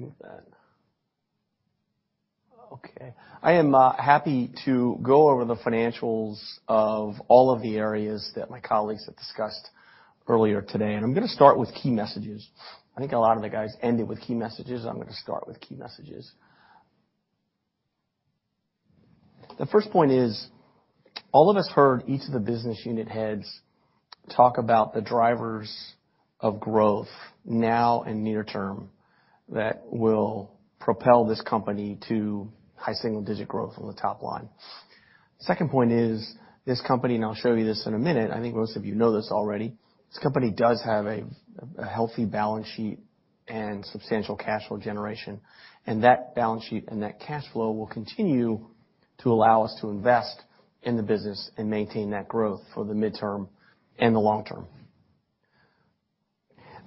move that. Okay. I am happy to go over the financials of all of the areas that my colleagues have discussed earlier today. I'm gonna start with key messages. I think a lot of the guys ended with key messages. I'm gonna start with key messages. The first point is, all of us heard each of the business unit heads talk about the drivers of growth now and near term that will propel this company to high single digit growth on the top line. Second point is, this company, and I'll show you this in a minute, I think most of you know this already, this company does have a healthy balance sheet and substantial cash flow generation, and that balance sheet and that cash flow will continue to allow us to invest in the business and maintain that growth for the midterm and the long term.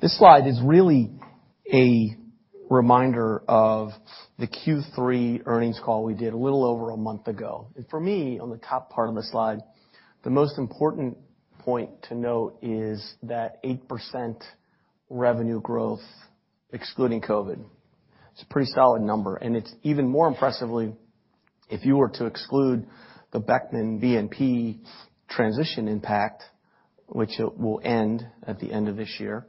This slide is really a reminder of the Q3 earnings call we did a little over a month ago. For me, on the top part of the slide, the most important point to note is that 8% revenue growth, excluding COVID. It's a pretty solid number, it's even more impressively, if you were to exclude the Beckman BNP transition impact, which it will end at the end of this year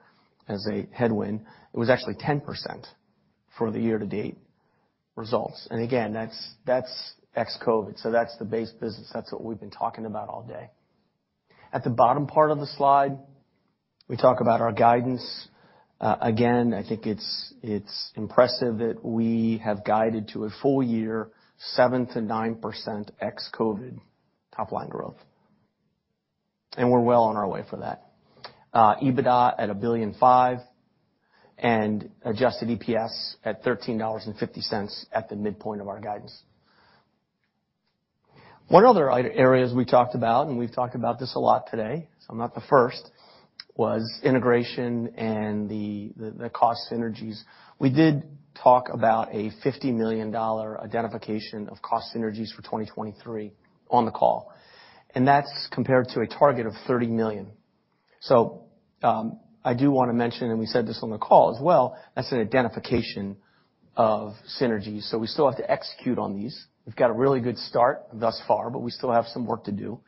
as a headwind, it was actually 10% for the year to date results. Again, that's ex-COVID, so that's the base business. That's what we've been talking about all day. At the bottom part of the slide, we talk about our guidance. Again, I think it's impressive that we have guided to a full year 7%-9% ex-COVID top line growth. We're well on our way for that. EBITDA at $1.5 billion, and Adjusted EPS at $13.50 at the midpoint of our guidance. One other areas we talked about, and we've talked about this a lot today, so I'm not the first, was integration and the cost synergies. We did talk about a $50 million identification of cost synergies for 2023 on the call, and that's compared to a target of $30 million. I do wanna mention, and we said this on the call as well, that's an identification of synergies, so we still have to execute on these. We've got a really good start thus far, but we still have some work to do.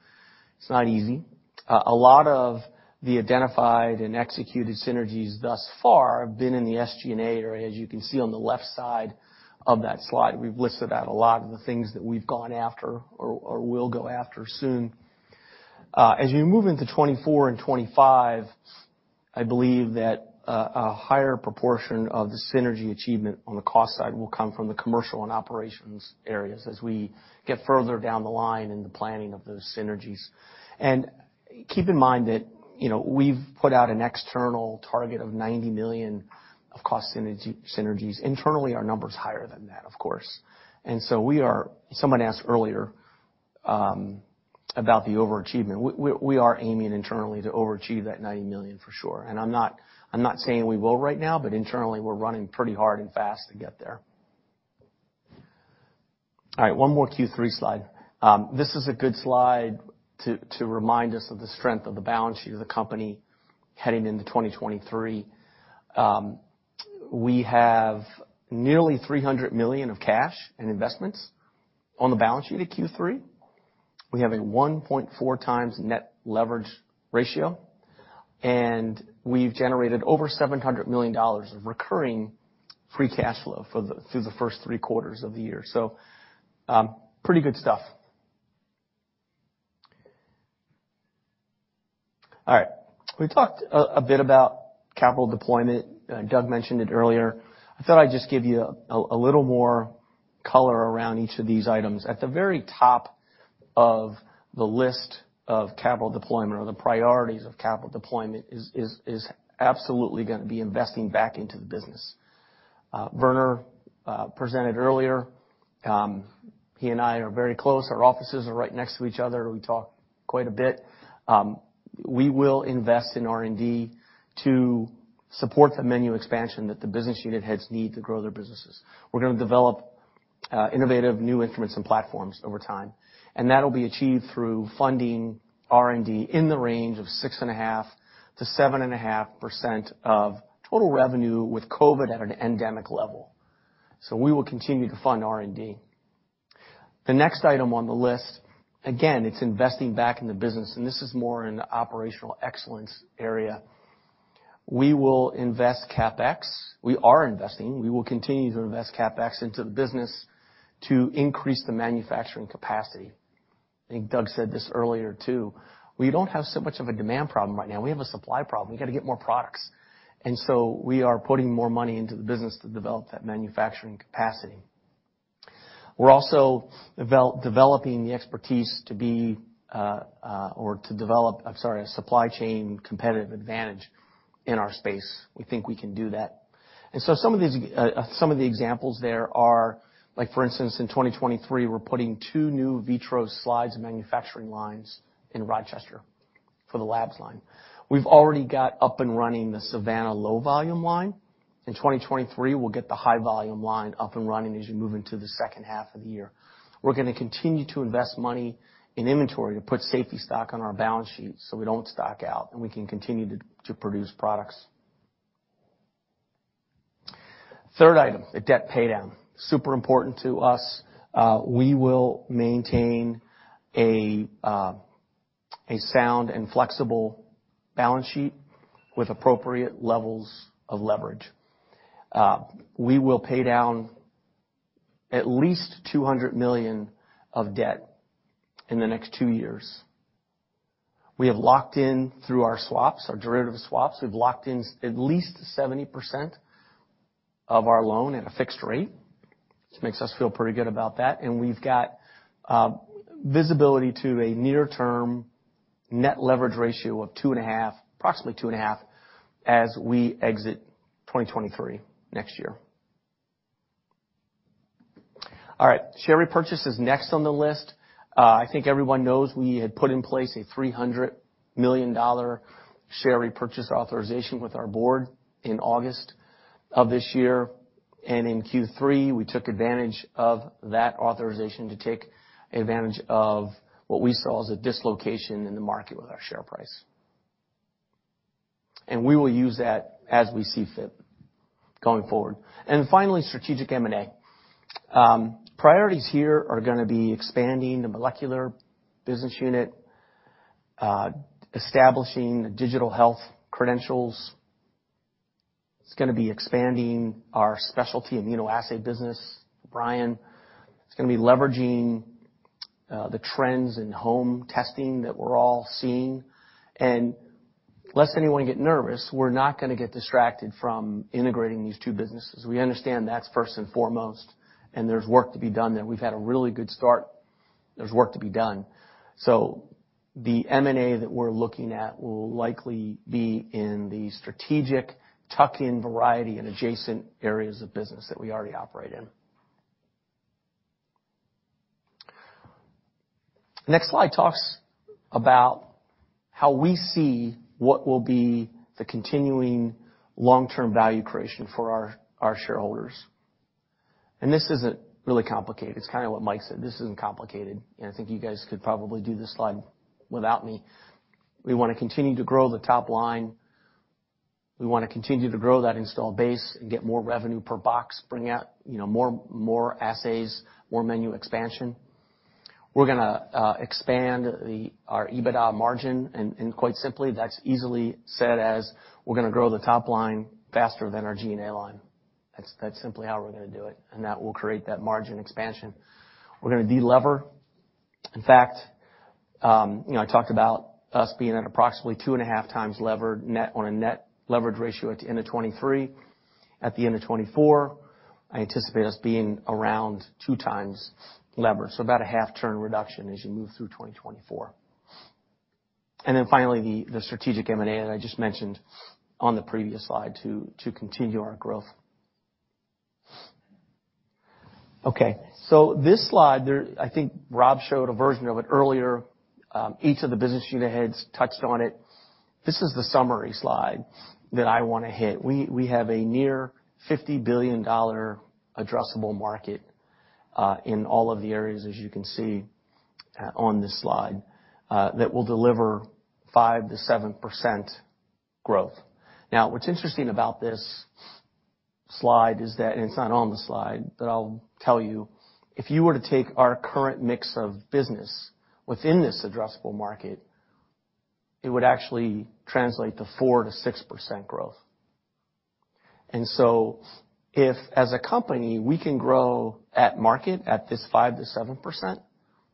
It's not easy. A lot of the identified and executed synergies thus far have been in the SG&A area. As you can see on the left side of that slide, we've listed out a lot of the things that we've gone after or will go after soon. As you move into 2024 and 2025, I believe that a higher proportion of the synergy achievement on the cost side will come from the commercial and operations areas as we get further down the line in the planning of those synergies. Keep in mind that, you know, we've put out an external target of $90 million of cost synergies. Internally, our number's higher than that, of course. Someone asked earlier about the overachievement. We are aiming internally to overachieve that $90 million for sure. I'm not saying we will right now, but internally, we're running pretty hard and fast to get there. All right, one more Q3 slide. This is a good slide to remind us of the strength of the balance sheet of the company heading into 2023. We have nearly $300 million of cash and investments on the balance sheet at Q3. We have a 1.4x net leverage ratio, and we've generated over $700 million of recurring free cash flow through the first three quarters of the year. Pretty good stuff. All right. We talked a bit about capital deployment. Doug mentioned it earlier. I thought I'd just give you a little more color around each of these items. At the very top of the list of capital deployment or the priorities of capital deployment is absolutely gonna be investing back into the business. Werner presented earlier. He and I are very close. Our offices are right next to each other. We talk quite a bit. We will invest in R&D to support the menu expansion that the business unit heads need to grow their businesses. We're gonna develop innovative new instruments and platforms over time, and that'll be achieved through funding R&D in the range of 6.5%-7.5% of total revenue with COVID at an endemic level. We will continue to fund R&D. The next item on the list, again, it's investing back in the business, and this is more in the operational excellence area. We will invest CapEx. We are investing. We will continue to invest CapEx into the business to increase the manufacturing capacity. I think Doug said this earlier too. We don't have so much of a demand problem right now. We have a supply problem. We gotta get more products. We are putting more money into the business to develop that manufacturing capacity. We're also developing the expertise to be, or to develop, I'm sorry, a supply chain competitive advantage in our space. We think we can do that. Some of these, some of the examples there are like for instance, in 2023, we're putting two new VITROS slides manufacturing lines in Rochester for the labs line. We've already got up and running the Savanna low volume line. In 2023, we'll get the high volume line up and running as you move into the H2 of the year. We're gonna continue to invest money in inventory to put safety stock on our balance sheets, so we don't stock out, and we can continue to produce products. Third item, the debt paydown. Super important to us. We will maintain a sound and flexible balance sheet with appropriate levels of leverage. We will pay down at least $200 million of debt in the next two years. We have locked in through our swaps, our derivative swaps. We've locked in at least 70% of our loan at a fixed rate, which makes us feel pretty good about that, and we've got visibility to a near term net leverage ratio of 2.5, approximately 2.5 as we exit 2023 next year. All right. Share repurchase is next on the list. I think everyone knows we had put in place a $300 million share repurchase authorization with our board in August of this year. In Q3, we took advantage of that authorization to take advantage of what we saw as a dislocation in the market with our share price. We will use that as we see fit going forward. Finally, strategic M&A. Priorities here are gonna be expanding the molecular business unit. Establishing digital health credentials. It's gonna be expanding our specialty immunoassay business, Brian. It's gonna be leveraging the trends in home testing that we're all seeing. Lest anyone get nervous, we're not gonna get distracted from integrating these two businesses. We understand that's first and foremost, and there's work to be done there. We've had a really good start. There's work to be done. The M&A that we're looking at will likely be in the strategic tuck-in variety and adjacent areas of business that we already operate in. This isn't really complicated. It's kinda what Mike said. This isn't complicated, and I think you guys could probably do this slide without me. We wanna continue to grow the top line. We wanna continue to grow that install base and get more revenue per box, bring out, you know, more assays, more menu expansion. We're gonna expand our EBITDA margin and quite simply, that's easily said as we're gonna grow the top line faster than our GNA line. That's simply how we're gonna do it, and that will create that margin expansion. We're gonna deliver. In fact, you know, I talked about us being at approximately 2.5x levered net on a net leverage ratio at the end of 2023. At the end of 2024, I anticipate us being around 2x lever. About a half term reduction as you move through 2024. Finally, the strategic M&A that I just mentioned on the previous slide to continue our growth. This slide there, I think Rob showed a version of it earlier. Each of the business unit heads touched on it. This is the summary slide that I want to hit. We have a near $50 billion addressable market in all of the areas, as you can see on this slide, that will deliver 5%-7% growth. What's interesting about this slide is that, and it's not on the slide, but I'll tell you, if you were to take our current mix of business within this addressable market, it would actually translate to 4%-6% growth. If as a company, we can grow at market at this 5%-7%,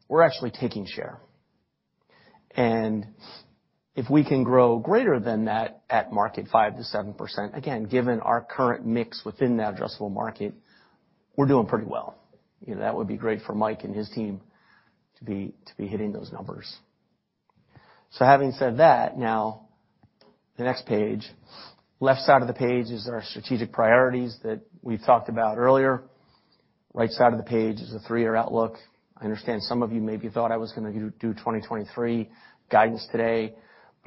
we're actually taking share. If we can grow greater than that at market, 5%-7%, again, given our current mix within that addressable market, we're doing pretty well. You know, that would be great for Mike and his team to be hitting those numbers. Having said that, the next page, left side of the page is our strategic priorities that we've talked about earlier. Right side of the page is a three-year outlook. I understand some of you maybe thought I was gonna do 2023 guidance today,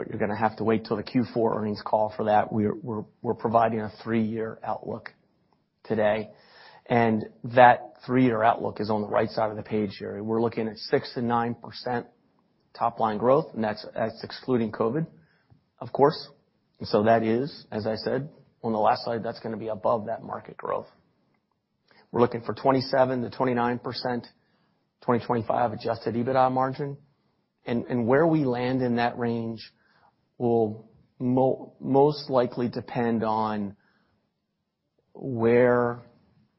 you're gonna have to wait till the Q4 earnings call for that. We're providing a three-year outlook today. That three-year outlook is on the right side of the page here. We're looking at 6%-9% top line growth, and that's excluding COVID, of course. That is, as I said, on the last slide, that's gonna be above that market growth. We're looking for 27%-29% 2025 Adjusted EBITDA margin. Where we land in that range will most likely depend on where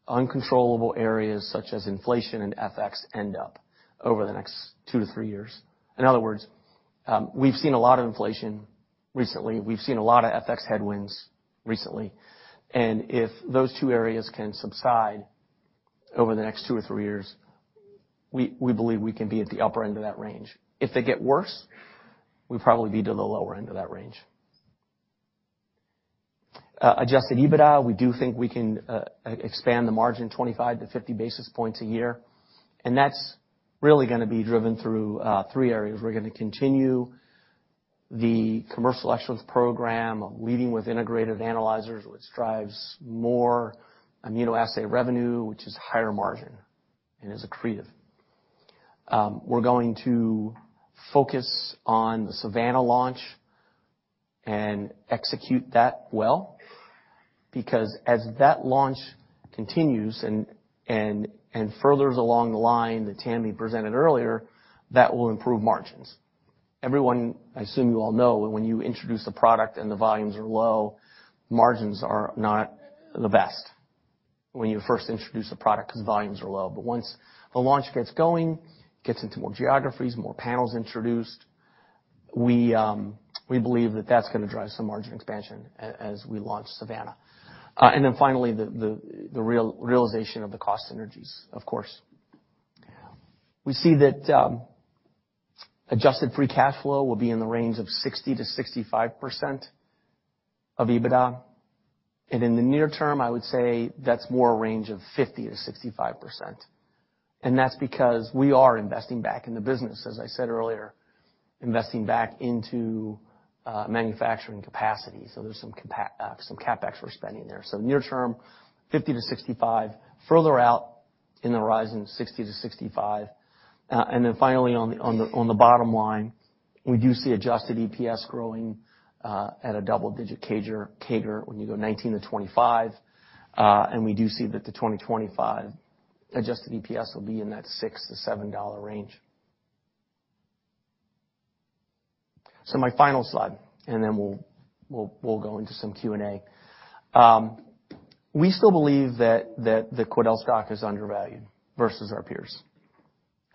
uncontrollable areas such as inflation and FX end up over the next two to three years. In other words, we've seen a lot of inflation recently. We've seen a lot of FX headwinds recently. If those two areas can subside over the next two or three years, we believe we can be at the upper end of that range. If they get worse, we'd probably be to the lower end of that range. Adjusted EBITDA, we do think we can expand the margin 25 to 50 basis points a year. That's really gonna be driven through three areas. We're gonna continue the commercial excellence program, leading with integrated analyzers, which drives more immunoassay revenue, which is higher margin and is accretive. We're going to focus on the Savanna launch and execute that well because as that launch continues and furthers along the line that Tammy presented earlier, that will improve margins. Everyone, I assume you all know that when you introduce a product and the volumes are low, margins are not the best when you first introduce a product because volumes are low. Once the launch gets going, gets into more geographies, more panels introduced, we believe that that's gonna drive some margin expansion as we launch Savanna. Finally, the realization of the cost synergies, of course. We see that adjusted free cash flow will be in the range of 60%-65% of EBITDA. In the near term, I would say that's more a range of 50%-65%. That's because we are investing back in the business, as I said earlier, investing back into manufacturing capacity. There's some CapEx we're spending there. Near term, 50%-65%. Further out in the horizon, 60-65. Finally on the bottom line, we do see adjusted EPS growing at a double-digit CAGR when you go 2019-2025. We do see that the 2025 Adjusted EPS will be in that $6-$7 range. My final slide, and then we'll go into some Q&A. We still believe that the QuidelOrtho stock is undervalued versus our peers.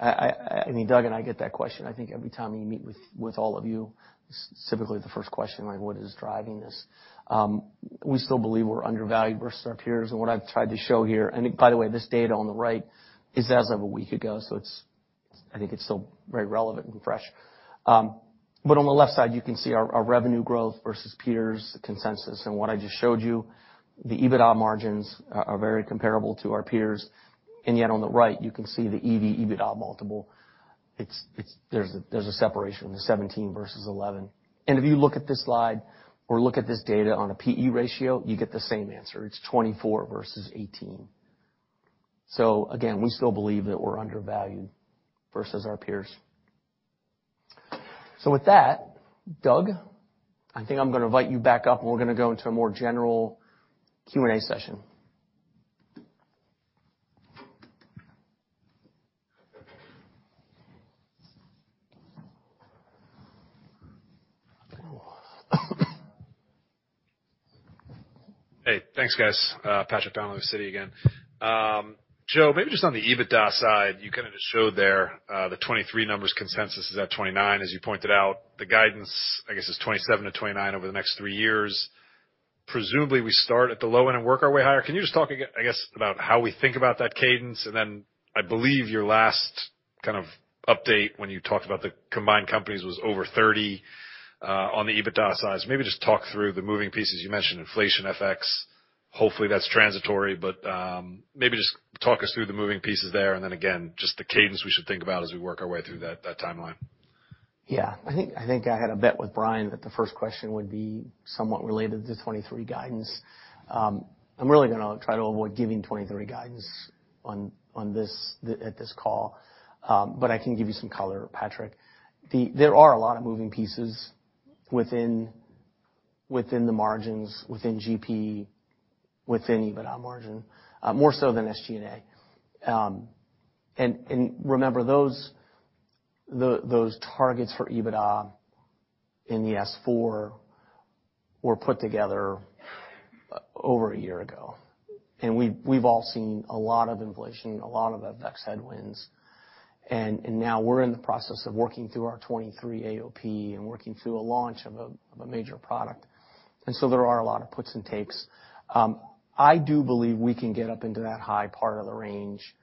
I mean, Doug and I get that question, I think every time we meet with all of you, specifically the first question, like, what is driving this? We still believe we're undervalued versus our peers, what I've tried to show here. By the way, this data on the right is as of a week ago, so I think it's still very relevant and fresh. On the left side, you can see our revenue growth versus peers consensus. What I just showed you, the EBITDA margins are very comparable to our peers. Yet on the right, you can see the EV/EBITDA multiple. There's a separation of 17 versus 11. If you look at this slide or look at this data on a P/E ratio, you get the same answer. It's 24 versus 18. Again, we still believe that we're undervalued versus our peers. With that, Doug, I think I'm gonna invite you back up, and we're gonna go into a more general Q&A session. Hey, thanks, guys. Patrick Donnelly with Citi again. Joe, maybe just on the EBITDA side, you kinda just showed there, the '23 numbers consensus is at 29, as you pointed out. The guidance, I guess, is 27-29 over the next three years. Presumably, we start at the low end and work our way higher. Can you just talk I guess, about how we think about that cadence? I believe your last kind of update when you talked about the combined companies was over 30, on the EBITDA side. maybe just talk through the moving pieces. You mentioned inflation, FX. Hopefully, that's transitory. maybe just talk us through the moving pieces there and then again, just the cadence we should think about as we work our way through that timeline. Yeah. I think I had a bet with Brian that the first question would be somewhat related to the 2023 guidance. I'm really gonna try to avoid giving 2023 guidance on this call. I can give you some color, Patrick. There are a lot of moving pieces within the margins, within GP, within EBITDA margin, more so than SG&A. Remember, those targets for EBITDA in the S4 were put together over a year ago. We've all seen a lot of inflation, a lot of FX headwinds, and now we're in the process of working through our 2023 AOP and working through a launch of a major product. There are a lot of puts and takes. I do believe we can get up into that high part of the range,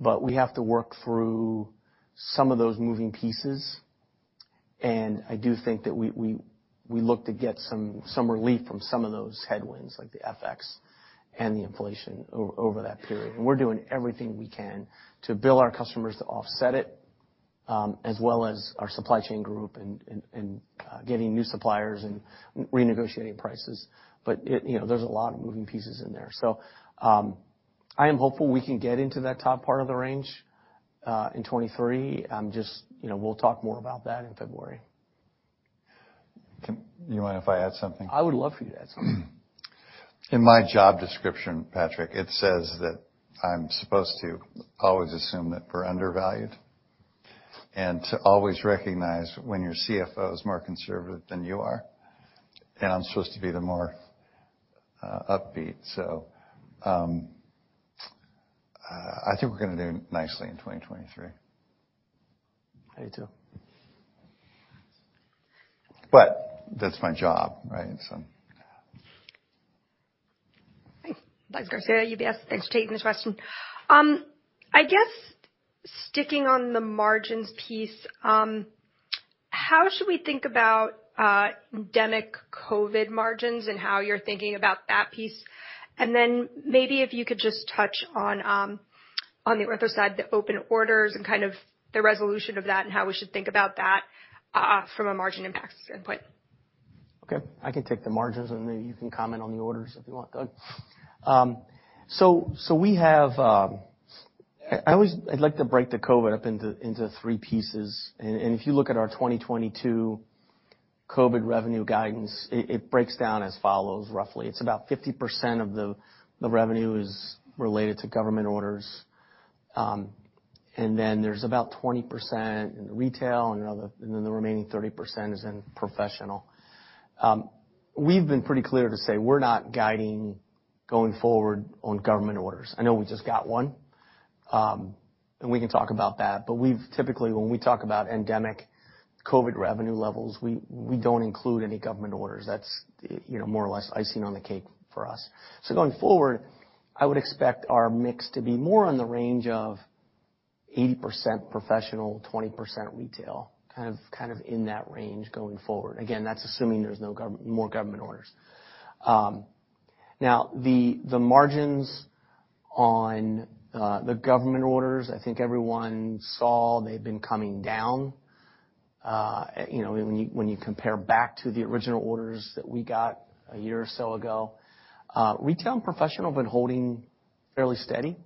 but we have to work through some of those moving pieces. I do think that we look to get some relief from some of those headwinds, like the FX and the inflation over that period. We're doing everything we can to bill our customers to offset it, as well as our supply chain group and getting new suppliers and renegotiating prices. You know, there's a lot of moving pieces in there. I am hopeful we can get into that top part of the range in 2023. You know, we'll talk more about that in February. You mind if I add something? I would love for you to add something. In my job description, Patrick, it says that I'm supposed to always assume that we're undervalued and to always recognize when your CFO is more conservative than you are. I'm supposed to be the more upbeat. I think we're gonna do nicely in 2023. I do too. That's my job, right? So Hi. Eliza Garcia, UBS. Thanks for taking this question. I guess sticking on the margins piece, how should we think about endemic COVID margins and how you're thinking about that piece? Then maybe if you could just touch on on the other side, the open orders and kind of the resolution of that and how we should think about that from a margin impacts standpoint? Okay. I can take the margins, and then you can comment on the orders if you want, Doug. We have, I always like to break the COVID up into three pieces. If you look at our 2022 COVID revenue guidance, it breaks down as follows, roughly. It's about 50% of the revenue is related to government orders. Then there's about 20% in the retail and then the remaining 30% is in professional. We've been pretty clear to say we're not guiding going forward on government orders. I know we just got one, and we can talk about that. Typically, when we talk about endemic COVID revenue levels, we don't include any government orders. That's, you know, more or less icing on the cake for us. Going forward, I would expect our mix to be more on the range of 80% professional, 20% retail, kind of in that range going forward. Again, that's assuming there's no more government orders. Now the margins on the government orders, I think everyone saw they've been coming down. You know, when you compare back to the original orders that we got a year or so ago, retail and professional have been holding fairly steady.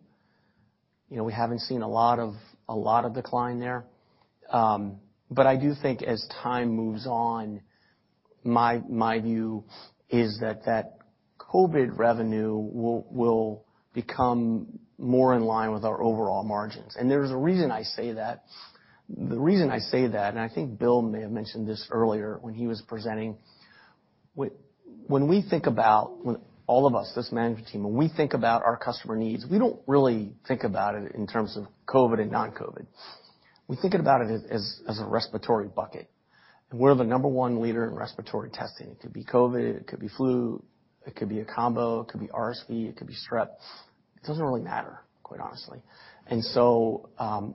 You know, we haven't seen a lot of decline there. But I do think as time moves on. My view is that COVID revenue will become more in line with our overall margins. There's a reason I say that. The reason I say that, I think Bill may have mentioned this earlier when he was presenting, when we think about when all of us, this management team, when we think about our customer needs, we don't really think about it in terms of COVID and non-COVID. We're thinking about it as a respiratory bucket. We're the number one leader in respiratory testing. It could be COVID, it could be flu, it could be a combo, it could be RSV, it could be strep. It doesn't really matter, quite honestly.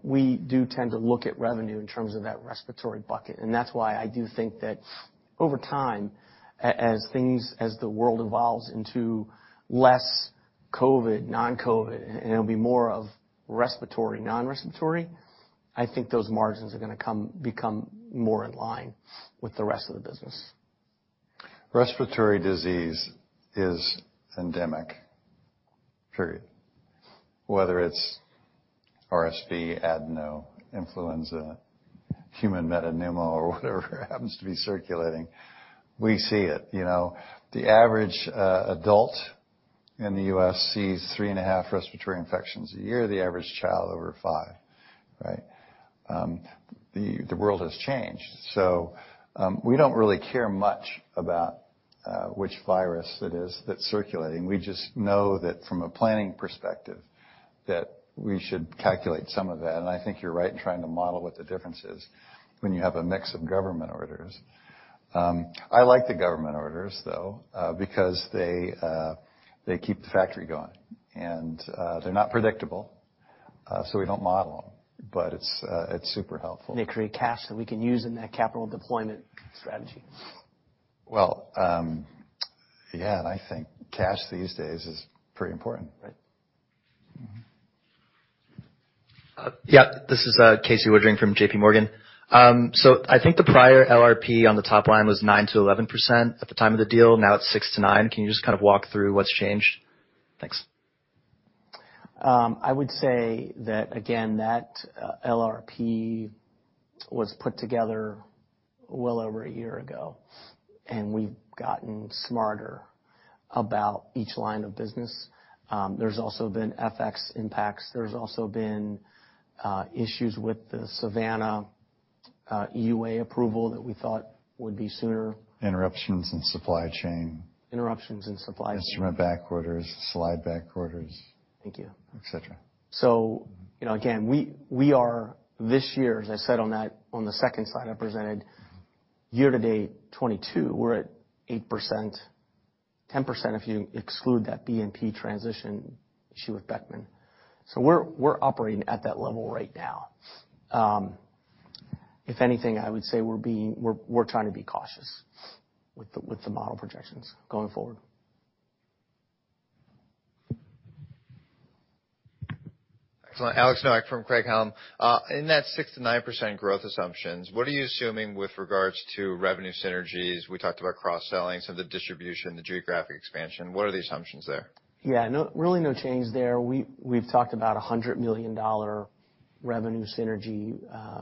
We do tend to look at revenue in terms of that respiratory bucket. That's why I do think that over time, as things, as the world evolves into less COVID, non-COVID, and it'll be more of respiratory, non-respiratory, I think those margins are gonna become more in line with the rest of the business. Respiratory disease is endemic, period. Whether it's RSV, Adeno, Influenza, human metapneumo or whatever happens to be circulating, we see it, you know? The average adult in the U.S. sees 3.5 respiratory infections a year, the average child over five, right? The world has changed. We don't really care much about which virus it is that's circulating. We just know that from a planning perspective, that we should calculate some of that. I think you're right in trying to model what the difference is when you have a mix of government orders. I like the government orders, though, because they keep the factory going. They're not predictable, so we don't model them, but it's super helpful. They create cash that we can use in that capital deployment strategy. Well, yeah, I think cash these days is pretty important. Right. Mm-hmm. Yeah, this is Casey Woodring from JPMorgan. I think the prior LRP on the top line was 9%-11% at the time of the deal. Now it's 6%-9%. Can you just kind of walk through what's changed? Thanks. I would say that, again, that LRP was put together well over a year ago, and we've gotten smarter about each line of business. There's also been FX impacts. There's also been issues with the Savanna EUA approval that we thought would be sooner. Interruptions in supply chain. Interruptions in supply chain. Instrument back orders, slide back orders. Thank you. Et cetera. you know, again, we are this year, as I said on the second slide I presented, year to date 2022, we're at 8%, 10% if you exclude that BNP transition issue with Beckman Coulter. We're operating at that level right now. If anything, I would say we're trying to be cautious with the, with the model projections going forward. Excellent. Alex Nowak from Craig-Hallum. In that 6%-9% growth assumptions, what are you assuming with regards to revenue synergies? We talked about cross-selling, so the distribution, the geographic expansion. What are the assumptions there? Yeah. No really no change there. We've talked about $100 million revenue synergy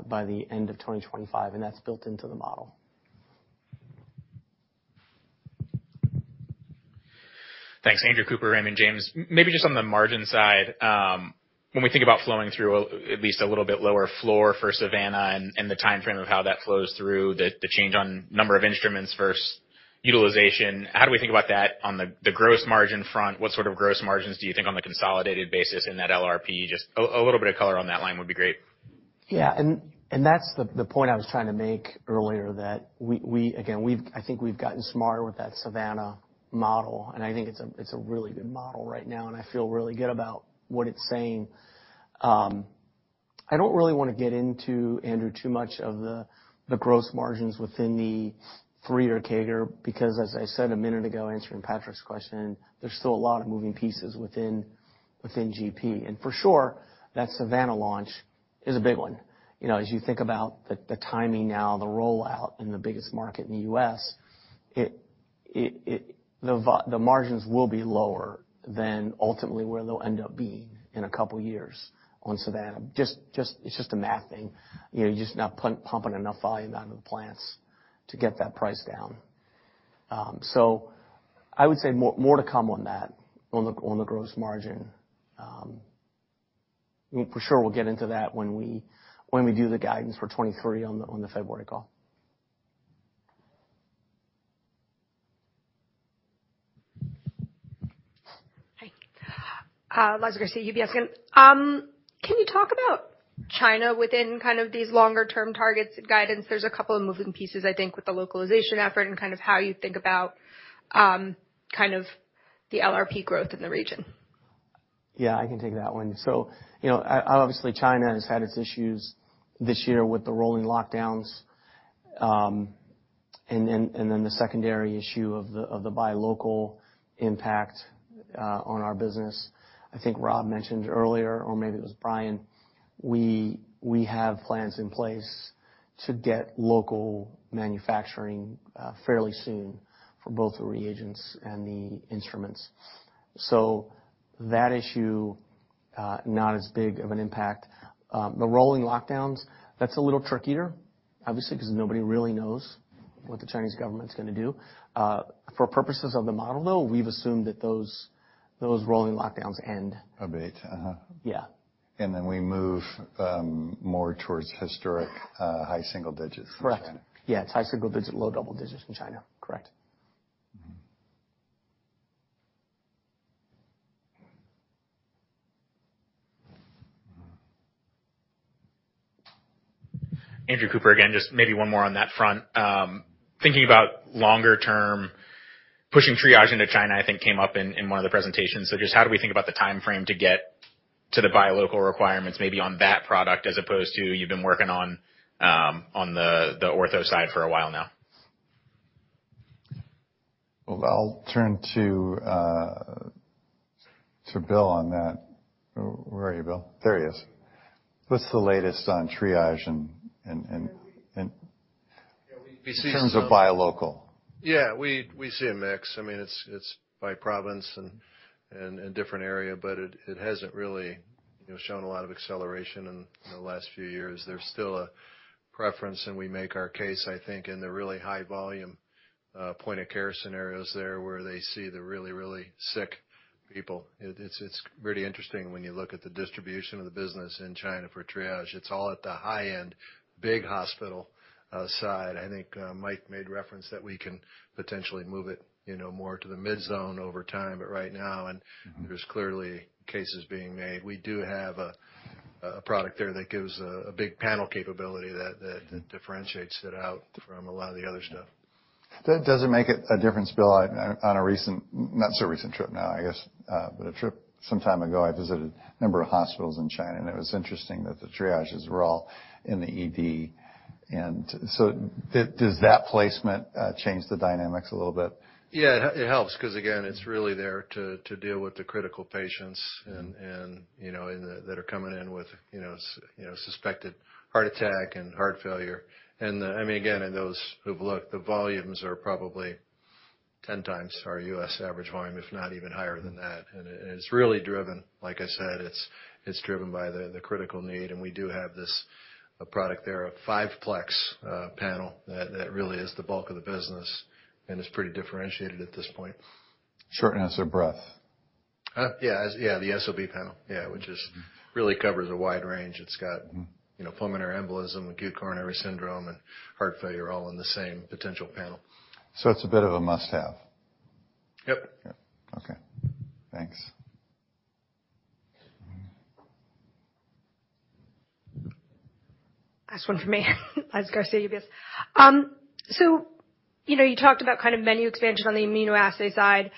by the end of 2025. That's built into the model. Thanks. Andrew Cooper, Raymond James. maybe just on the margin side, when we think about flowing through at least a little bit lower floor for Savanna and the timeframe of how that flows through the change on number of instruments versus utilization, how do we think about that on the gross margin front? What sort of gross margins do you think on the consolidated basis in that LRP? Just a little bit of color on that line would be great. Yeah. That's the point I was trying to make earlier, that I think we've gotten smarter with that Savanna model, and I think it's a really good model right now, and I feel really good about what it's saying. I don't really wanna get into, Andrew, too much of the gross margins within the three-year CAGR because as I said a minute ago answering Patrick's question, there's still a lot of moving pieces within GP. For sure, that Savanna launch is a big one. You know, as you think about the timing now, the rollout in the biggest market in the U.S., the margins will be lower than ultimately where they'll end up being in a couple years on Savanna. It's just a math thing. You know, you're just not pumping enough volume out of the plants to get that price down. I would say more to come on that, on the gross margin. I mean, for sure we'll get into that when we do the guidance for 2023 on the February call. Hi. Eliza Garcia, UBS again. Can you talk about China within kind of these longer term targets guidance? There's a couple of moving pieces, I think, with the localization effort and kind of how you think about, kind of the LRP growth in the region. Yeah, I can take that one. You know, obviously, China has had its issues this year with the rolling lockdowns, and then the secondary issue of the buy local impact on our business. I think Rob mentioned earlier, or maybe it was Brian Hansen, we have plans in place to get local manufacturing fairly soon for both the reagents and the instruments. That issue, not as big of an impact. The rolling lockdowns, that's a little trickier, obviously, 'cause nobody really knows what the Chinese government's going to do. For purposes of the model, though, we've assumed that those rolling lockdowns end. Abate, uh-huh. Yeah. We move, more towards historic, high single digits in China. Correct. Yeah, it's high single digits, low double digits in China. Correct. Mm-hmm. Andrew Cooper again. Just maybe one more on that front. Thinking about longer term, pushing TRIAGE into China, I think came up in one of the presentations. Just how do we think about the timeframe to get to the buy local requirements, maybe on that product, as opposed to you've been working on the Ortho side for a while now? Well, I'll turn to Bill on that. Where are you, Bill? There he is. What's the latest on TRIAGE and. Yeah. In terms of buy local. Yeah, we see a mix. I mean, it's by province and different area, but it hasn't really, you know, shown a lot of acceleration in, you know, the last few years. There's still a preference, and we make our case, I think, in the really high volume point of care scenarios there where they see the really, really sick people. It's really interesting when you look at the distribution of the business in China for TRIAGE. It's all at the high-end, big hospital side. I think Mike made reference that we can potentially move it, you know, more to the midzone over time. Right now, and there's clearly cases being made. We do have a product there that gives a big panel capability that differentiates it out from a lot of the other stuff. Does it make a difference, Bill? On a recent. Not so recent trip now, I guess, but a trip some time ago, I visited a number of hospitals in China, and it was interesting that the TRIAGEs were all in the ED. Does that placement change the dynamics a little bit? Yeah, it helps because, again, it's really there to deal with the critical patients and, you know, and that are coming in with, you know, suspected heart attack and heart failure. I mean, again, and those who've looked, the volumes are probably 10x our U.S. average volume, if not even higher than that. It's really driven, like I said, it's driven by the critical need, and we do have a product there, a five-plex panel that really is the bulk of the business, and it's pretty differentiated at this point. Shortness of breath. Yes. Yeah, the SOB panel. Yeah. Which just really covers a wide range. It's got, you know, pulmonary embolism, acute coronary syndrome, and heart failure all in the same potential panel. It's a bit of a must-have. Yep. Okay. Thanks. Last one for me. Eliza Garcia, UBS. You know, you talked about kind of menu expansion on the immunoassay side.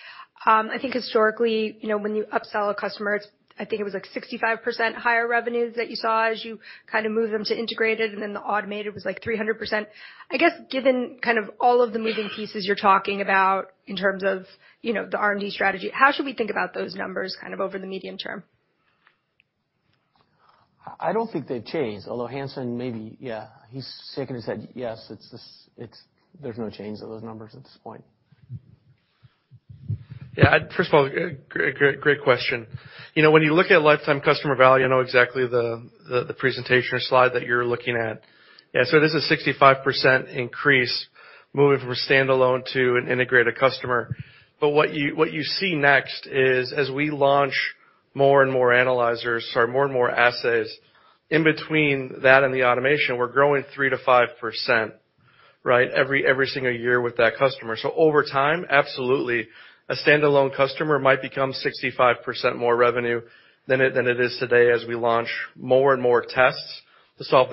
I think historically, you know, when you upsell a customer, it's, I think it was like 65% higher revenues that you saw as you kind of moved them to integrated, and then the automated was, like, 300%. Given kind of all of the moving pieces you're talking about in terms of, you know, the R&D strategy, how should we think about those numbers kind of over the medium term? I don't think they've changed, although Hanson maybe. Yeah, he's shaking his head yes. It's there's no change of those numbers at this point. First of all, great question. You know, when you look at lifetime customer value, I know exactly the presentation or slide that you're looking at. This is a 65% increase moving from a standalone to an integrated customer. What you see next is as we launch more and more analyzers, sorry, more and more assays, in between that and the automation, we're growing 3%-5%, right, every single year with that customer. Over time, absolutely. A standalone customer might become 65% more revenue than it is today as we launch more and more tests to solve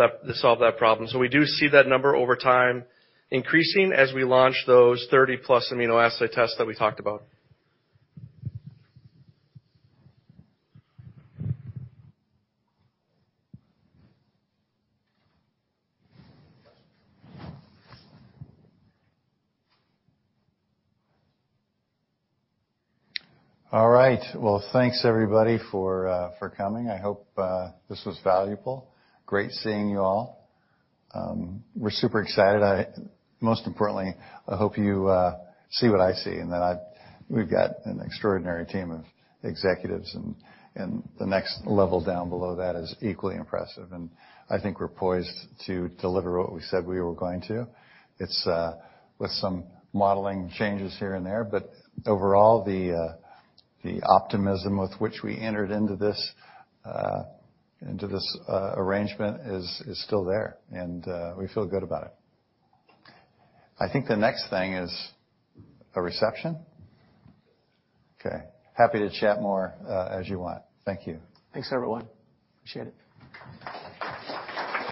that problem. We do see that number over time increasing as we launch those 30+ immunoassay tests that we talked about. All right. Well, thanks, everybody, for coming. I hope this was valuable. Great seeing you all. We're super excited. I most importantly, I hope you see what I see, and that we've got an extraordinary team of executives and the next level down below that is equally impressive. I think we're poised to deliver what we said we were going to. It's with some modeling changes here and there. Overall, the optimism with which we entered into this arrangement is still there and we feel good about it. I think the next thing is a reception. Okay. Happy to chat more as you want. Thank you. Thanks, everyone. Appreciate it.